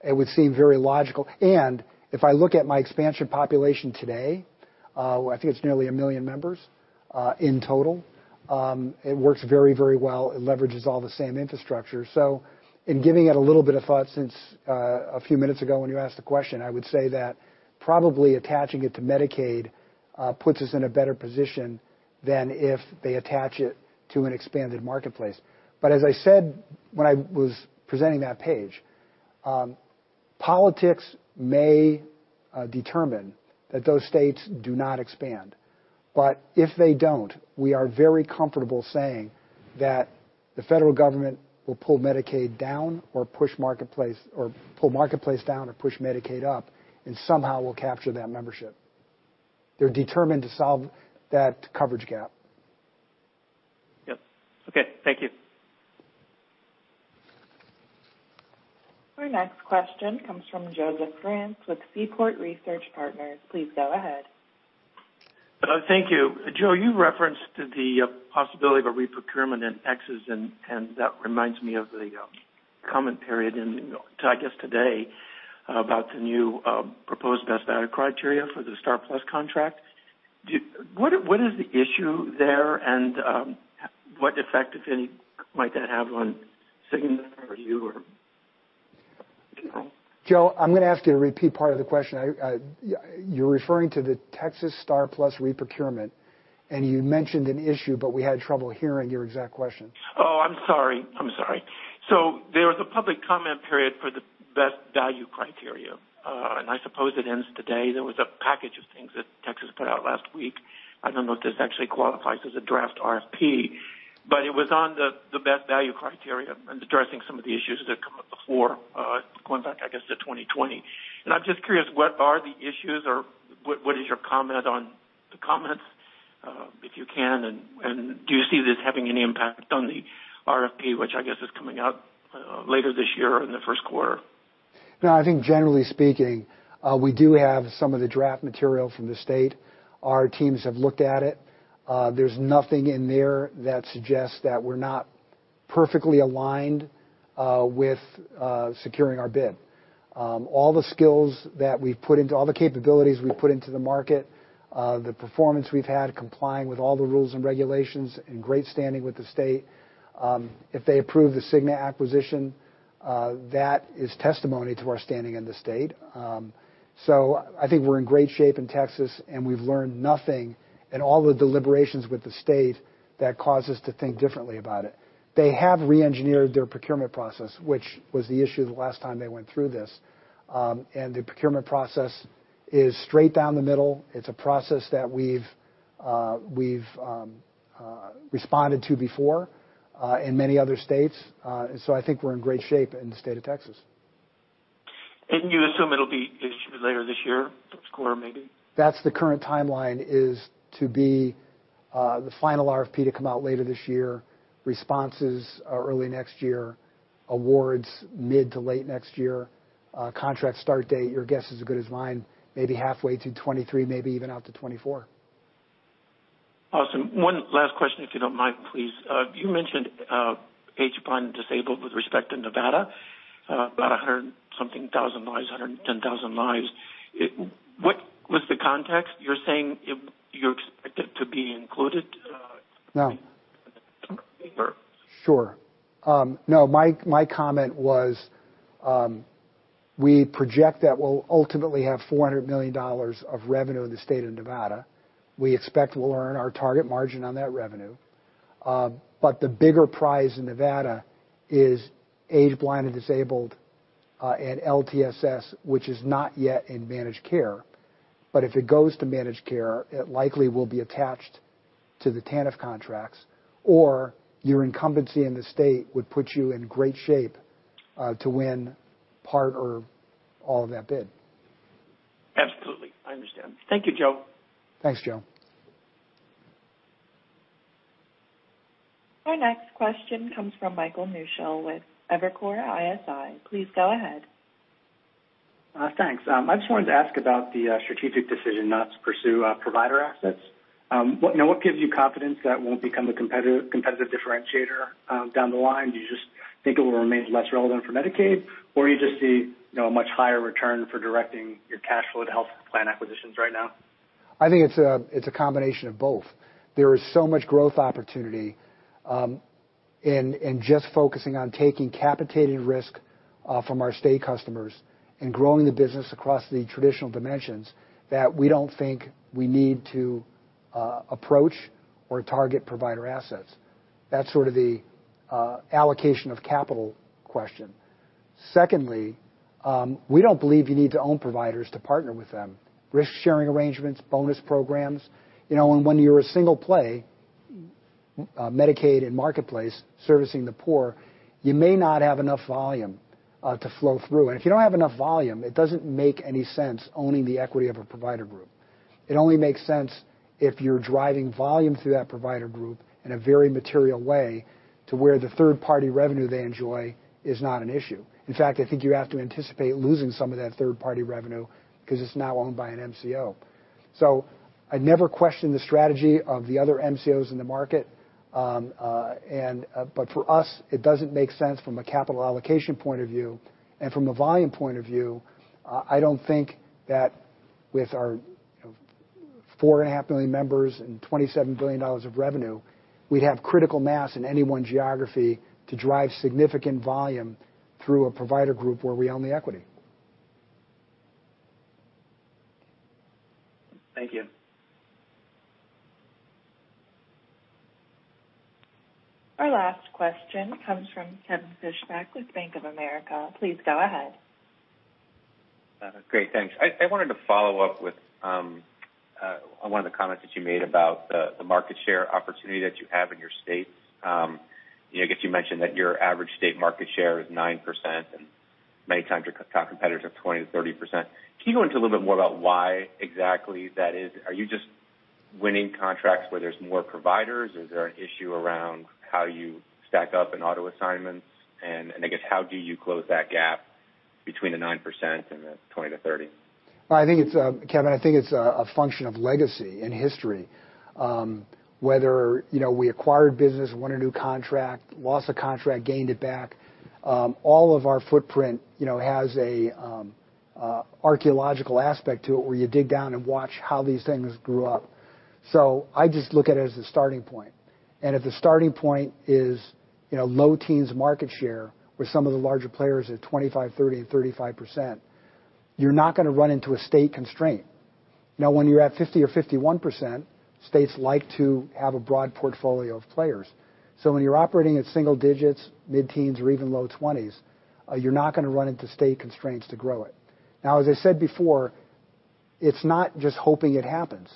B: It would seem very logical. If I look at my expansion population today, I think it's nearly 1 million members in total. It works very well. It leverages all the same infrastructure. In giving it a little bit of thought since a few minutes ago when you asked the question, I would say that probably attaching it to Medicaid puts us in a better position than if they attach it to an expanded Marketplace. As I said when I was presenting that page, politics may determine that those states do not expand. If they don't, we are very comfortable saying that the federal government will pull Medicaid down or push Marketplace, or pull Marketplace down or push Medicaid up, and somehow we'll capture that membership. They're determined to solve that coverage gap.
O: Yes. Okay. Thank you.
D: Our next question comes from Joseph France with Seaport Research Partners. Please go ahead.
P: Thank you. Joe, you referenced the possibility of a reprocurement in X's, and that reminds me of the comment period in, I guess, today about the new proposed best value criteria for the STAR+PLUS contract. What is the issue there, and What effect, if any, might that have on Cigna or you?
B: Joe, I'm going to ask you to repeat part of the question. You're referring to the Texas STAR+PLUS reprocurement, and you mentioned an issue, but we had trouble hearing your exact question.
P: Oh, I'm sorry. There was a public comment period for the best value criteria, and I suppose it ends today. There was a package of things that Texas put out last week. I don't know if this actually qualifies as a draft RFP, but it was on the best value criteria and addressing some of the issues that have come up before, going back, I guess, to 2020. I'm just curious, what are the issues or what is your comment on the comments, if you can, and do you see this having any impact on the RFP, which I guess is coming out later this year or in the first quarter?
B: No, I think generally speaking, we do have some of the draft material from the state. Our teams have looked at it, there's nothing in there that suggests that we're not perfectly aligned with securing our bid. All the skills that we've put into all the capabilities we've put into the market, the performance we've had complying with all the rules and regulations, in great standing with the state. If they approve the Cigna acquisition, that is testimony to our standing in the state. I think we're in great shape in Texas, and we've learned nothing in all the deliberations with the state that cause us to think differently about it. They have re-engineered their procurement process, which was the issue the last time they went through this. The procurement process is straight down the middle. It's a process that we've responded to before, in many other states. I think we're in great shape in the state of Texas.
P: You assume it'll be issued later this year, fourth quarter, maybe?
B: That's the current timeline, the final RFP to come out later this year. Responses early next year, awards mid to late next year. Contract start date, your guess is as good as mine. Maybe halfway through 2023, maybe even out to 2024.
P: Awesome. One last question, if you don't mind, please. You mentioned, aged, blind, and disabled with respect to Nevada, about 100 and something thousand lives, 110,000 lives. What was the context? You're saying you expect it to be included.
B: No Sure. My comment was, we project that we'll ultimately have $400 million of revenue in the state of Nevada. We expect we'll earn our target margin on that revenue. The bigger prize in Nevada is aged, blind, and disabled, and LTSS, which is not yet in managed care. If it goes to managed care, it likely will be attached to the TANF contracts, or your incumbency in the state would put you in great shape to win part or all of that bid.
P: Absolutely, I understand. Thank you, Joe.
B: Thanks, Joe.
D: Our next question comes from Michael Newshel with Evercore ISI. Please go ahead.
Q: Thanks. I just wanted to ask about the strategic decision not to pursue provider assets. What gives you confidence that won't become a competitive differentiator down the line? Do you just think it will remain less relevant for Medicaid, or you just see a much higher return for directing your cash flow to health plan acquisitions right now?
B: I think it's a combination of both. There is so much growth opportunity, and just focusing on taking capitated risk from our state customers and growing the business across the traditional dimensions, that we don't think we need to approach or target provider assets. That's sort of the allocation of capital question. Secondly, we don't believe you need to own providers to partner with them. Risk-sharing arrangements, bonus programs. When you're a single play, Medicaid and Marketplace servicing the poor, you may not have enough volume to flow through. If you don't have enough volume, it doesn't make any sense owning the equity of a provider group. It only makes sense if you're driving volume through that provider group in a very material way to where the third-party revenue they enjoy is not an issue. In fact, I think you have to anticipate losing some of that third-party revenue because it's now owned by an MCO. I never question the strategy of the other MCOs in the market. For us, it doesn't make sense from a capital allocation point of view, and from a volume point of view, I don't think that with our 4.5 million members and $27 billion of revenue, we'd have critical mass in any one geography to drive significant volume through a provider group where we own the equity.
Q: Thank you.
D: Our last question comes from Kevin Fischbeck with Bank of America. Please go ahead.
H: Great, thanks. I wanted to follow up with one of the comments that you made about the market share opportunity that you have in your states. I guess you mentioned that your average state market share is 9%, and many times your top competitors are 20%-30%. Can you go into a little bit more about why exactly that is? Are you just winning contracts where there's more providers, or is there an issue around how you stack up in auto assignments? I guess how do you close that gap between the 9% and the 20%-30%?
B: Kevin, I think it's a function of legacy and history. Whether we acquired business, won a new contract, lost a contract, gained it back. All of our footprint has a Archaeological aspect to it where you dig down and watch how these things grew up. I just look at it as a starting point. If the starting point is low teens market share with some of the larger players at 25%, 30% to 35%, you're not going to run into a state constraint. When you're at 50% or 51%, states like to have a broad portfolio of players. When you're operating at single digits, mid-teens, or even low 20s, you're not going to run into state constraints to grow it. As I said before, it's not just hoping it happens.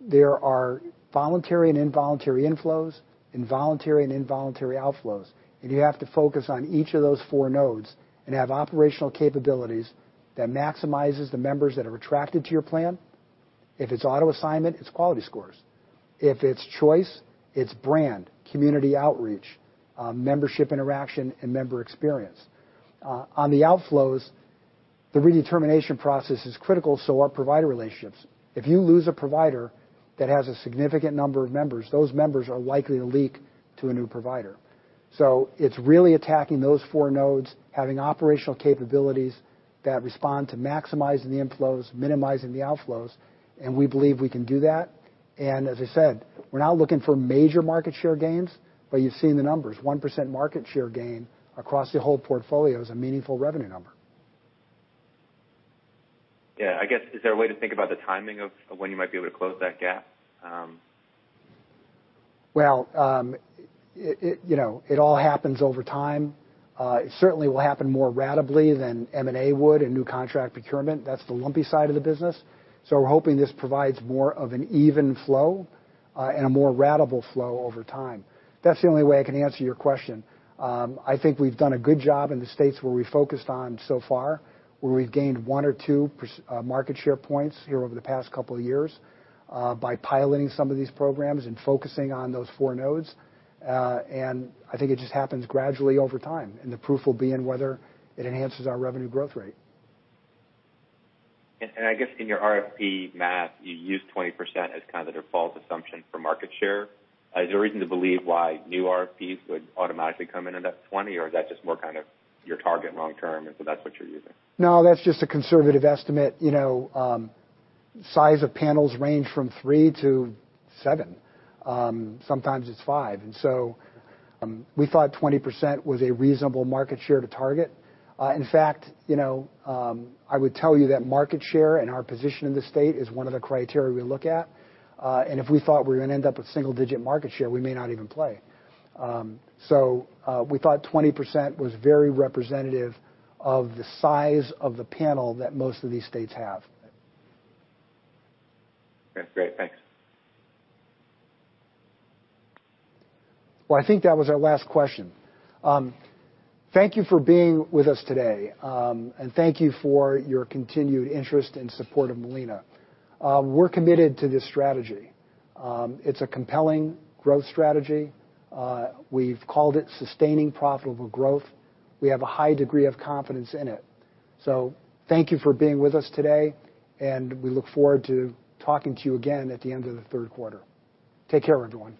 B: There are voluntary and involuntary inflows, and voluntary and involuntary outflows. You have to focus on each of those four nodes and have operational capabilities that maximizes the members that are attracted to your plan. If it's auto assignment, it's quality scores. If it's choice, it's brand, community outreach, membership interaction, and member experience. On the outflows, the redetermination process is critical, so are provider relationships. If you lose a provider that has a significant number of members, those members are likely to leak to a new provider. It's really attacking those four nodes, having operational capabilities that respond to maximizing the inflows, minimizing the outflows, and we believe we can do that. As I said, we're not looking for major market share gains, but you've seen the numbers. 1% market share gain across the whole portfolio is a meaningful revenue number.
H: Yeah. I guess, is there a way to think about the timing of when you might be able to close that gap?
B: Well, it all happens over time. It certainly will happen more ratably than M&A would and new contract procurement. That's the lumpy side of the business. We're hoping this provides more of an even flow, and a more ratable flow over time. That's the only way I can answer your question. I think we've done a good job in the states where we focused on so far, where we've gained one or two market share points here over the past couple of years, by piloting some of these programs and focusing on those four nodes. I think it just happens gradually over time, and the proof will be in whether it enhances our revenue growth rate.
H: I guess in your RFP math, you used 20% as kind of the default assumption for market share. Is there a reason to believe why new RFPs would automatically come in at that 20%? Is that just more kind of your target long term, and so that's what you're using?
B: No, that's just a conservative estimate. Size of panels range from three to seven. Sometimes it's five. We thought 20% was a reasonable market share to target. In fact, I would tell you that market share and our position in the state is one of the criteria we look at. If we thought we were going to end up with single-digit market share, we may not even play. We thought 20% was very representative of the size of the panel that most of these states have.
H: Okay, great. Thanks.
B: Well, I think that was our last question. Thank you for being with us today, and thank you for your continued interest and support of Molina. We're committed to this strategy. It's a compelling growth strategy. We've called it sustaining profitable growth. We have a high degree of confidence in it. Thank you for being with us today, and we look forward to talking to you again at the end of the third quarter. Take care, everyone.